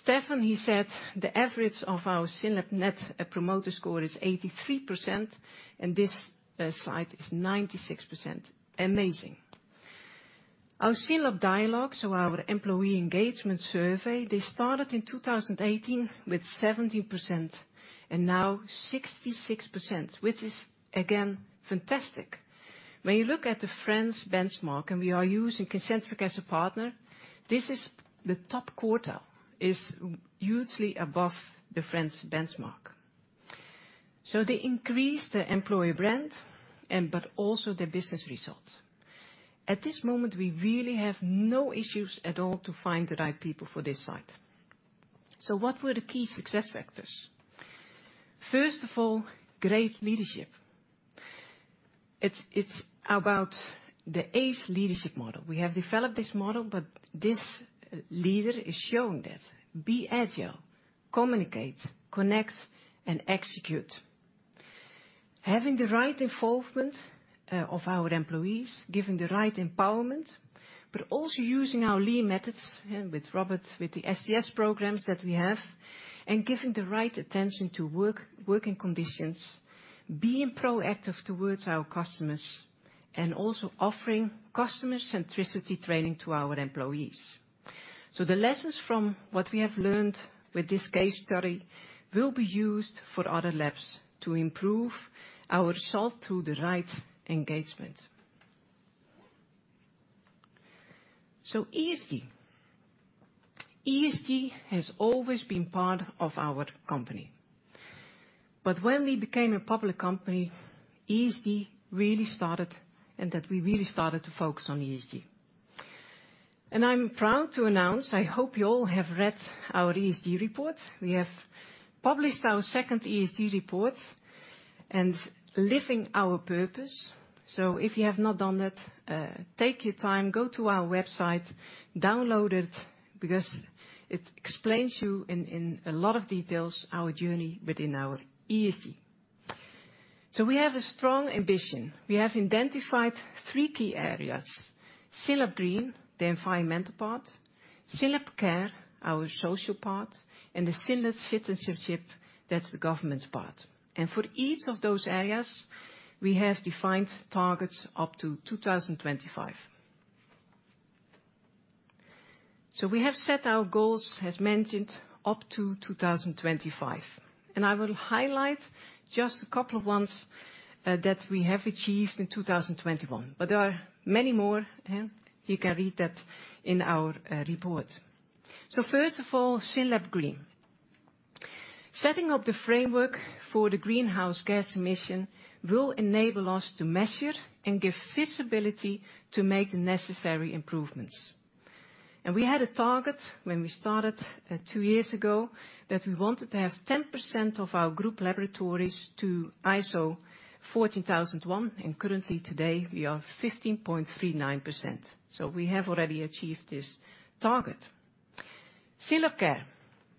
N: Stephan, he said the average of our SYNLAB net promoter score is 83%, and this site is 96%. Amazing. Our SYNLAB Dialogue, so our employee engagement survey, they started in 2018 with 17% and now 66%, which is again, fantastic. When you look at the France benchmark, and we are using Kincentric as a partner, this is the top quarter. It's hugely above the France benchmark. They increased their employee brand and but also their business results. At this moment, we really have no issues at all to find the right people for this site. What were the key success factors? First of all, great leadership. It's about the ACE leadership model. We have developed this model, but this leader is showing that. Be agile, communicate, connect, and execute. Having the right involvement of our employees, giving the right empowerment, but also using our Lean methods, and with Robert, with the SCS programs that we have, and giving the right attention to work, working conditions, being proactive towards our customers, and also offering customer centricity training to our employees. The lessons from what we have learned with this case study will be used for other labs to improve our result through the right engagement. ESG. ESG has always been part of our company. When we became a public company, ESG really started and that we really started to focus on ESG. I'm proud to announce. I hope you all have read our ESG report. We have published our second ESG report and living our purpose. If you have not done that, take your time, go to our website, download it, because it explains you in a lot of details our journey within our ESG. We have a strong ambition. We have identified three key areas. SYNLAB Green, the environmental part. SYNLAB Care, our social part, and the SYNLAB Citizenship, that's the governance part. For each of those areas, we have defined targets up to 2025. We have set our goals, as mentioned, up to 2025. I will highlight just a couple of ones that we have achieved in 2021. There are many more, and you can read that in our report. First of all, SYNLAB Green. Setting up the framework for the greenhouse gas emission will enable us to measure and give visibility to make the necessary improvements. We had a target when we started two years ago that we wanted to have 10% of our group laboratories to ISO 14001, and currently today, we are 15.39%. We have already achieved this target. SYNLAB Care.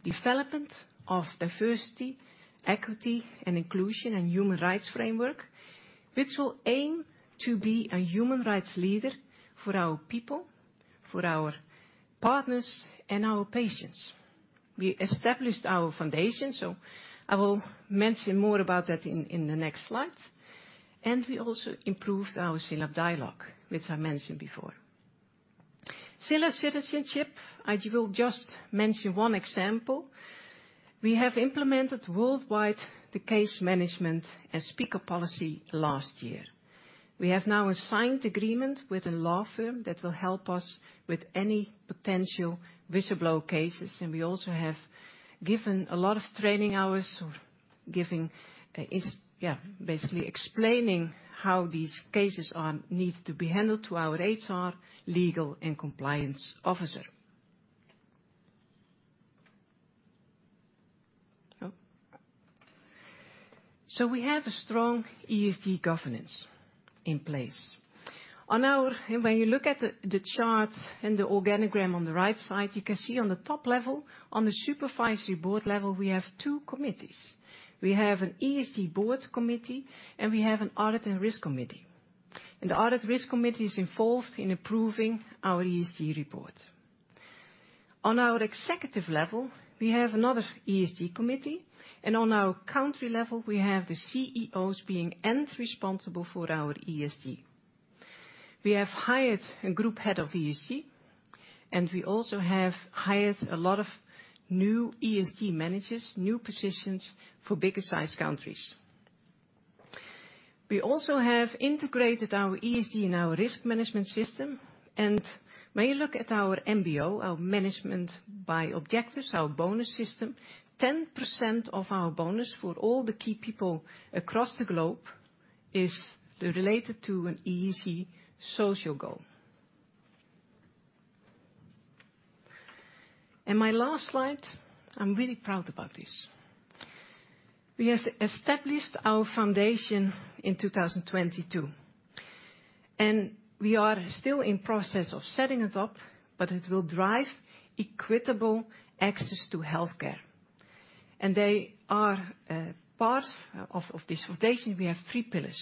N: Development of diversity, equity, and inclusion, and human rights framework, which will aim to be a human rights leader for our people, for our partners, and our patients. We established our foundation, so I will mention more about that in the next slide. We also improved our SYNLAB Dialogue, which I mentioned before. Citizenship, I will just mention one example. We have implemented worldwide the case management and speaker policy last year. We have now a signed agreement with a law firm that will help us with any potential whistleblower cases, and we also have given a lot of training hours giving, basically explaining how these cases are need to be handled to our HR, legal, and compliance officer. We have a strong ESG governance in place. When you look at the chart and the organigram on the right side, you can see on the top level, on the supervisory board level, we have two committees. We have an ESG board committee and we have an audit and risk committee. The audit risk committee is involved in approving our ESG report. On our executive level, we have another ESG committee, and on our country level we have the CEOs being end responsible for our ESG. We have hired a group head of ESG, and we also have hired a lot of new ESG managers, new positions for bigger sized countries. We also have integrated our ESG and our risk management system. When you look at our MBO, our Management By Objectives, our bonus system, 10% of our bonus for all the key people across the globe is related to an ESG social goal. My last slide, I'm really proud about this. We has established our foundation in 2022. We are still in process of setting it up, but it will drive equitable access to healthcare. They are part of this foundation, we have three pillars.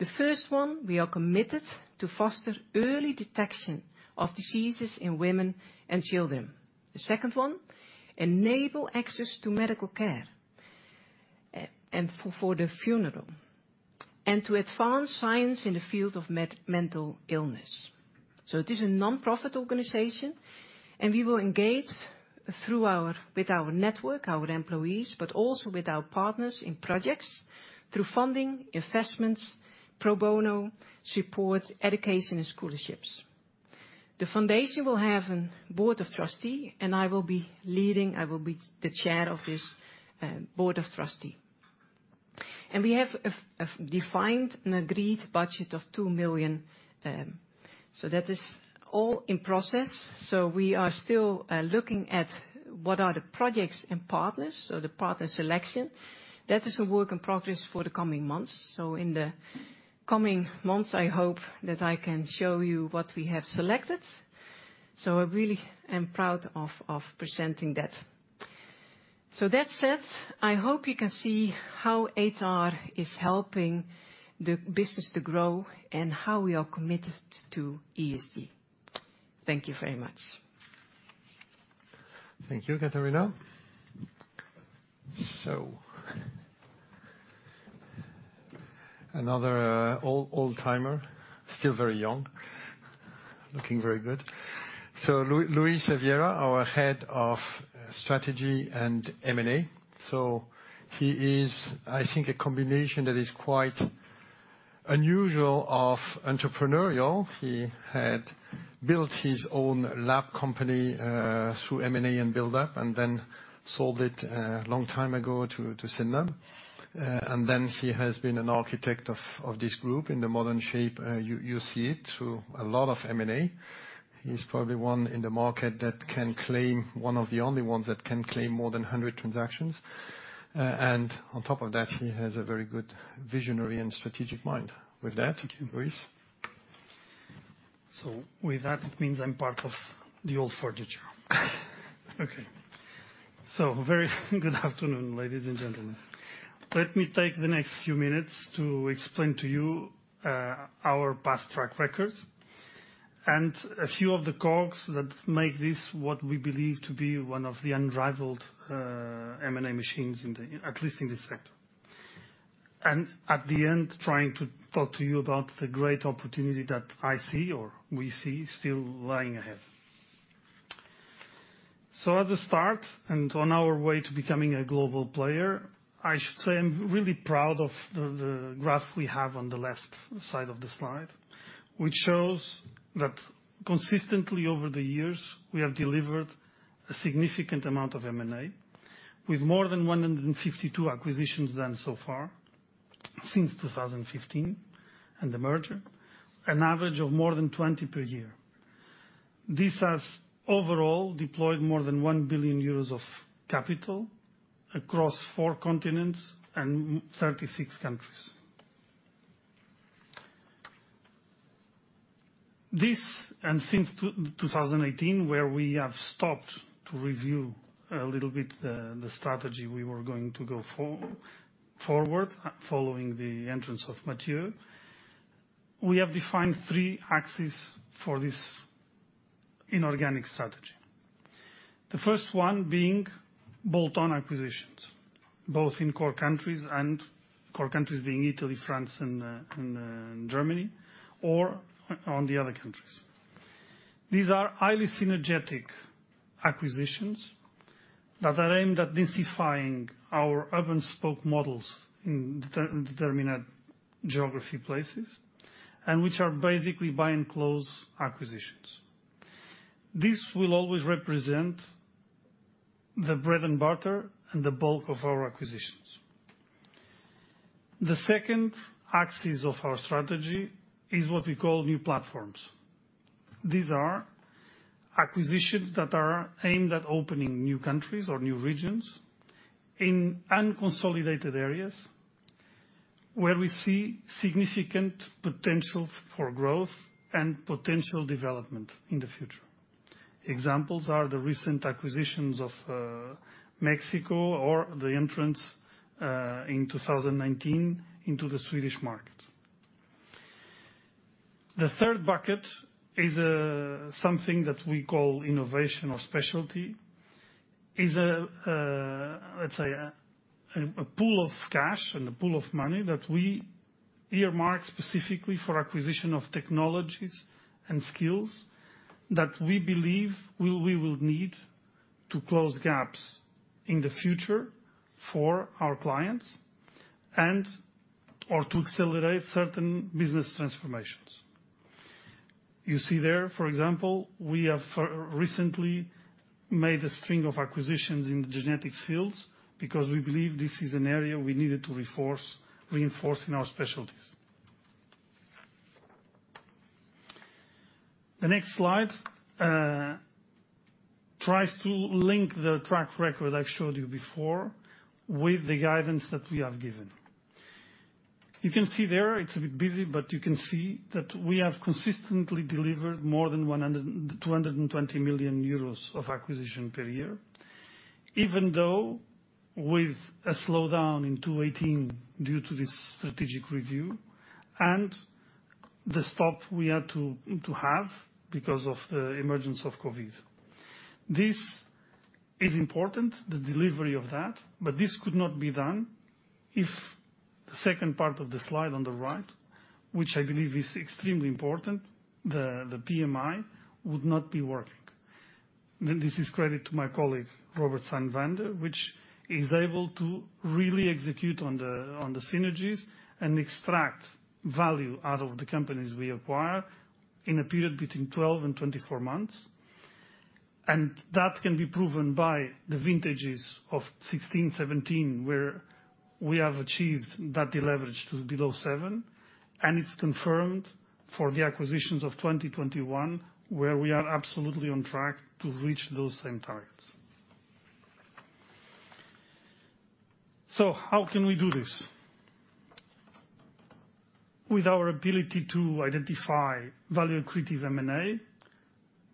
N: The first one, we are committed to foster early detection of diseases in women and children. The second one, enable access to medical care, and for the future, and to advance science in the field of mental illness. It is a nonprofit organization, and we will engage with our network, our employees, but also with our partners in projects through funding, investments, pro bono support, education, and scholarships. The foundation will have a board of trustees, and I will be the chair of this board of trustees. We have a defined and agreed budget of 2 million, so that is all in process. We are still looking at what are the projects and partners, so the partner selection. That is a work in progress for the coming months. In the coming months, I hope that I can show you what we have selected. I really am proud of presenting that. That said, I hope you can see how HR is helping the business to grow and how we are committed to ESG. Thank you very much.
B: Thank you, Catharina. Another old-timer, still very young. Looking very good. Luis Oliveira, our head of strategy and M&A. He is, I think, a combination that is quite unusual of entrepreneurial. He had built his own lab company through M&A and build-up, and then sold it a long time ago to SYNLAB. He has been an architect of this group in the modern shape you see it, through a lot of M&A. He's probably one in the market that can claim, one of the only ones that can claim more than 100 transactions. On top of that, he has a very good visionary and strategic mind. With that, thank you, Luis.
O: With that, it means I'm part of the old furniture. Okay. Very good afternoon, ladies and gentlemen. Let me take the next few minutes to explain to you our past track record and a few of the cogs that make this what we believe to be one of the unrivaled M&A machines in at least this sector. At the end, trying to talk to you about the great opportunity that I see, or we see, still lying ahead. At the start, and on our way to becoming a global player, I should say I'm really proud of the graph we have on the left side of the slide, which shows that consistently over the years, we have delivered a significant amount of M&A with more than 152 acquisitions done so far since 2015, and the merger, an average of more than 20 per year. This has overall deployed more than 1 billion euros of capital across four continents and 36 countries. Since 2018, when we started to review a little bit the strategy we were going to go forward, following the entrance of Mathieu, we have defined three axes for this inorganic strategy. The first one being bolt-on acquisitions, both in core countries and core countries being Italy, France, and Germany, or in the other countries. These are highly synergistic acquisitions that are aimed at densifying our hub-and-spoke models in determined geography places, and which are basically buy and close acquisitions. This will always represent the bread and butter and the bulk of our acquisitions. The second axis of our strategy is what we call new platforms. These are acquisitions that are aimed at opening new countries or new regions in unconsolidated areas where we see significant potential for growth and potential development in the future. Examples are the recent acquisitions of Mexico or the entrance in 2019 into the Swedish market. The third bucket is something that we call innovation or specialty, let's say a pool of cash and a pool of money that we earmark specifically for acquisition of technologies and skills that we believe we will need to close gaps in the future for our clients and/or to accelerate certain business transformations. You see there, for example, we have recently made a string of acquisitions in the genetics fields because we believe this is an area we needed to reinforce in our specialties. The next slide tries to link the track record I showed you before with the guidance that we have given. You can see there, it's a bit busy, but you can see that we have consistently delivered more than 100-220 million euros of acquisition per year, even though with a slowdown in 2018 due to this strategic review and the stop we had to have because of the emergence of COVID. This is important, the delivery of that, but this could not be done if the second part of the slide on the right, which I believe is extremely important, the PMI would not be working. This is credit to my colleague, Robert Steinwander, which is able to really execute on the synergies and extract value out of the companies we acquire in a period between 12 and 24 months. That can be proven by the vintages of 2016-2017, where we have achieved that deleverage to below seven and it's confirmed for the acquisitions of 2021, where we are absolutely on track to reach those same targets. How can we do this? With our ability to identify value-accretive M&A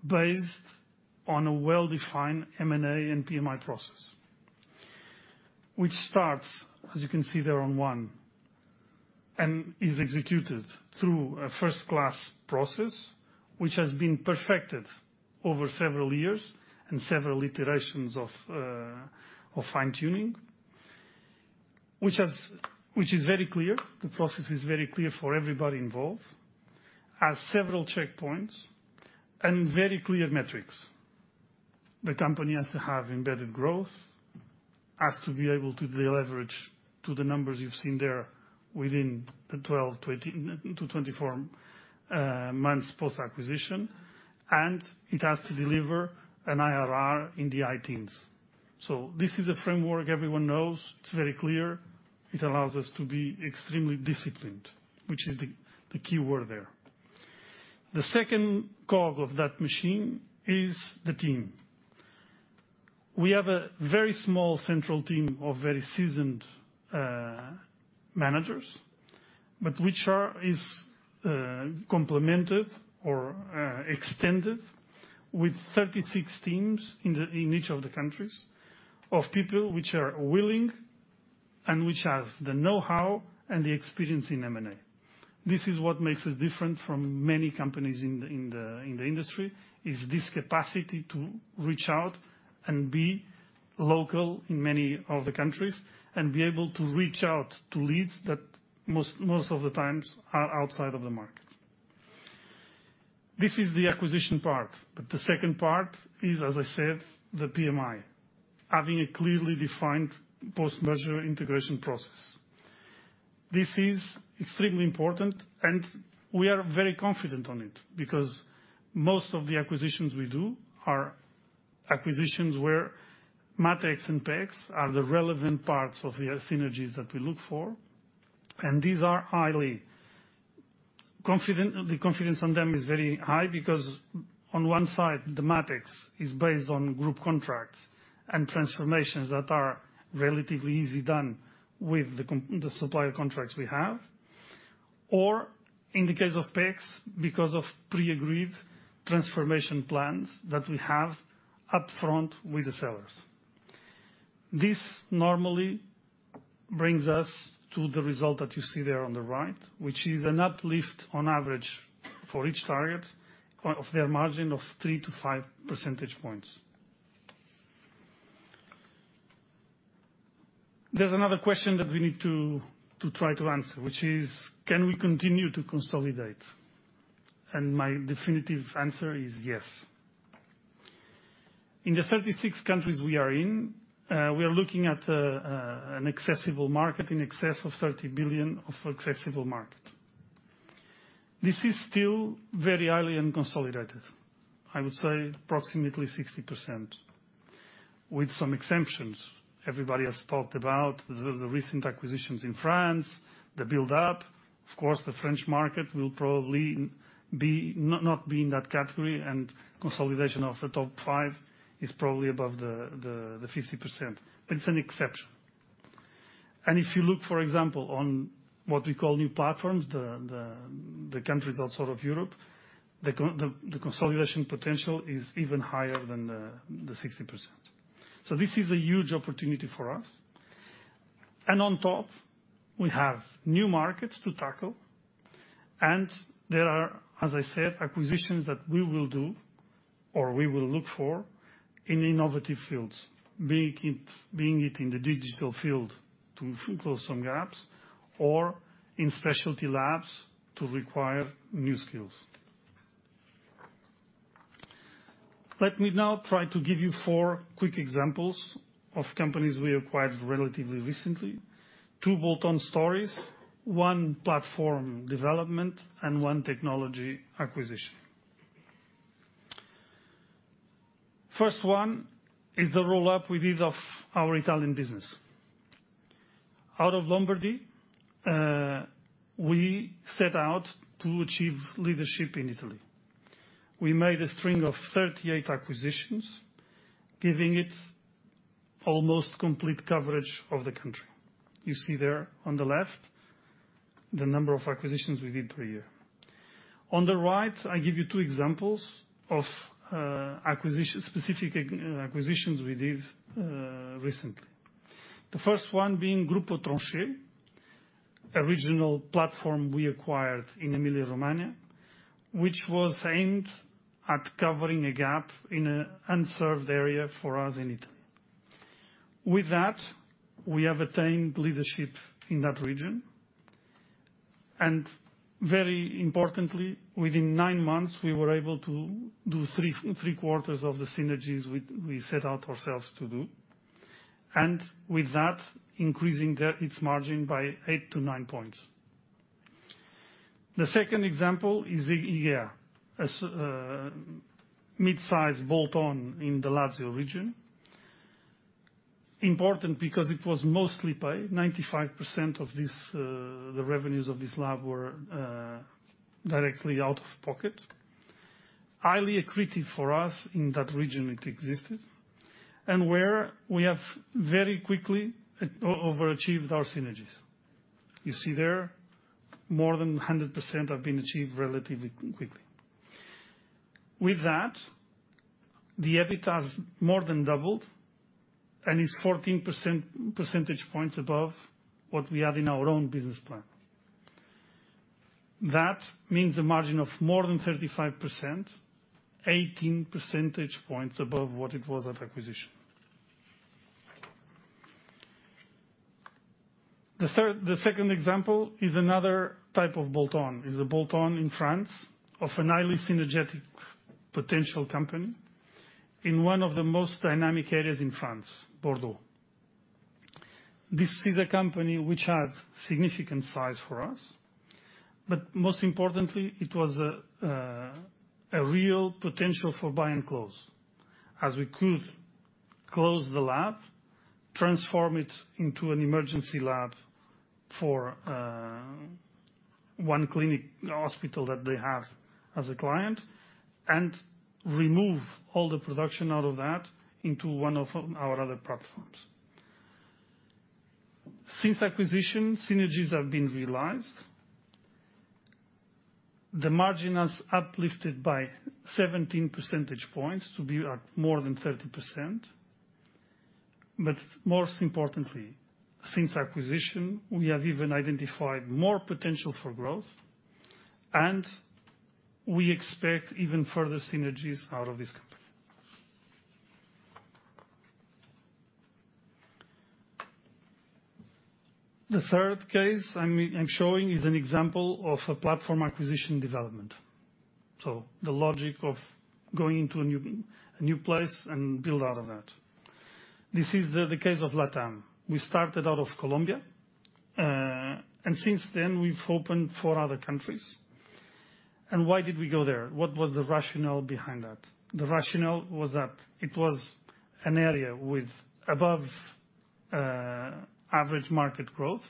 O: based on a well-defined M&A and PMI process, which starts, as you can see there on one, and is executed through a first-class process, which has been perfected over several years and several iterations of fine-tuning, which is very clear. The process is very clear for everybody involved, has several checkpoints and very clear metrics. The company has to have embedded growth, has to be able to deleverage to the numbers you've seen there within the 12 months-24 months post-acquisition, and it has to deliver an IRR in the high teens. This is a framework everyone knows. It's very clear. It allows us to be extremely disciplined, which is the key word there. The second cog of that machine is the team. We have a very small central team of very seasoned managers, but which are complemented or extended with 36 teams in each of the countries of people which are willing and which has the know-how and the experience in M&A. This is what makes us different from many companies in the industry, is this capacity to reach out and be local in many of the countries and be able to reach out to leads that most of the times are outside of the market. This is the acquisition part, but the second part is, as I said, the PMI, having a clearly defined post-merger integration process. This is extremely important, and we are very confident on it because most of the acquisitions we do are acquisitions where MatEx and PaEx are the relevant parts of the synergies that we look for. These are highly confident. The confidence on them is very high because on one side, the MatEx is based on group contracts and transformations that are relatively easy done with the supplier contracts we have, or in the case of PaEx, because of pre-agreed transformation plans that we have up-front with the sellers. This normally brings us to the result that you see there on the right, which is an uplift on average for each target of their margin of three-five percentage points. There's another question that we need to try to answer, which is, can we continue to consolidate? My definitive answer is yes. In the 36 countries we are in, we are looking at an accessible market in excess of 30 billion. This is still very highly unconsolidated. I would say approximately 60%. With some exemptions. Everybody has talked about the recent acquisitions in France, the build-up. Of course, the French market will probably not be in that category, and consolidation of the top five is probably above the 50%. It's an exception. If you look, for example, on what we call new platforms, the countries outside of Europe, the consolidation potential is even higher than the 60%. This is a huge opportunity for us. On top, we have new markets to tackle. There are, as I said, acquisitions that we will do or we will look for in innovative fields. Be it in the digital field to close some gaps or in specialty labs to acquire new skills. Let me now try to give you four quick examples of companies we acquired relatively recently. Two bolt-on stories, one platform development, and one technology acquisition. First one is the roll-up we did of our Italian business. Out of Lombardy, we set out to achieve leadership in Italy. We made a string of 38 acquisitions, giving it almost complete coverage of the country. You see there on the left the number of acquisitions we did per year. On the right, I give you two examples of acquisition-specific acquisitions we did recently. The first one being Gruppo Tronchet, a regional platform we acquired in Emilia-Romagna, which was aimed at covering a gap in an unserved area for us in Italy. With that, we have attained leadership in that region. Very importantly, within nine months, we were able to do three-quarters of the synergies we set out ourselves to do. With that, increasing its margin by eight-nine points. The second example is Igea, a mid-size bolt-on in the Lazio region. Important because it was mostly paid. 95% of the revenues of this lab were directly out of pocket. Highly accretive for us in that region it existed, and where we have very quickly overachieved our synergies. You see there more than 100% have been achieved relatively quickly. With that, the EBIT has more than doubled and is 14 percentage points above what we had in our own business plan. That means a margin of more than 35%, 18 percentage points above what it was at acquisition. The second example is another type of bolt-on. It's a bolt-on in France of a highly synergetic potential company in one of the most dynamic areas in France, Bordeaux. This is a company which had significant size for us, but most importantly, it was a real potential for buy and close. As we could close the lab, transform it into an emergency lab for one clinic hospital that they have as a client, and remove all the production out of that into one of our other platforms. Since acquisition, synergies have been realized. The margin has uplifted by 17 percentage points to be at more than 30%. Most importantly, since acquisition, we have even identified more potential for growth, and we expect even further synergies out of this company. The third case I'm showing is an example of a platform acquisition development. The logic of going into a new place and build out of that. This is the case of LatAm. We started out of Colombia, and since then we've opened four other countries. Why did we go there? What was the rationale behind that? The rationale was that it was an area with above average market growth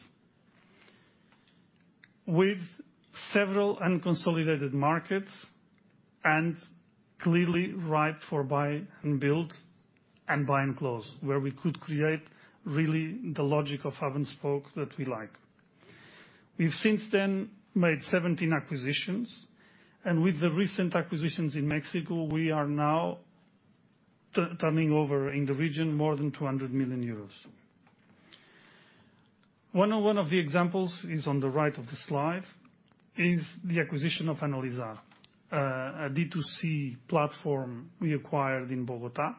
O: with several unconsolidated markets and clearly ripe for buy and build and buy and close, where we could create really the logic of hub-and-spoke that we like. We've since then made 17 acquisitions, and with the recent acquisitions in Mexico, we are now turning over in the region more than 200 million euros. One of the examples is on the right of the slide, the acquisition of Analizar, a D2C platform we acquired in Bogotá,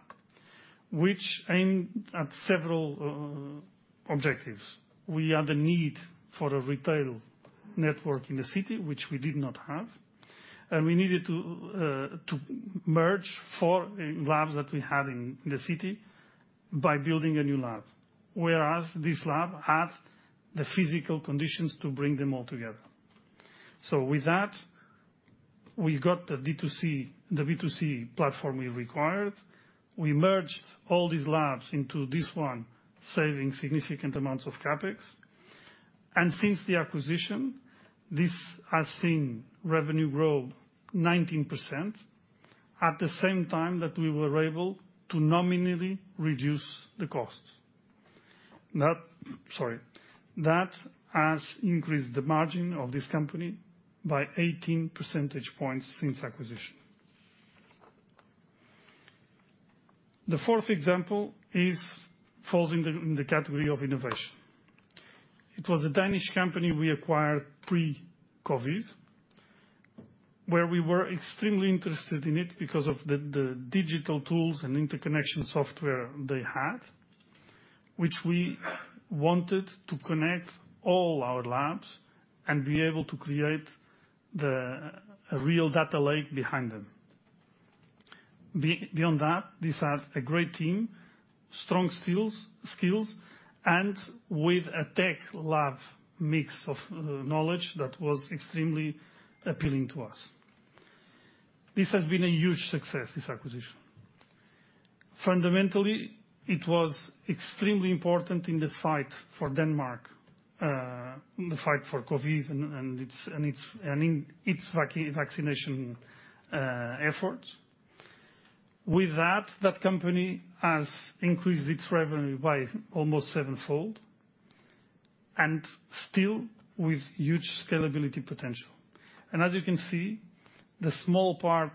O: which aimed at several objectives. We had a need for a retail network in the city, which we did not have. We needed to merge four labs that we had in the city by building a new lab. Whereas this lab had the physical conditions to bring them all together. With that, we got the B2C platform we required. We merged all these labs into this one, saving significant amounts of CapEx. Since the acquisition, this has seen revenue grow 19% at the same time that we were able to nominally reduce the cost. That has increased the margin of this company by 18 percentage points since acquisition. The fourth example falls in the category of innovation. It was a Danish company we acquired pre-COVID, where we were extremely interested in it because of the digital tools and interconnection software they had, which we wanted to connect all our labs and be able to create a real data lake behind them. Beyond that, these are a great team, strong skills, and with a tech lab mix of knowledge that was extremely appealing to us. This has been a huge success, this acquisition. Fundamentally, it was extremely important in the fight for Denmark, the fight for COVID and in its vaccination efforts. With that company has increased its revenue by almost sevenfold and still with huge scalability potential. As you can see, the small part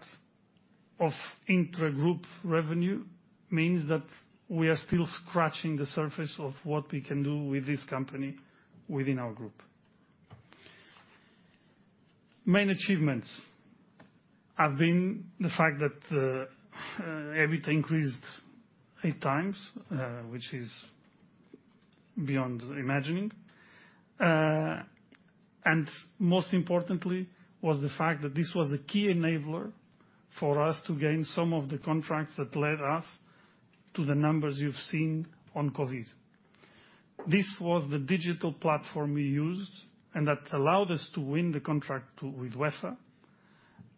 O: of intragroup revenue means that we are still scratching the surface of what we can do with this company within our group. Main achievements have been the fact that EBITDA increased 8 times, which is beyond imagining. Most importantly was the fact that this was a key enabler for us to gain some of the contracts that led us to the numbers you've seen on COVID. This was the digital platform we used and that allowed us to win the contract with UEFA,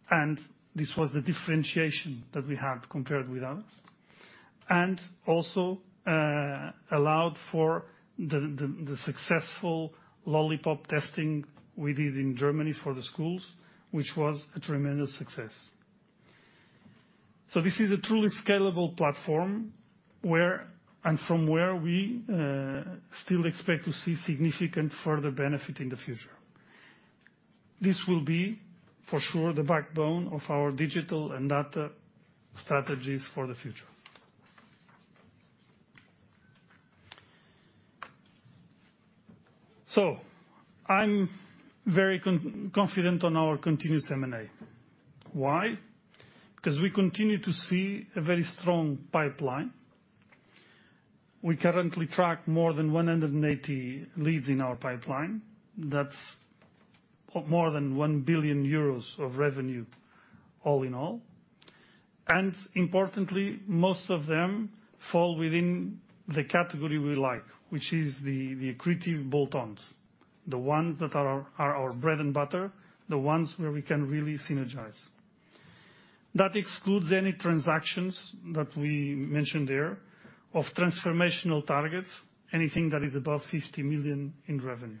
O: and this was the differentiation that we had compared with others. Also allowed for the successful lollipop testing we did in Germany for the schools, which was a tremendous success. This is a truly scalable platform where and from where we still expect to see significant further benefit in the future. This will be for sure the backbone of our digital and data strategies for the future. I'm very confident on our continuous M&A. Why? Because we continue to see a very strong pipeline. We currently track more than 180 leads in our pipeline. That's more than 1 billion euros of revenue all in all. Importantly, most of them fall within the category we like, which is the accretive bolt-ons, the ones that are our bread and butter, the ones where we can really synergize. That excludes any transactions that we mentioned thereof transformational targets, anything that is above 50 million in revenue.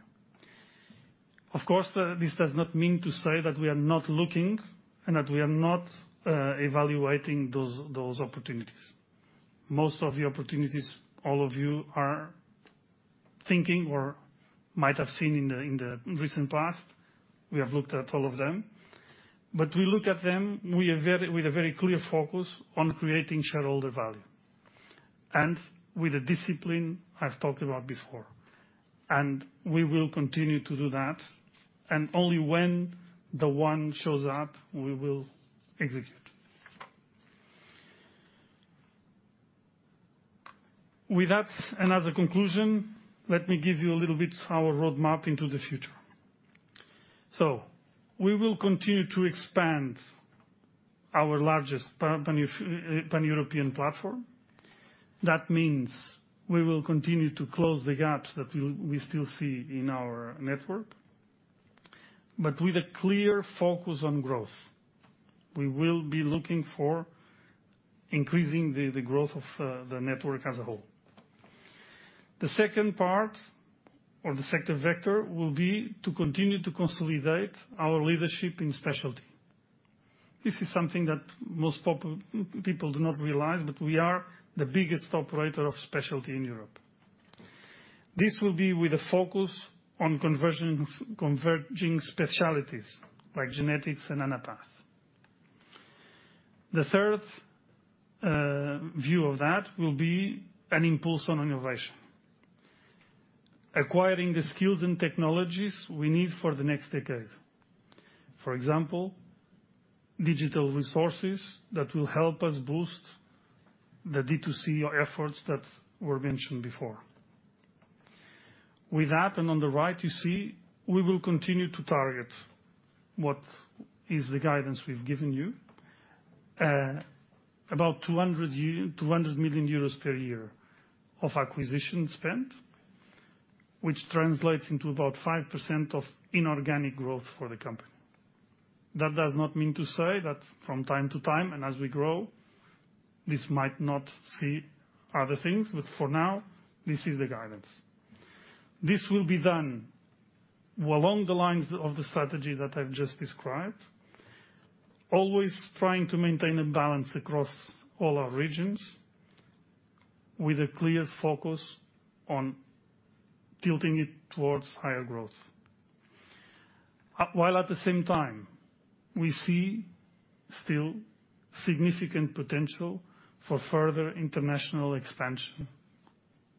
O: Of course, this does not mean to say that we are not looking and that we are not evaluating those opportunities. Most of the opportunities all of you are thinking or might have seen in the recent past, we have looked at all of them. We look at them with a very clear focus on creating shareholder value and with the discipline I've talked about before. We will continue to do that. Only when the one shows up we will execute. With that and as a conclusion, let me give you a little bit our roadmap into the future. We will continue to expand our largest Pan-European platform. That means we will continue to close the gaps that we still see in our network, but with a clear focus on growth. We will be looking for increasing the growth of the network as a whole. The second part or the second vector will be to continue to consolidate our leadership in specialty. This is something that most people do not realize, but we are the biggest operator of specialty in Europe. This will be with a focus on converging specialties like genetics and anatomic pathology. The third view of that will be an emphasis on innovation. Acquiring the skills and technologies we need for the next decades. For example, digital resources that will help us boost the D2C efforts that were mentioned before. With that, on the right you see we will continue to target what is the guidance we've given you, about 200 million euros per year of acquisition spend, which translates into about 5% of inorganic growth for the company. That does not mean to say that from time to time and as we grow, this might not see other things, but for now, this is the guidance. This will be done along the lines of the strategy that I've just described, always trying to maintain a balance across all our regions with a clear focus on tilting it towards higher growth. While at the same time, we see still significant potential for further international expansion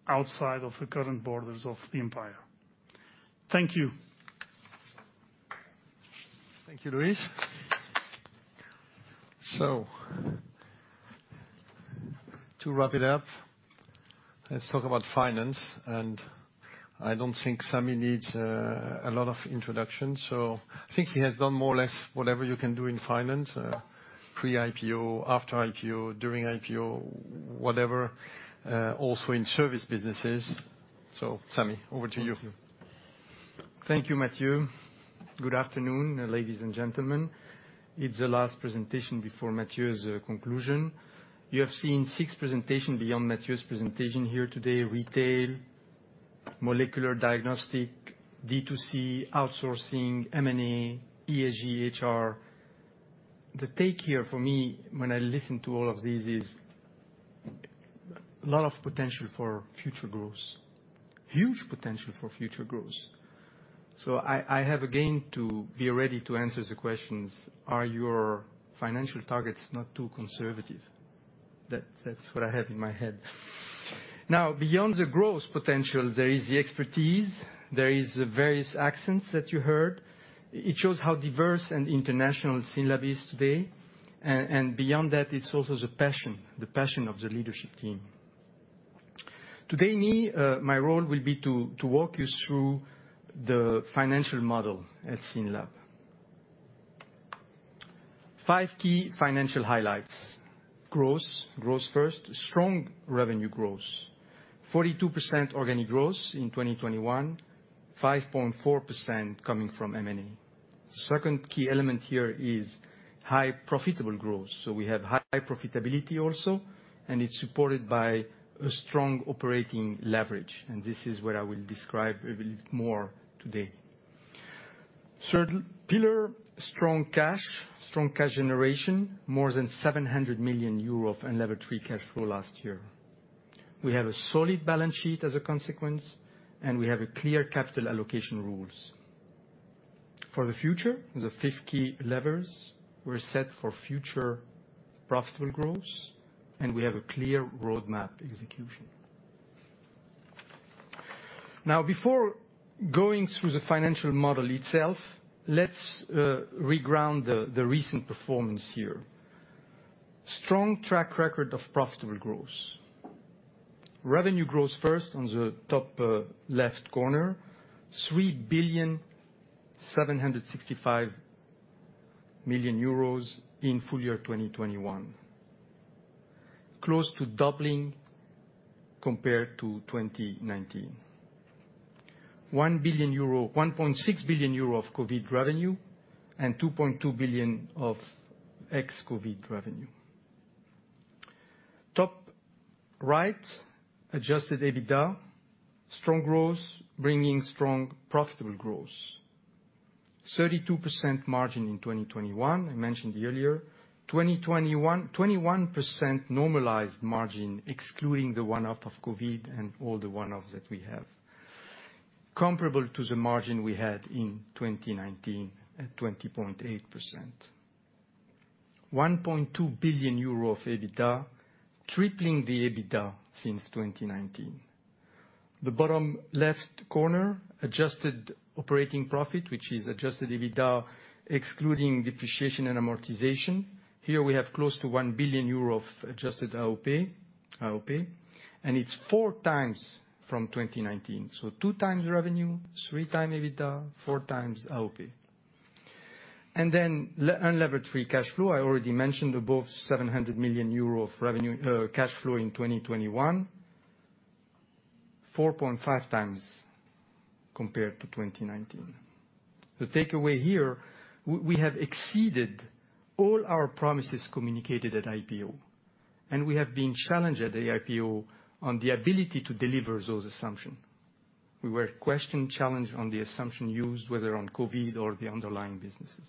O: outside of the current borders of the empire. Thank you.
B: Thank you, Luis. To wrap it up, let's talk about finance, and I don't think Sami needs a lot of introduction, so I think he has done more or less whatever you can do in finance, pre-IPO, after IPO, during IPO, whatever, also in service businesses. Sami, over to you.
P: Thank you. Thank you, Mathieu. Good afternoon, ladies and gentlemen. It's the last presentation before Mathieu's conclusion. You have seen six presentations beyond Mathieu's presentation here today, retail, molecular diagnostics, D2C, outsourcing, M&A, ESG, HR. The take here for me when I listen to all of this is a lot of potential for future growth, huge potential for future growth. I have again to be ready to answer the questions, "Are your financial targets not too conservative?" That's what I have in my head. Now, beyond the growth potential, there is the expertise, there is the various accents that you heard. It shows how diverse and international SYNLAB is today. And beyond that, it's also the passion, the passion of the leadership team. Today, my role will be to walk you through the financial model at SYNLAB. Five key financial highlights. Growth, growth first. Strong revenue growth. 42% organic growth in 2021, 5.4% coming from M&A. Second key element here is high profitable growth. We have high profitability also, and it's supported by a strong operating leverage, and this is where I will describe a little more today. Third pillar, strong cash. Strong cash generation. More than 700 million euro of unlevered free cash flow last year. We have a solid balance sheet as a consequence, and we have a clear capital allocation rules. For the future, the fifth key levers, we're set for future profitable growth and we have a clear roadmap execution. Now, before going through the financial model itself, let's reground the recent performance here. Strong track record of profitable growth. Revenue growth first on the top left corner, 3,765 million euros in full year 2021. Close to doubling compared to 2019. 1 billion euro, 1.6 billion euro of COVID revenue and 2.2 billion of ex-COVID revenue. Top right, adjusted EBITDA, strong growth, bringing strong profitable growth. 32% margin in 2021, I mentioned earlier. 2021, 21% normalized margin, excluding the one-off of COVID and all the one-offs that we have, comparable to the margin we had in 2019 at 20.8%. 1.2 billion euro of EBITDA, tripling the EBITDA since 2019. The bottom left corner, adjusted operating profit, which is adjusted EBITDA excluding depreciation and amortization. Here we have close to 1 billion euro of adjusted AOP, and it's 4x from 2019. Two times revenue, three times EBITDA, four times AOP. Then unlevered free cash flow. I already mentioned above 700 million euro of revenue, cash flow in 2021, 4.5 times compared to 2019. The takeaway here, we have exceeded all our promises communicated at IPO, and we have been challenged at the IPO on the ability to deliver those assumptions. We were questioned, challenged on the assumptions used, whether on COVID or the underlying businesses.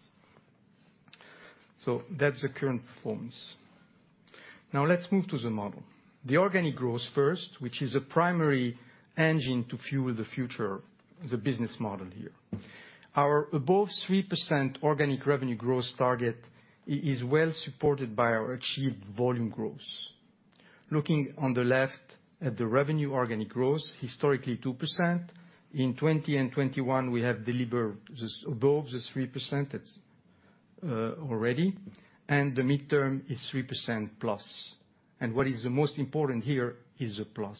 P: That's the current performance. Now let's move to the model. The organic growth first, which is a primary engine to fuel the future, the business model here. Our above 3% organic revenue growth target is well supported by our achieved volume growth. Looking on the left at the revenue organic growth, historically 2%. In 2020 and 2021, we have delivered this above the 3% already, and the midterm is 3% plus. What is the most important here is the plus.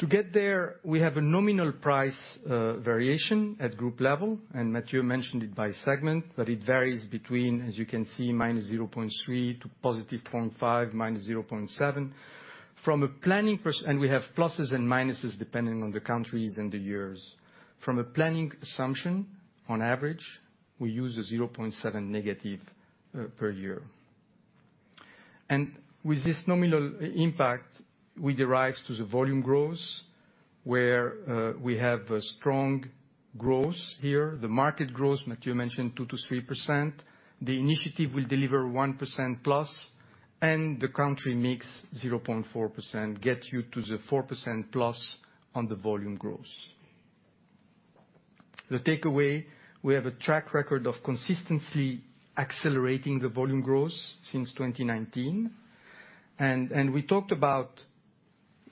P: To get there, we have a nominal price variation at group level, and Mathieu mentioned it by segment, but it varies between, as you can see, -0.3% to +0.5%, -0.7%. We have pluses and minuses depending on the countries and the years. From a planning assumption, on average, we use a -0.7% per year. With this nominal impact, we arrive at the volume growth, where we have a strong growth here. The market growth, Mathieu mentioned 2%-3%. The initiative will deliver 1%+, and the country mix 0.4% gets you to the 4%+ on the volume growth. The takeaway, we have a track record of consistency accelerating the volume growth since 2019. We talked about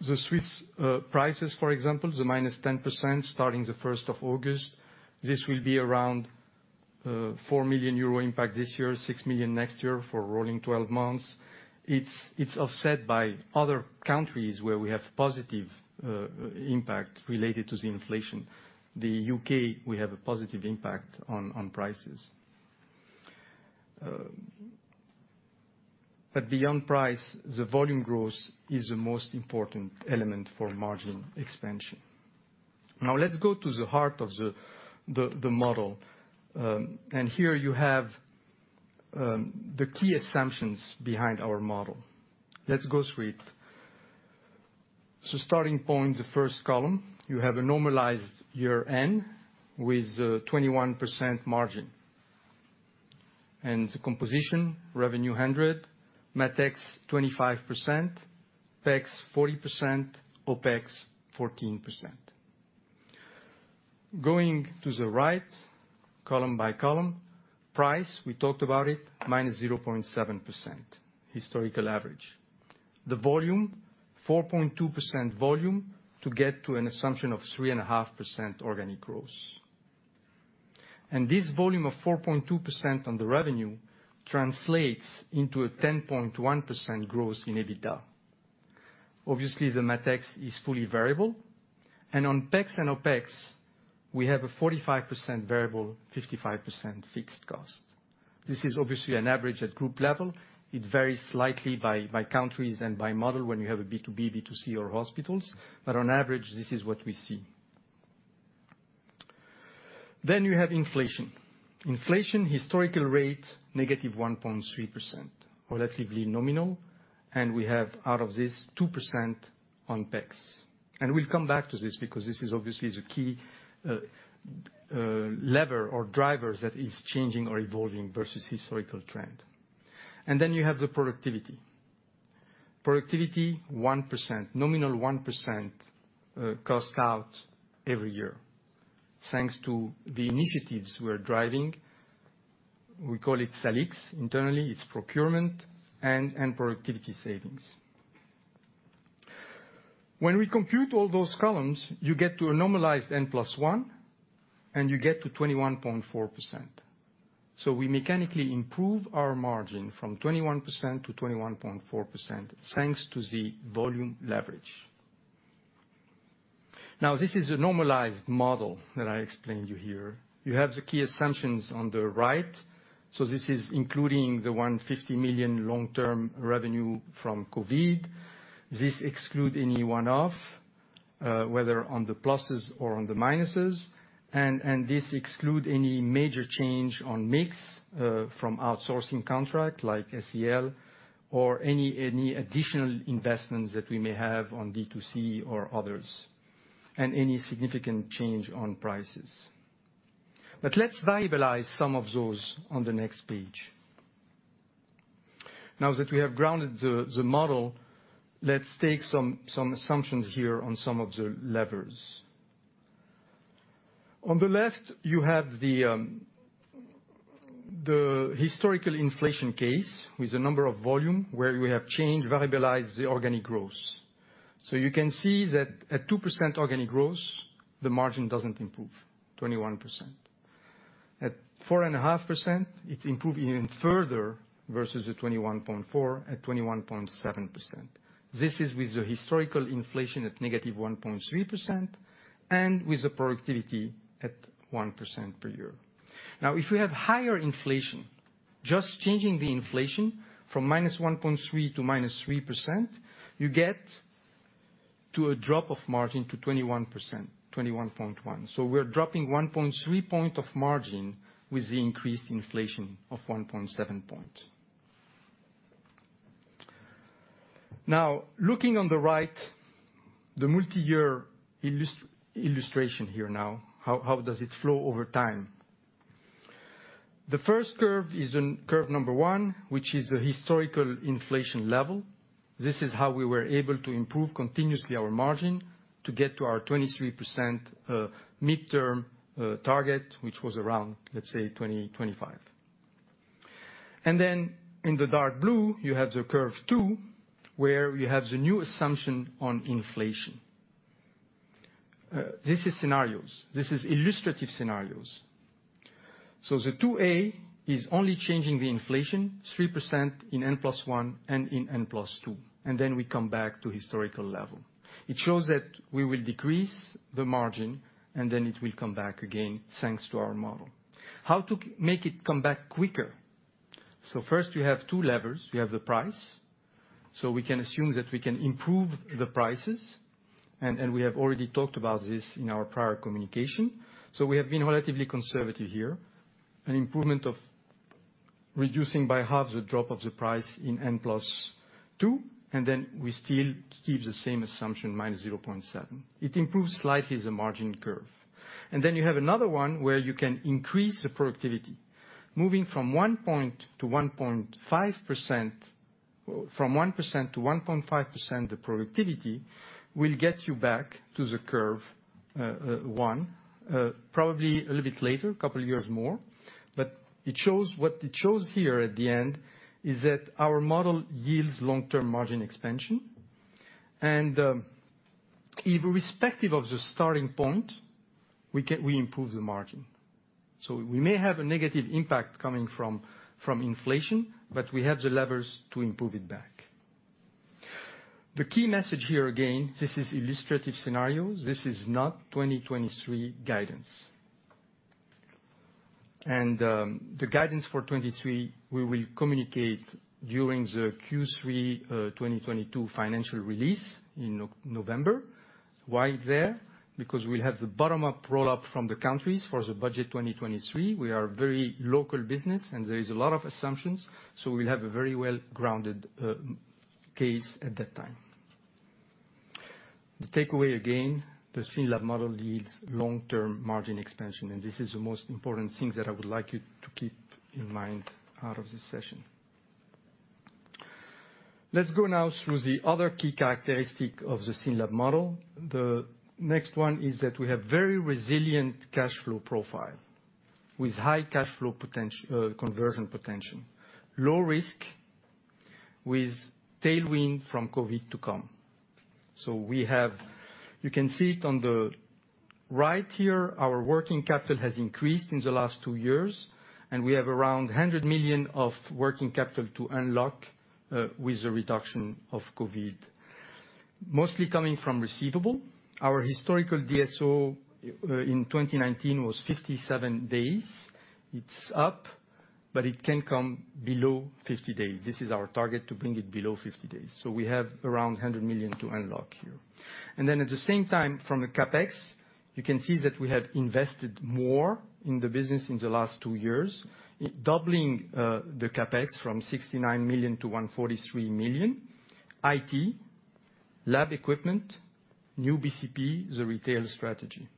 P: the Swiss prices, for example, the -10% starting the first of August. This will be around 4 million euro impact this year, 6 million next year for rolling twelve months. It's offset by other countries where we have positive impact related to the inflation. The U.K., we have a positive impact on prices. But beyond price, the volume growth is the most important element for margin expansion. Now let's go to the heart of the model. Here you have the key assumptions behind our model. Let's go through it. Starting point, the first column, you have a normalized year N with a 21% margin. The composition, revenue 100, MatEx 25%, PEx 40%, OpEx 14%. Going to the right, column by column, price, we talked about it, -0.7% historical average. The volume, 4.2% volume to get to an assumption of 3.5% organic growth. This volume of 4.2% on the revenue translates into a 10.1% growth in EBITDA. Obviously, the MatEx is fully variable. On PEx and OpEx, we have a 45% variable, 55% fixed cost. This is obviously an average at group level. It varies slightly by countries and by model when you have a B2B, B2C or hospitals. On average, this is what we see. You have inflation. Inflation, historical rate, -1.3%, relatively nominal, and we have out of this 2% on PEx. We'll come back to this because this is obviously the key lever or drivers that is changing or evolving versus historical trend. Then you have the productivity. Productivity, 1%. Nominal 1%, cost out every year. Thanks to the initiatives we're driving, we call it SALIX internally, it's procurement and productivity savings. When we compute all those columns, you get to a normalized N+1, and you get to 21.4%. We mechanically improve our margin from 21%-21.4%, thanks to the volume leverage. Now, this is a normalized model that I explained to you here. You have the key assumptions on the right. This is including the 150 million long-term revenue from COVID. This excludes any one-off, whether on the pluses or on the minuses. This excludes any major change on mix, from outsourcing contract like SEL or additional investments that we may have on D2C or others, and any significant change on prices. Let's variabilize some of those on the next page. Now that we have grounded the model, let's take some assumptions here on some of the levers. On the left, you have the historical inflation case with the number of volume where we have changed, variabilized the organic growth. You can see that at 2% organic growth, the margin doesn't improve, 21%. At 4.5%, it improved even further versus the 21.4% at 21.7%. This is with the historical inflation at -1.3% and with the productivity at 1% per year. Now, if we have higher inflation, just changing the inflation from -1.3 to -3%, you get to a drop of margin to 21%, 21.1. We're dropping 1.3 points of margin with the increased inflation of 1.7 points. Now looking on the right, the multi-year illustration here now, how does it flow over time? The first curve is curve number one, which is the historical inflation level. This is how we were able to improve continuously our margin to get to our 23% midterm target, which was around, let's say, 2025. In the dark blue, you have the curve two, where you have the new assumption on inflation. This is scenarios. This is illustrative scenarios. The two A is only changing the inflation 3% in N plus one and in N plus two, and then we come back to historical level. It shows that we will decrease the margin, and then it will come back again thanks to our model. How to make it come back quicker? First, we have two levers. We have the price, so we can assume that we can improve the prices, and we have already talked about this in our prior communication, so we have been relatively conservative here. An improvement of reducing by half the drop of the price in N plus two, and then we still keep the same assumption minus 0.7. It improves slightly the margin curve. Then you have another one where you can increase the productivity. Moving from 1%-1.5%, from 1%-1.5% the productivity will get you back to the curve, probably a little bit later, a couple of years more. It shows what it shows here at the end is that our model yields long-term margin expansion. Irrespective of the starting point, we improve the margin. We may have a negative impact coming from inflation, but we have the levers to improve it back. The key message here again, this is illustrative scenarios. This is not 2023 guidance. The guidance for 2023, we will communicate during the Q3 2022 financial release in November. Why there? Because we'll have the bottom-up roll-up from the countries for the budget 2023. We are very local business, and there is a lot of assumptions, so we'll have a very well-grounded case at that time. The takeaway again, the SYNLAB model yields long-term margin expansion, and this is the most important thing that I would like you to keep in mind out of this session. Let's go now through the other key characteristic of the SYNLAB model. The next one is that we have very resilient cash flow profile with high cash flow conversion potential, low risk with tailwind from COVID to come. You can see it on the right here, our working capital has increased in the last two years, and we have around 100 million of working capital to unlock with the reduction of COVID, mostly coming from receivable. Our historical DSO in 2019 was 57 days. It's up, but it can come below 50 days. This is our target to bring it below 50 days. We have around 100 million to unlock here. At the same time from the CapEx, you can see that we have invested more in the business in the last two years, doubling the CapEx from 69 million to 143 million, IT, lab equipment, new BCP, the retail strategy.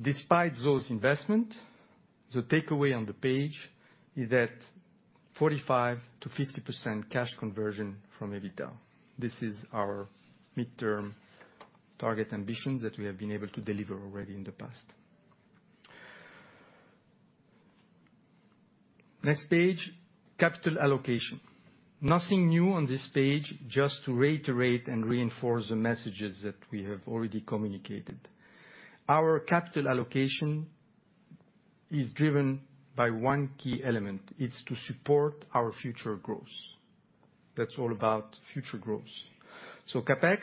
P: Despite those investment, the takeaway on the page is that 45%-50% cash conversion from EBITDA. This is our midterm target ambitions that we have been able to deliver already in the past. Next page, capital allocation. Nothing new on this page, just to reiterate and reinforce the messages that we have already communicated. Our capital allocation is driven by one key element. It's to support our future growth. That's all about future growth. CapEx,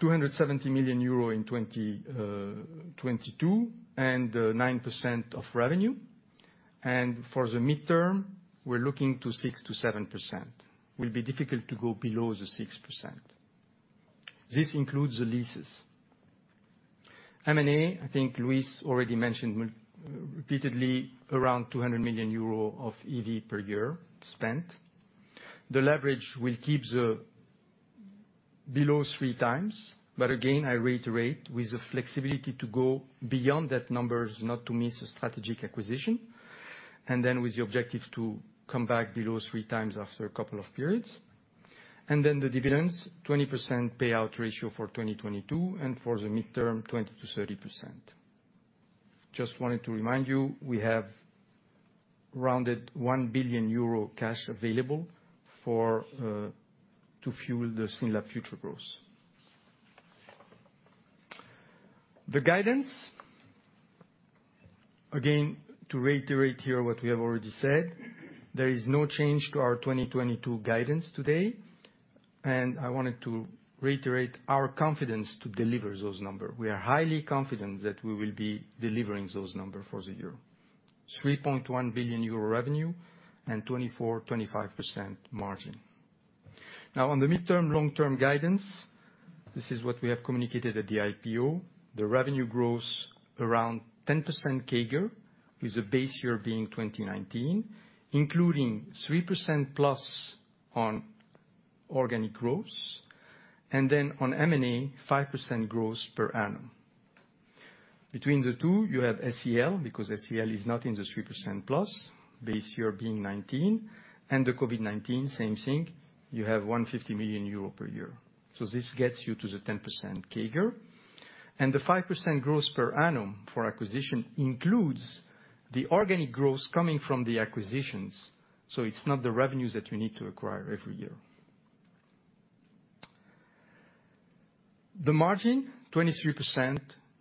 P: 270 million euro in 2022, and 9% of revenue. For the midterm, we're looking to 6%-7%. It will be difficult to go below the 6%. This includes the leases. M&A, I think Luis already mentioned repeatedly, around 200 million euro of EV per year spent. The leverage will keep it below 3x. But again, I reiterate, with the flexibility to go beyond that number not to miss a strategic acquisition, and then with the objective to come back below 3x after a couple of periods. The dividends, 20% payout ratio for 2022, and for the midterm, 20%-30%. Just wanted to remind you, we have around 1 billion euro cash available to fuel the SYNLAB future growth. The guidance, again, to reiterate here what we have already said, there is no change to our 2022 guidance today. I wanted to reiterate our confidence to deliver those numbers. We are highly confident that we will be delivering those numbers for the year. 3.1 billion euro revenue and 24%-25% margin. Now on the midterm, long-term guidance, this is what we have communicated at the IPO. The revenue growth around 10% CAGR, with the base year being 2019, including 3%+ on organic growth. Then on M&A, 5% growth per annum. Between the two, you have SEL, because SEL is not in the 3%+, base year being 2019. The COVID-19, same thing. You have 150 million euro per year. This gets you to the 10% CAGR. The 5% growth per annum for acquisition includes the organic growth coming from the acquisitions, so it's not the revenues that you need to acquire every year. The margin, 23%,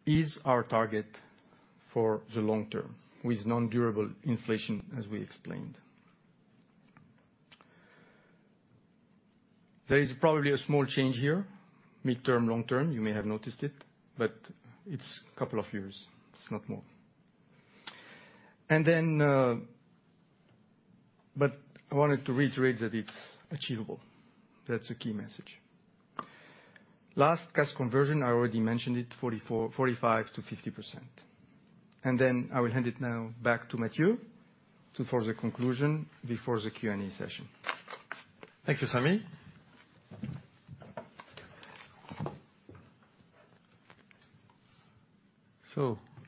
P: is our target for the long term, with non-durable inflation, as we explained. There is probably a small change here, midterm, long term, you may have noticed it, but it's a couple of years, it's not more. I wanted to reiterate that it's achievable. That's a key message. Last, cash conversion, I already mentioned it, 44, 45-50%. I will hand it now back to Mathieu for the conclusion before the Q&A session.
B: Thank you, Sami.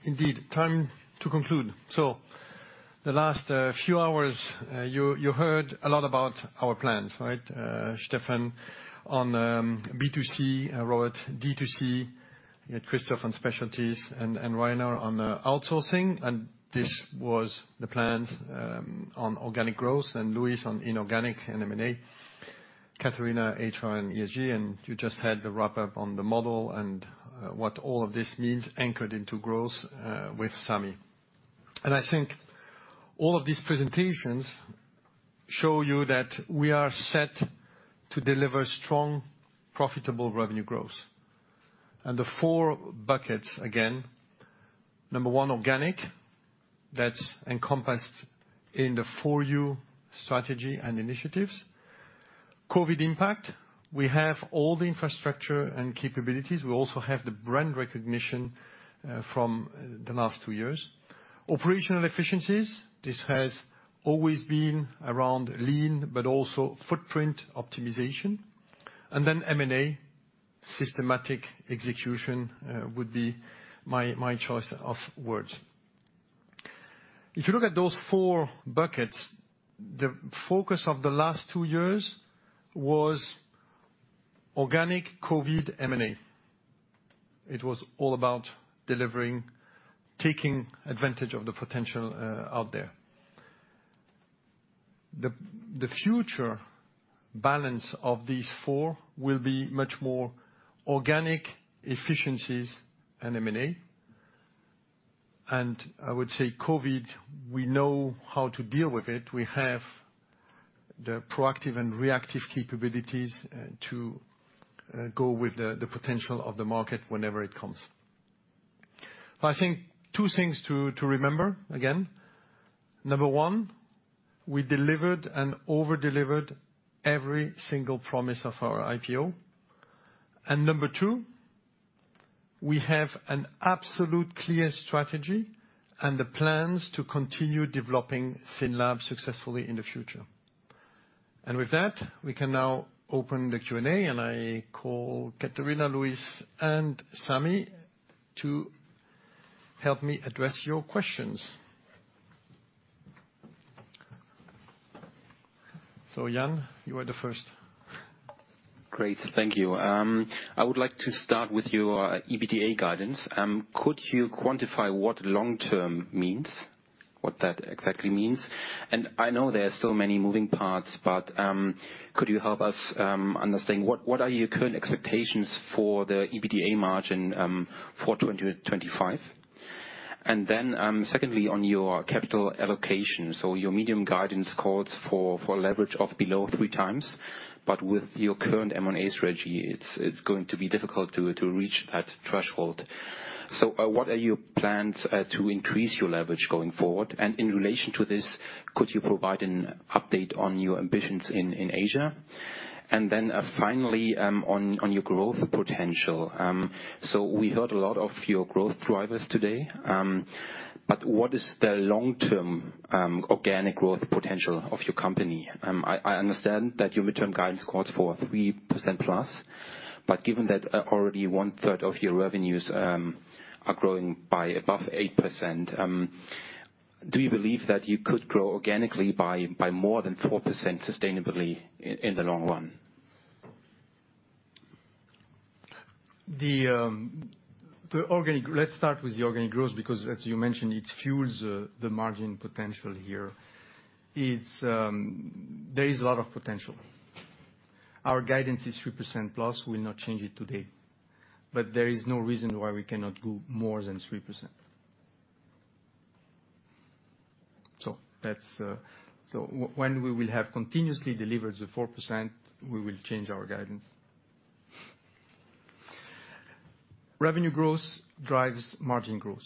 B: Indeed, time to conclude. The last few hours, you heard a lot about our plans, right? Stephan on B2C, Robert, D2C. We had Christoph on specialties, and Rainer on outsourcing, and this was the plans on organic growth, and Luis on inorganic and M&A, Catharina, HR and ESG. You just had the wrap-up on the model and what all of this means anchored into growth with Sami. I think all of these presentations show you that we are set to deliver strong, profitable revenue growth. The four buckets, again, number one, organic. That's encompassed in the FOR YOU strategy and initiatives. COVID impact, we have all the infrastructure and capabilities. We also have the brand recognition from the last two years. Operational efficiencies, this has always been around Lean, but also footprint optimization. M&A, systematic execution, would be my choice of words. If you look at those four buckets, the focus of the last two years was organic COVID M&A. It was all about delivering, taking advantage of the potential out there. The future balance of these four will be much more organic efficiencies and M&A. I would say COVID, we know how to deal with it. We have the proactive and reactive capabilities to go with the potential of the market whenever it comes. I think two things to remember, again. Number one, we delivered and over-delivered every single promise of our IPO. Number two, we have an absolute clear strategy and the plans to continue developing SYNLAB successfully in the future. With that, we can now open the Q&A, and I call Catharina, Luis and Sami to help me address your questions. Jan, you are the first.
L: Great. Thank you. I would like to start with your EBITDA guidance. Could you quantify what long term means, what that exactly means? I know there are still many moving parts, but could you help us understand what are your current expectations for the EBITDA margin for 2025? Secondly, on your capital allocation, your medium guidance calls for leverage of below 3x, but with your current M&A strategy, it's going to be difficult to reach that threshold. What are your plans to increase your leverage going forward? In relation to this, could you provide an update on your ambitions in Asia? Finally, on your growth potential. We heard a lot of your growth drivers today, but what is the long-term organic growth potential of your company? I understand that your midterm guidance calls for 3%+, but given that, already 1/3 of your revenues are growing by above 8%, do you believe that you could grow organically by more than 4% sustainably in the long run?
P: Let's start with the organic growth, because as you mentioned, it fuels the margin potential here. There is a lot of potential. Our guidance is 3%+. We'll not change it today. But there is no reason why we cannot do more than 3%. So that's when we will have continuously delivered the 4%, we will change our guidance. Revenue growth drives margin growth.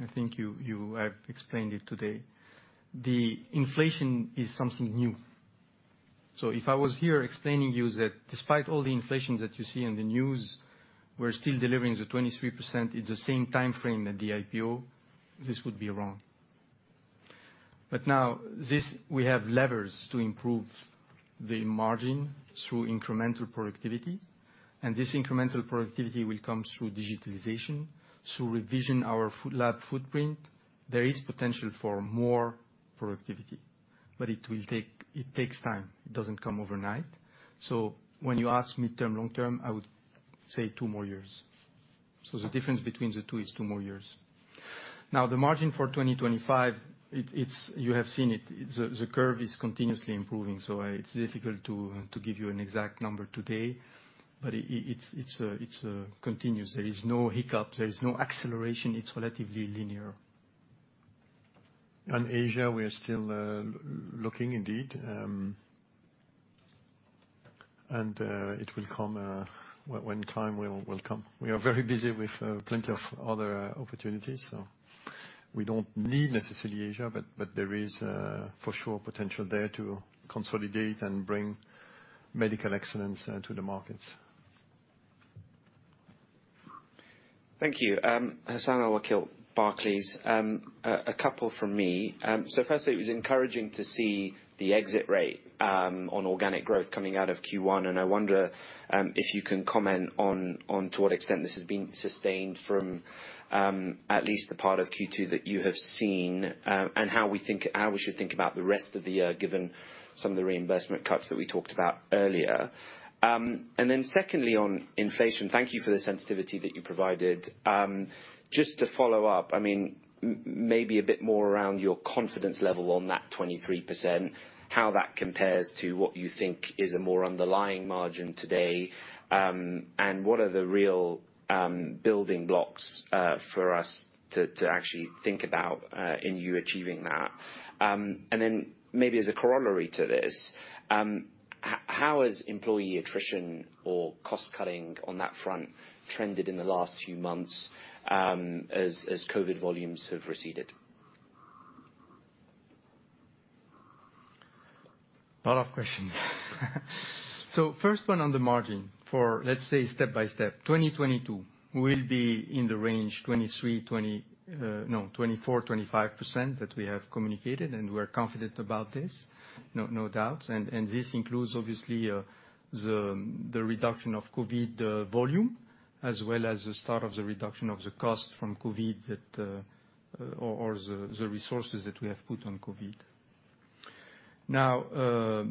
P: I think you have explained it today. The inflation is something new. So if I was here explaining to you that despite all the inflation that you see in the news, we're still delivering the 23% in the same time frame as the IPO, this would be wrong. But now, we have levers to improve the margin through incremental productivity, and this incremental productivity will come through digitalization, through revising our Food lab footprint. There is potential for more productivity, but it takes time. It doesn't come overnight. When you ask me short term, long term, I would say two more years. The difference between the two is two more years. Now the margin for 2025, you have seen it. The curve is continuously improving. It's difficult to give you an exact number today. But it's continuous. There is no hiccup. There is no acceleration. It's relatively linear.
B: On Asia, we are still looking indeed, and it will come when time will come. We are very busy with plenty of other opportunities, so we don't need necessarily Asia. There is for sure potential there to consolidate and bring medical excellence to the markets.
G: Thank you. Hassan Al-Wakeel, Barclays. A couple from me. Firstly, it was encouraging to see the exit rate on organic growth coming out of Q1, and I wonder if you can comment on to what extent this has been sustained from at least the part of Q2 that you have seen, and how we should think about the rest of the year, given some of the reinvestment cuts that we talked about earlier. Secondly, on inflation, thank you for the sensitivity that you provided. Just to follow up, I mean, maybe a bit more around your confidence level on that 23%, how that compares to what you think is a more underlying margin today, and what are the real building blocks for us to actually think about in you achieving that? Maybe as a corollary to this, how has employee attrition or cost cutting on that front trended in the last few months, as COVID volumes have receded?
P: A lot of questions. First one on the margin for, let's say, step by step. 2022 will be in the range 24%-25% that we have communicated, and we're confident about this, no doubt. This includes, obviously, the reduction of COVID volume as well as the start of the reduction of the cost from COVID, or the resources that we have put on COVID. Now,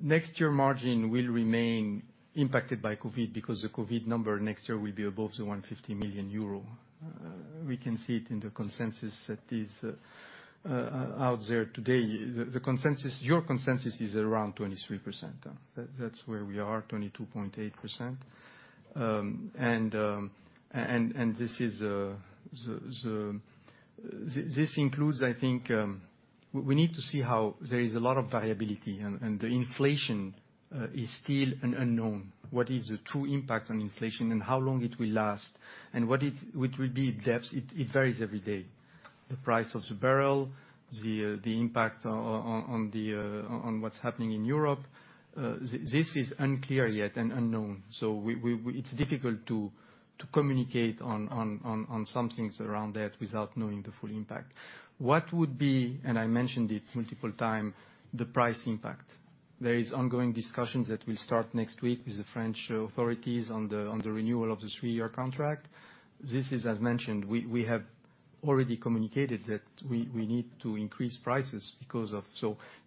P: next year margin will remain impacted by COVID because the COVID number next year will be above 150 million euro. We can see it in the consensus that is out there today. The consensus, your consensus is around 23%. That's where we are, 22.8%. This includes, I think, we need to see how there is a lot of variability and the inflation is still an unknown. What is the true impact on inflation and how long it will last, and which will be depths, it varies every day. The price of the barrel, the impact on what's happening in Europe, this is unclear yet and unknown. It's difficult to communicate on some things around that without knowing the full impact. What would be, and I mentioned it multiple time, the price impact. There is ongoing discussions that will start next week with the French authorities on the renewal of the three-year contract. This is, as mentioned, we have already communicated that we need to increase prices because of.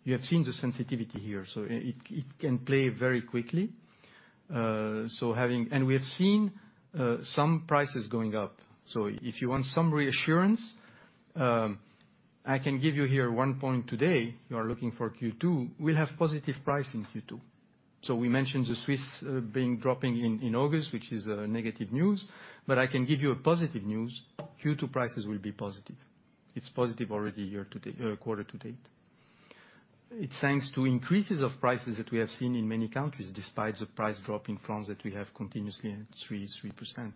P: You have seen the sensitivity here, so it can play very quickly. We have seen some prices going up. If you want some reassurance, I can give you here one point today. You are looking for Q2. We'll have positive pricing in Q2. We mentioned the Swiss pricing dropping in August, which is negative news. I can give you a positive news. Q2 prices will be positive. It's positive already year to date, quarter to date. It's thanks to increases of prices that we have seen in many countries despite the price drop in France, which continues at 3%.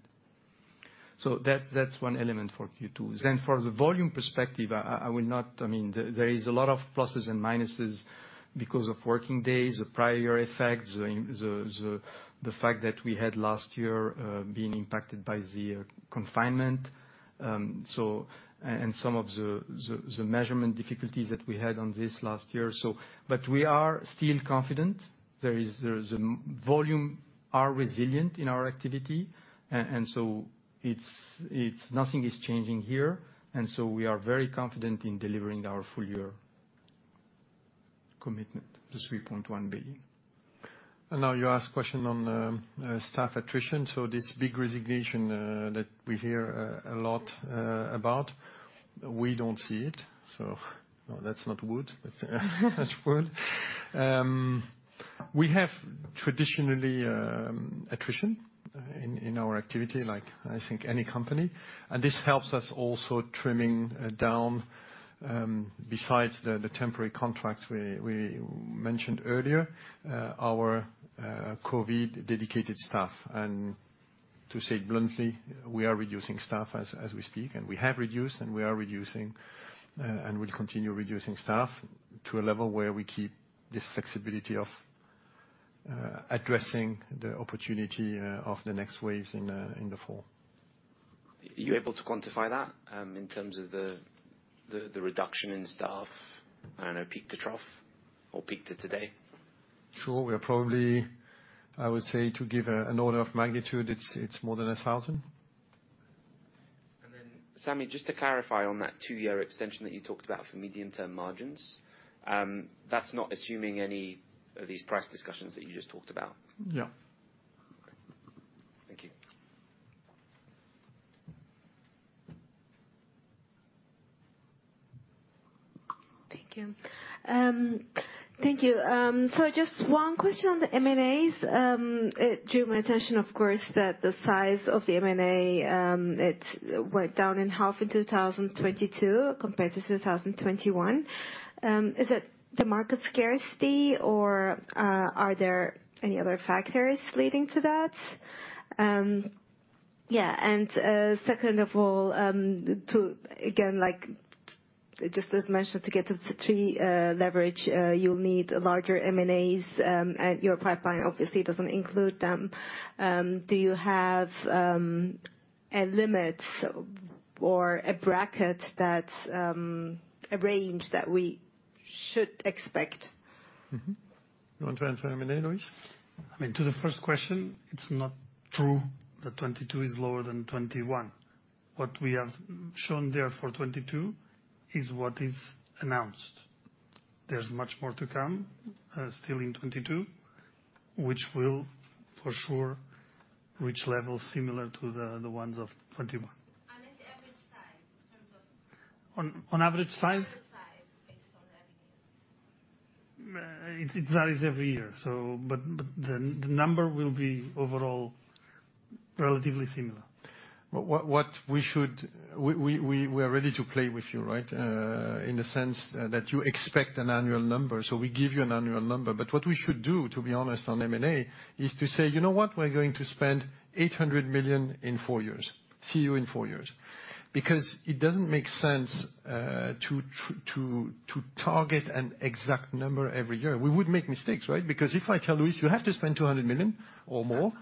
P: That's one element for Q2. For the volume perspective, I will not... I mean, there is a lot of pluses and minuses because of working days, the prior effects, the fact that last year was impacted by the confinement. Some of the measurement difficulties that we had in the last year. But we are still confident. Volumes are resilient in our activity. Nothing is changing here. We are very confident in delivering our full year commitment to 3.1 billion.
B: Now you ask question on staff attrition. This big resignation that we hear a lot about, we don't see it. That's not good, but that's good. We have traditionally attrition in our activity like, I think, any company. This helps us also trimming down, besides the temporary contracts we mentioned earlier, our COVID dedicated staff. To say bluntly, we are reducing staff as we speak, and we have reduced, and we are reducing, and will continue reducing staff to a level where we keep this flexibility of addressing the opportunity of the next waves in the fall.
G: Are you able to quantify that, in terms of the reduction in staff? I don't know, peak to trough or peak to today?
P: Sure. We are probably, I would say to give an order of magnitude, it's more than 1,000.
G: Sami, just to clarify on that two-year extension that you talked about for medium-term margins, that's not assuming any of these price discussions that you just talked about?
P: Yeah.
G: Okay. Thank you.
H: Thank you. Thank you. So just one question on the M&As. It drew my attention, of course, that the size of the M&A it went down in half in 2022 compared to 2021. Is it the market scarcity, or are there any other factors leading to that? Yeah, second of all, again, like, just as mentioned, to get to three leverage, you'll need larger M&As, and your pipeline obviously doesn't include them. Do you have a limit or a bracket that's a range that we should expect?
B: Mm-hmm. You want to answer M&A, Luis?
O: I mean, to the first question, it's not true that 2022 is lower than 2021. What we have shown there for 2022 is what is announced. There's much more to come, still in 2022, which will for sure reach levels similar to the ones of 2021.
H: I meant the average size in terms of.
O: On average size?
H: Average size based on revenues.
O: It varies every year, so, but the number will be overall relatively similar.
B: What we should, we are ready to play with you, right? In the sense that you expect an annual number, so we give you an annual number. What we should do, to be honest, on M&A is to say, "You know what? We're going to spend 800 million in four years. See you in four years." Because it doesn't make sense to target an exact number every year. We would make mistakes, right? Because if I tell Luis Vieira, "You have to spend 200 million or more,"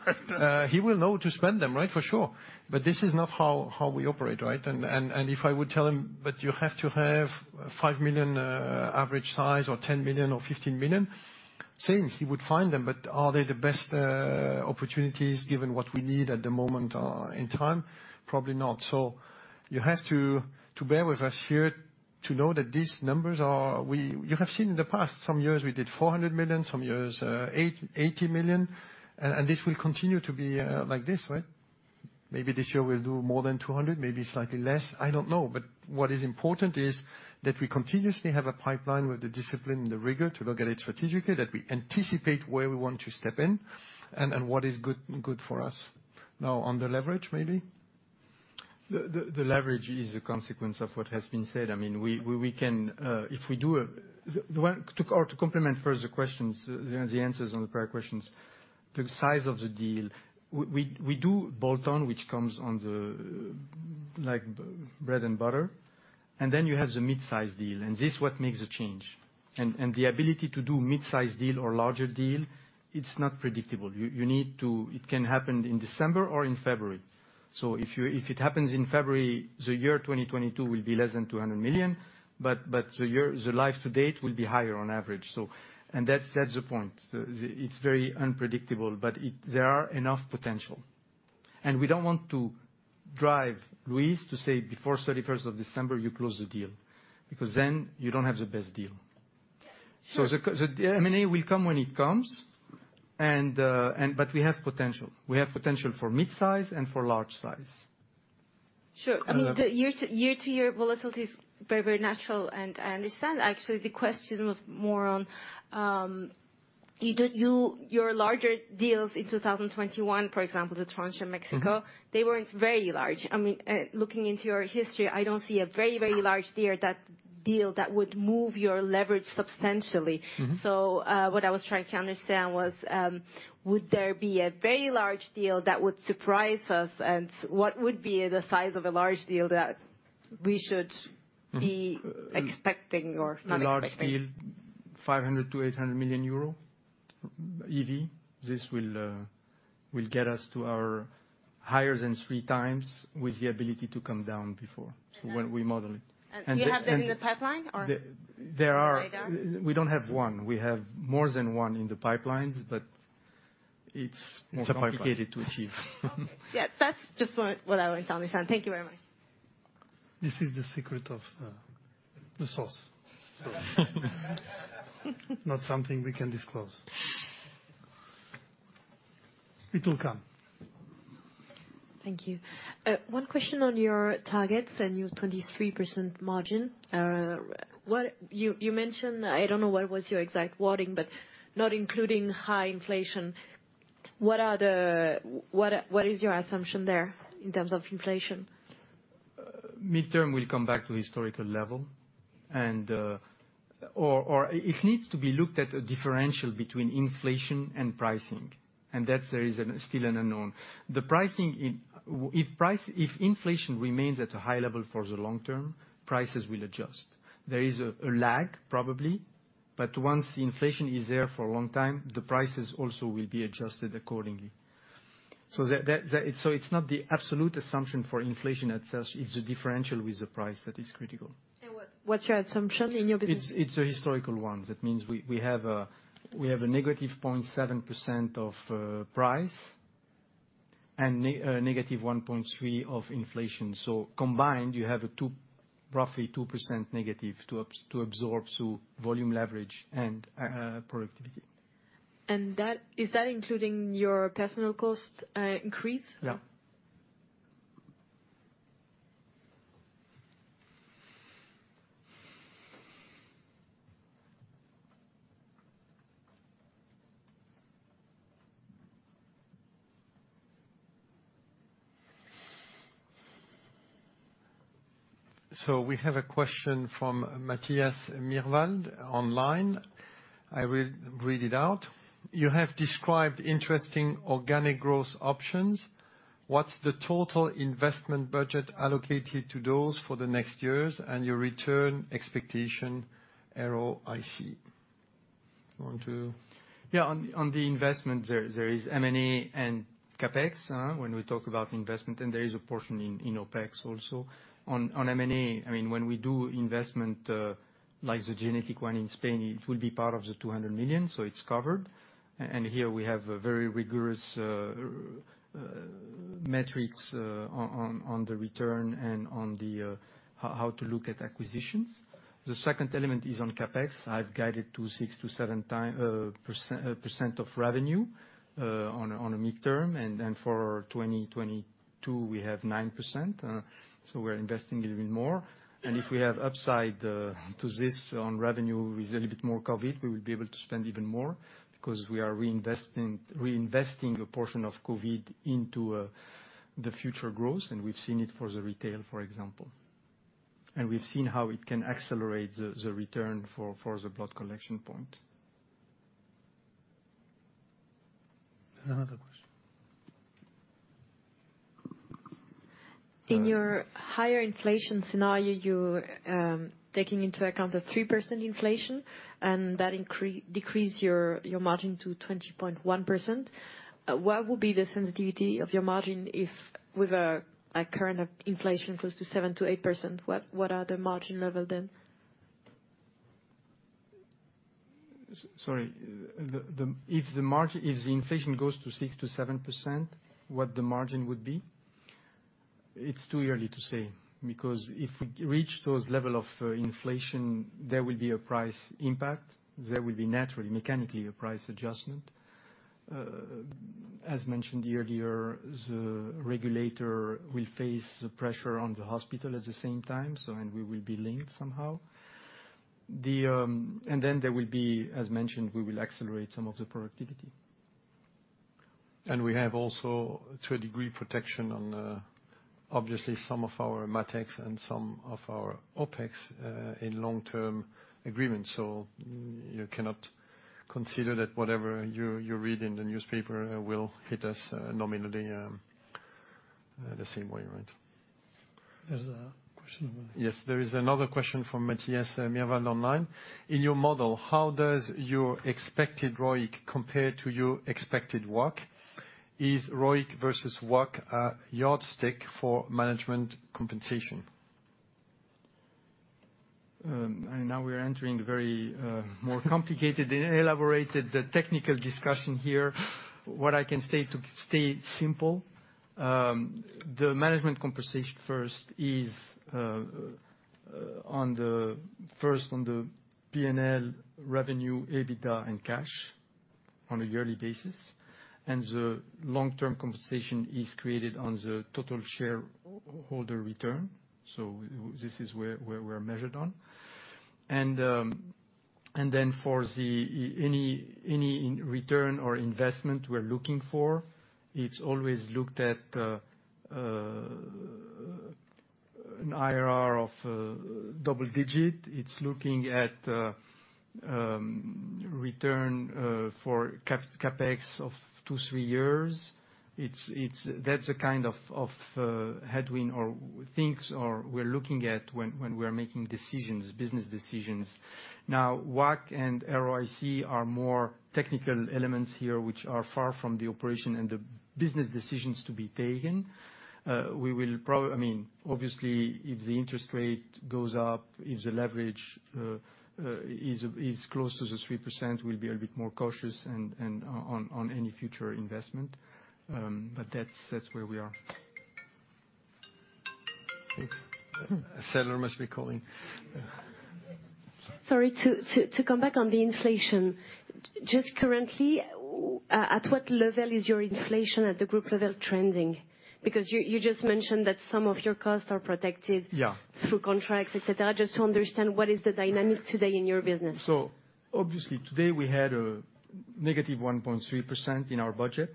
B: he will know to spend them, right? For sure. This is not how we operate, right? If I would tell him, "But you have to have 5 million average size or 10 million or 15 million," same, he would find them, but are they the best opportunities given what we need at the moment in time? Probably not. You have to bear with us here to know that these numbers are. You have seen in the past some years we did 400 million, some years 880 million, and this will continue to be like this, right? Maybe this year we'll do more than 200 million, maybe slightly less. I don't know. What is important is that we continuously have a pipeline with the discipline and the rigor to look at it strategically, that we anticipate where we want to step in and what is good for us. Now, on the leverage, maybe?
P: The leverage is a consequence of what has been said. I mean, we can, to complement first the questions, the answers on the prior questions, the size of the deal, we do bolt-on, which is like bread and butter, and then you have the mid-size deal, and this is what makes a change. The ability to do mid-size deal or larger deal, it's not predictable. You need to. It can happen in December or in February. If it happens in February, the year 2022 will be less than 200 million, but the life to date will be higher on average. That's the point. It's very unpredictable, but there are enough potential. We don't want to drive Luis to say, "Before 31st of December, you close the deal," because then you don't have the best deal. The M&A will come when it comes, but we have potential for mid-size and for large size.
H: Sure. I mean, the year-to-year volatility is very natural, and I understand. Actually, the question was more on you, your larger deals in 2021, for example, the transaction Mexico-
B: Mm-hmm.
H: They weren't very large. I mean, looking into your history, I don't see a very large deal that would move your leverage substantially.
B: Mm-hmm.
H: What I was trying to understand was, would there be a very large deal that would surprise us, and what would be the size of a large deal that we should be expecting or not expecting?
B: The large deal, 500 million-800 million euro EV. This will get us to our higher than three times with the ability to come down before. When we model it.
H: You have that in the pipeline or?
B: We don't have one. We have more than one in the pipelines, but it's more complicated to achieve.
H: Okay. Yeah. That's just what I want to understand. Thank you very much.
B: This is the secret of the sauce. Sorry. Not something we can disclose. It will come.
H: Thank you. One question on your targets and your 23% margin. You mentioned, I don't know what was your exact wording, but not including high inflation, what is your assumption there in terms of inflation?
P: Midterm will come back to historical level. It needs to be looked at the differential between inflation and pricing, and that there is still an unknown. If inflation remains at a high level for the long term, prices will adjust. There is a lag probably, but once inflation is there for a long time, the prices also will be adjusted accordingly. It's not the absolute assumption for inflation itself, it's the differential with the price that is critical.
H: What's your assumption in your business?
P: It's a historical one. That means we have a -0.7% of price and -1.3% of inflation. Combined, you have a roughly 2% negative to absorb through volume leverage and productivity.
H: Is that including your personnel cost increase?
P: Yeah.
B: We have a question from Matthias Mierwald online. I will read it out. You have described interesting organic growth options. What's the total investment budget allocated to those for the next years and your return expectation ROIC? You want to?
P: On the investment there is M&A and CapEx, when we talk about investment, and there is a portion in OpEx also. On M&A, I mean, when we do investment, like the genetic one in Spain, it will be part of 200 million, so it's covered. Here we have a very rigorous metrics on the return and on how to look at acquisitions. The second element is on CapEx. I've guided to 6-7% of revenue on a midterm. Then for 2022, we have 9%, so we're investing a little bit more. If we have upside to this on revenue with a little bit more COVID, we will be able to spend even more because we are reinvesting a portion of COVID into the future growth, and we've seen it for the retail, for example. We've seen how it can accelerate the return for the blood collection point.
B: There's another question.
H: In your higher inflation scenario, you're taking into account the 3% inflation and that decrease your margin to 20.1%. What would be the sensitivity of your margin if with a, like, current inflation close to 7%-8%? What are the margin level then?
P: Sorry. If the inflation goes to 6%-7%, what the margin would be? It's too early to say because if we reach those level of inflation, there will be a price impact. There will be naturally, mechanically a price adjustment. As mentioned earlier, the regulator will face the pressure on the hospital at the same time, and we will be linked somehow. Then there will be, as mentioned, we will accelerate some of the productivity.
B: We have also, to a degree, protection on, obviously some of our MatEx and some of our OpEx, in long-term agreements. You cannot consider that whatever you read in the newspaper, will hit us, nominally, the same way, right?
P: There's a question.
B: Yes, there is another question from Matthias Mierwald online. In your model, how does your expected ROIC compare to your expected WACC? Is ROIC versus WACC a yardstick for management compensation?
P: Now we are entering very more complicated and elaborated technical discussion here. What I can say to stay simple, the management compensation first is on the P&L revenue, EBITDA, and cash on a yearly basis. The long-term compensation is created on the total shareholder return. This is where we're measured on. For any return on investment we're looking for, it's always looked at an IRR of double digit. It's looking at return on CapEx of 2-3 years. That's the kind of headwind or things we're looking at when we are making decisions, business decisions. Now, WACC and ROIC are more technical elements here, which are far from the operation and the business decisions to be taken. I mean, obviously, if the interest rate goes up, if the leverage is close to the 3%, we'll be a bit more cautious and on any future investment. That's where we are.
B: A seller must be calling.
H: Sorry. To come back on the inflation. Just currently, at what level is your inflation at the group level trending? Because you just mentioned that some of your costs are protected.
P: Yeah.
H: through contracts, et cetera. Just to understand what is the dynamic today in your business.
P: Obviously today we had a negative 1.3% in our budget.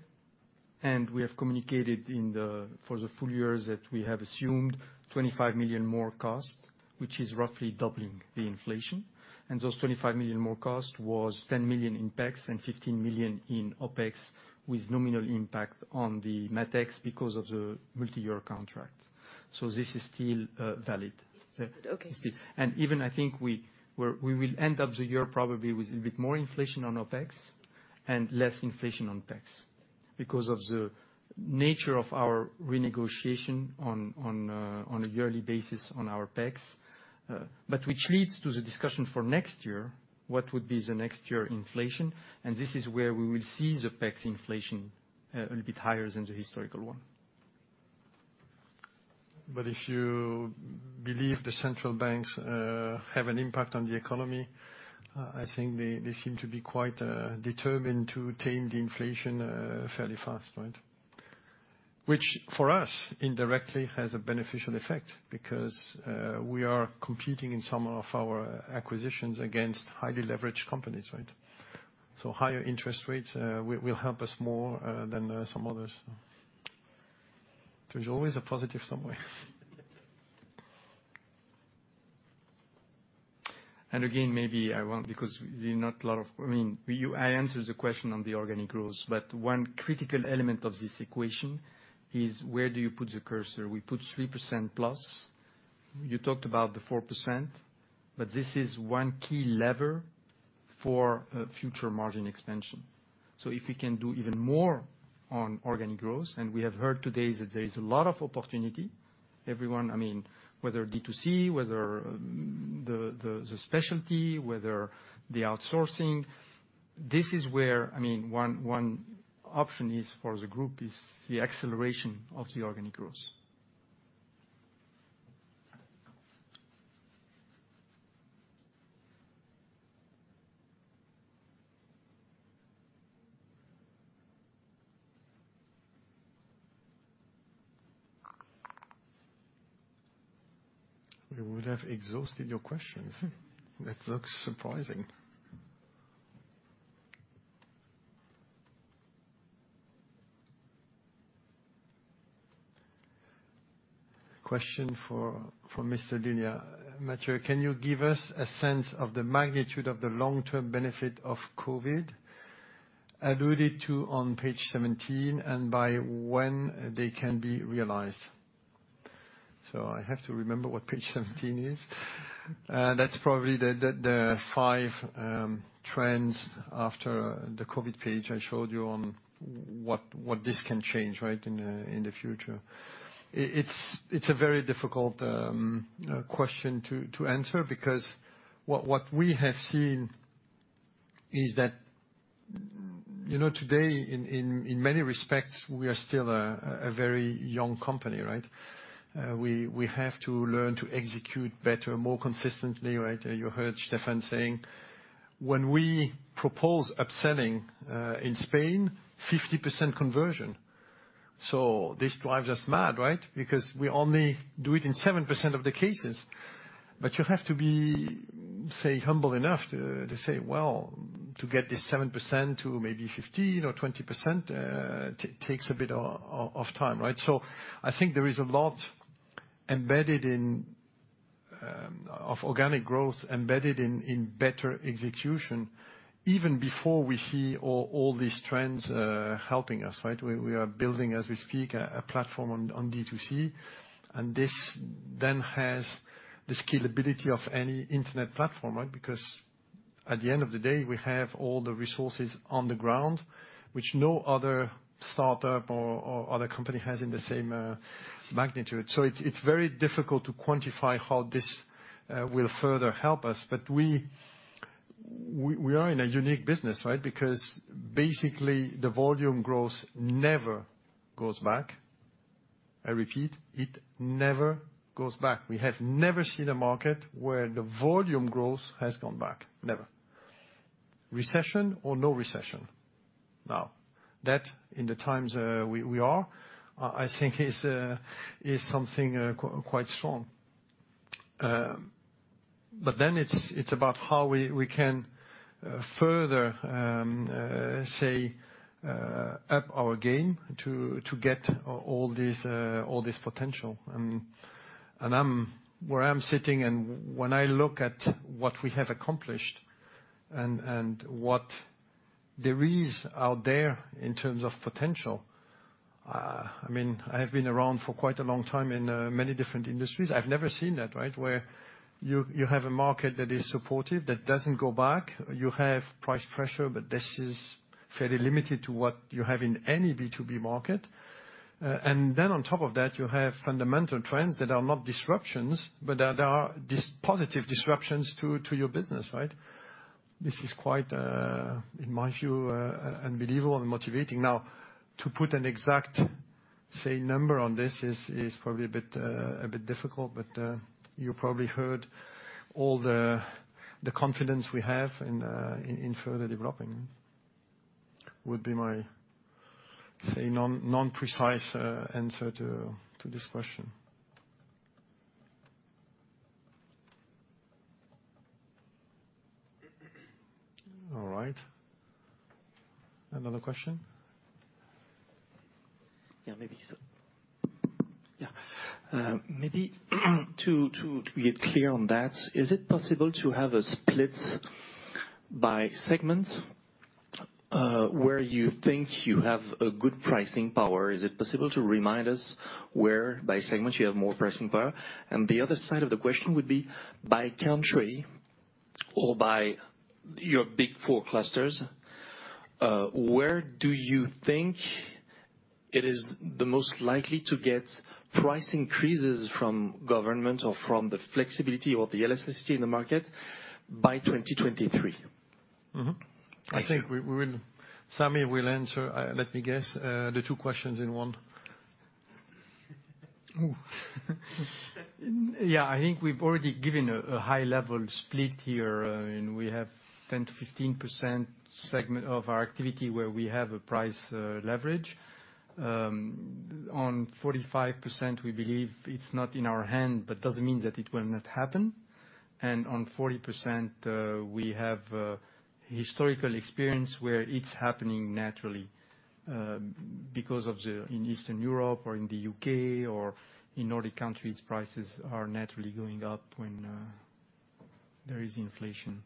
P: We have communicated for the full year that we have assumed 25 million more cost, which is roughly doubling the inflation. Those 25 million more cost was 10 million in OpEx and 15 million in OpEx, with nominal impact on the MatEx because of the multiyear contract. This is still valid.
H: Okay.
P: Even I think we will end up the year probably with a bit more inflation on OpEx and less inflation on CapEx because of the nature of our renegotiation on a yearly basis on our OpEx. Which leads to the discussion for next year, what would be the next year inflation, and this is where we will see the OpEx inflation a bit higher than the historical one. If you believe the central banks have an impact on the economy, I think they seem to be quite determined to tame the inflation fairly fast, right? Which for us indirectly has a beneficial effect because we are competing in some of our acquisitions against highly leveraged companies, right? Higher interest rates will help us more than some others. There's always a positive somewhere. Again, maybe I won't because there are not a lot of. I mean, I answered the question on the organic growth, but one critical element of this equation is where do you put the cursor? We put 3%+. You talked about the 4%, but this is one key lever for future margin expansion. If we can do even more on organic growth, and we have heard today that there is a lot of opportunity, everyone, I mean, whether D2C, whether the specialty, whether the outsourcing. This is where, I mean, one option is for the group is the acceleration of the organic growth.
B: We would have exhausted your questions. That looks surprising.
A: Question for Mathieu Floreani. Mathieu, can you give us a sense of the magnitude of the long-term benefit of COVID alluded to on page 17 and by when they can be realized?
B: I have to remember what page seventeen is. That's probably the five trends after the COVID page I showed you on what this can change, right, in the future. It's a very difficult question to answer because what we have seen is that, you know, today in many respects, we are still a very young company, right? We have to learn to execute better, more consistently, right? You heard Stephan saying when we propose upselling in Spain, 50% conversion. This drives us mad, right? Because we only do it in 7% of the cases. You have to be, say, humble enough to say, well, to get this 7% to maybe 15% or 20%, takes a bit of time, right? I think there is a lot of organic growth embedded in better execution even before we see all these trends helping us, right? We are building as we speak a platform on D2C, and this then has the scalability of any internet platform, right? Because at the end of the day, we have all the resources on the ground which no other startup or other company has in the same magnitude. It's very difficult to quantify how this will further help us. We are in a unique business, right? Because basically the volume growth never goes back. I repeat, it never goes back. We have never seen a market where the volume growth has gone back. Never. Recession or no recession. Now, that in these times we are, I think, is something quite strong. It's about how we can further step up our game to get all this potential. I'm where I'm sitting and when I look at what we have accomplished and what there is out there in terms of potential, I mean, I have been around for quite a long time in many different industries. I've never seen that, right? Where you have a market that is supportive, that doesn't go back. You have price pressure, but this is fairly limited to what you have in any B2B market. On top of that, you have fundamental trends that are not disruptions, but that are positive disruptions to your business, right? This is quite, in my view, unbelievable and motivating. Now, to put an exact, say, number on this is probably a bit difficult, but you probably heard all the confidence we have in further developing would be my, say, non-precise answer to this question. All right. Another question?
P: Yeah, maybe so. Yeah. Maybe to be clear on that, is it possible to have a split by segment, where you think you have a good pricing power? Is it possible to remind us where by segment you have more pricing power? The other side of the question would be by country or by your big four clusters, where do you think it is the most likely to get price increases from government or from the flexibility or the elasticity in the market by 2023?
B: Mm-hmm.
P: Thank you.
B: I think Sami will answer, let me guess, the two questions in one. Yeah. I think we've already given a high level split here, and we have 10%-15% segment of our activity where we have a price leverage. On 45% we believe it's not in our hand, but doesn't mean that it will not happen. On 40%, we have historical experience where it's happening naturally, because in Eastern Europe or in the UK or in Nordic countries, prices are naturally going up when there is inflation.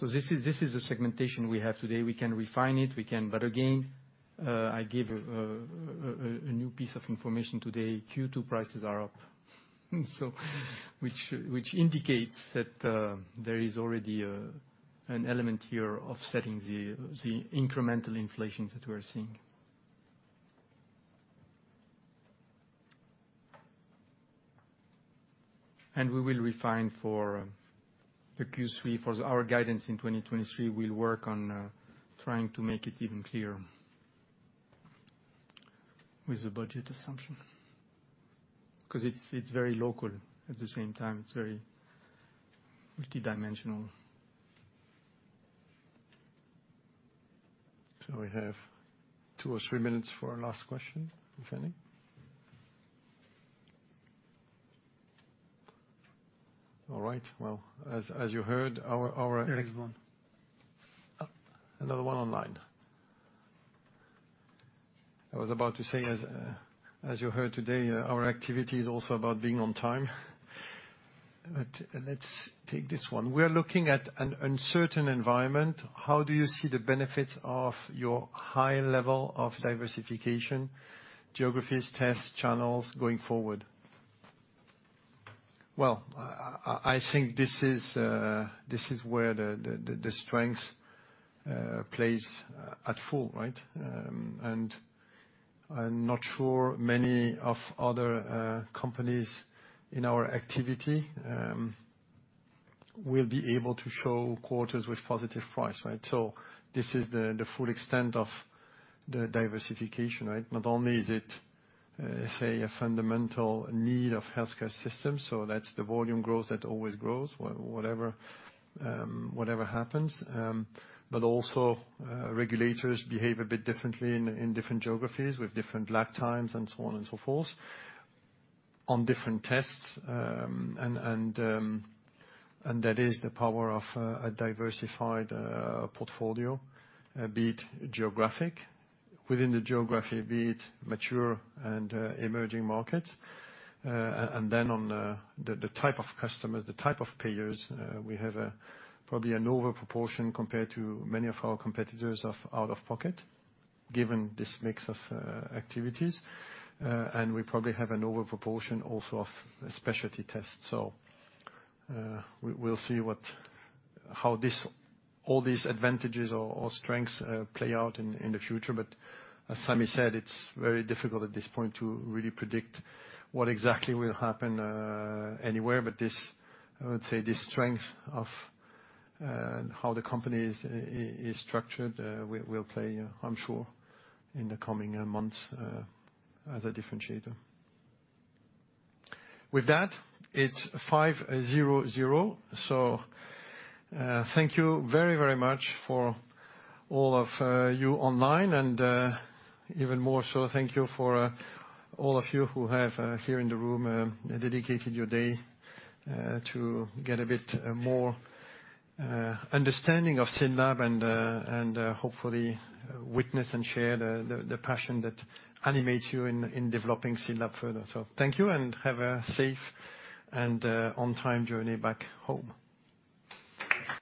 B: This is the segmentation we have today. We can refine it. Again, I gave a new piece of information today, Q2 prices are up. Which indicates that there is already an element here offsetting the incremental inflations that we're seeing. We will refine for the Q3. For our guidance in 2023, we'll work on trying to make it even clearer.
P: With the budget assumption.
B: Cause it's very local. At the same time, it's very multidimensional. We have two or three minutes for a last question, if any. All right. Well, as you heard, our
P: There is one.
B: Another one online. I was about to say, as you heard today, our activity is also about being on time. Let's take this one. We are looking at an uncertain environment. How do you see the benefits of your high level of diversification, geographies, tests, channels going forward? I think this is where the strengths play at full, right? And I'm not sure many other companies in our activity will be able to show quarters with positive pricing, right? This is the full extent of the diversification, right? Not only is it such a fundamental need of healthcare systems, that's the volume growth that always grows for whatever happens. Regulators behave a bit differently in different geographies with different lag times and so on and so forth on different tests. That is the power of a diversified portfolio, be it geographic. Within the geography, be it mature and emerging markets. Then on the type of customers, the type of payers, we have probably an over-proportion compared to many of our competitors of out-of-pocket given this mix of activities. We probably have an over-proportion also of specialty tests. We'll see what how this all these advantages or strengths play out in the future. As Sami said, it's very difficult at this point to really predict what exactly will happen anywhere. This, I would say, the strength of how the company is structured will play, I'm sure, in the coming months as a differentiator. With that, it's 500. Thank you very, very much for all of you online and even more so, thank you for all of you who have here in the room dedicated your day to get a bit more understanding of SYNLAB and hopefully witness and share the passion that animates you in developing SYNLAB further. Thank you, and have a safe and on-time journey back home.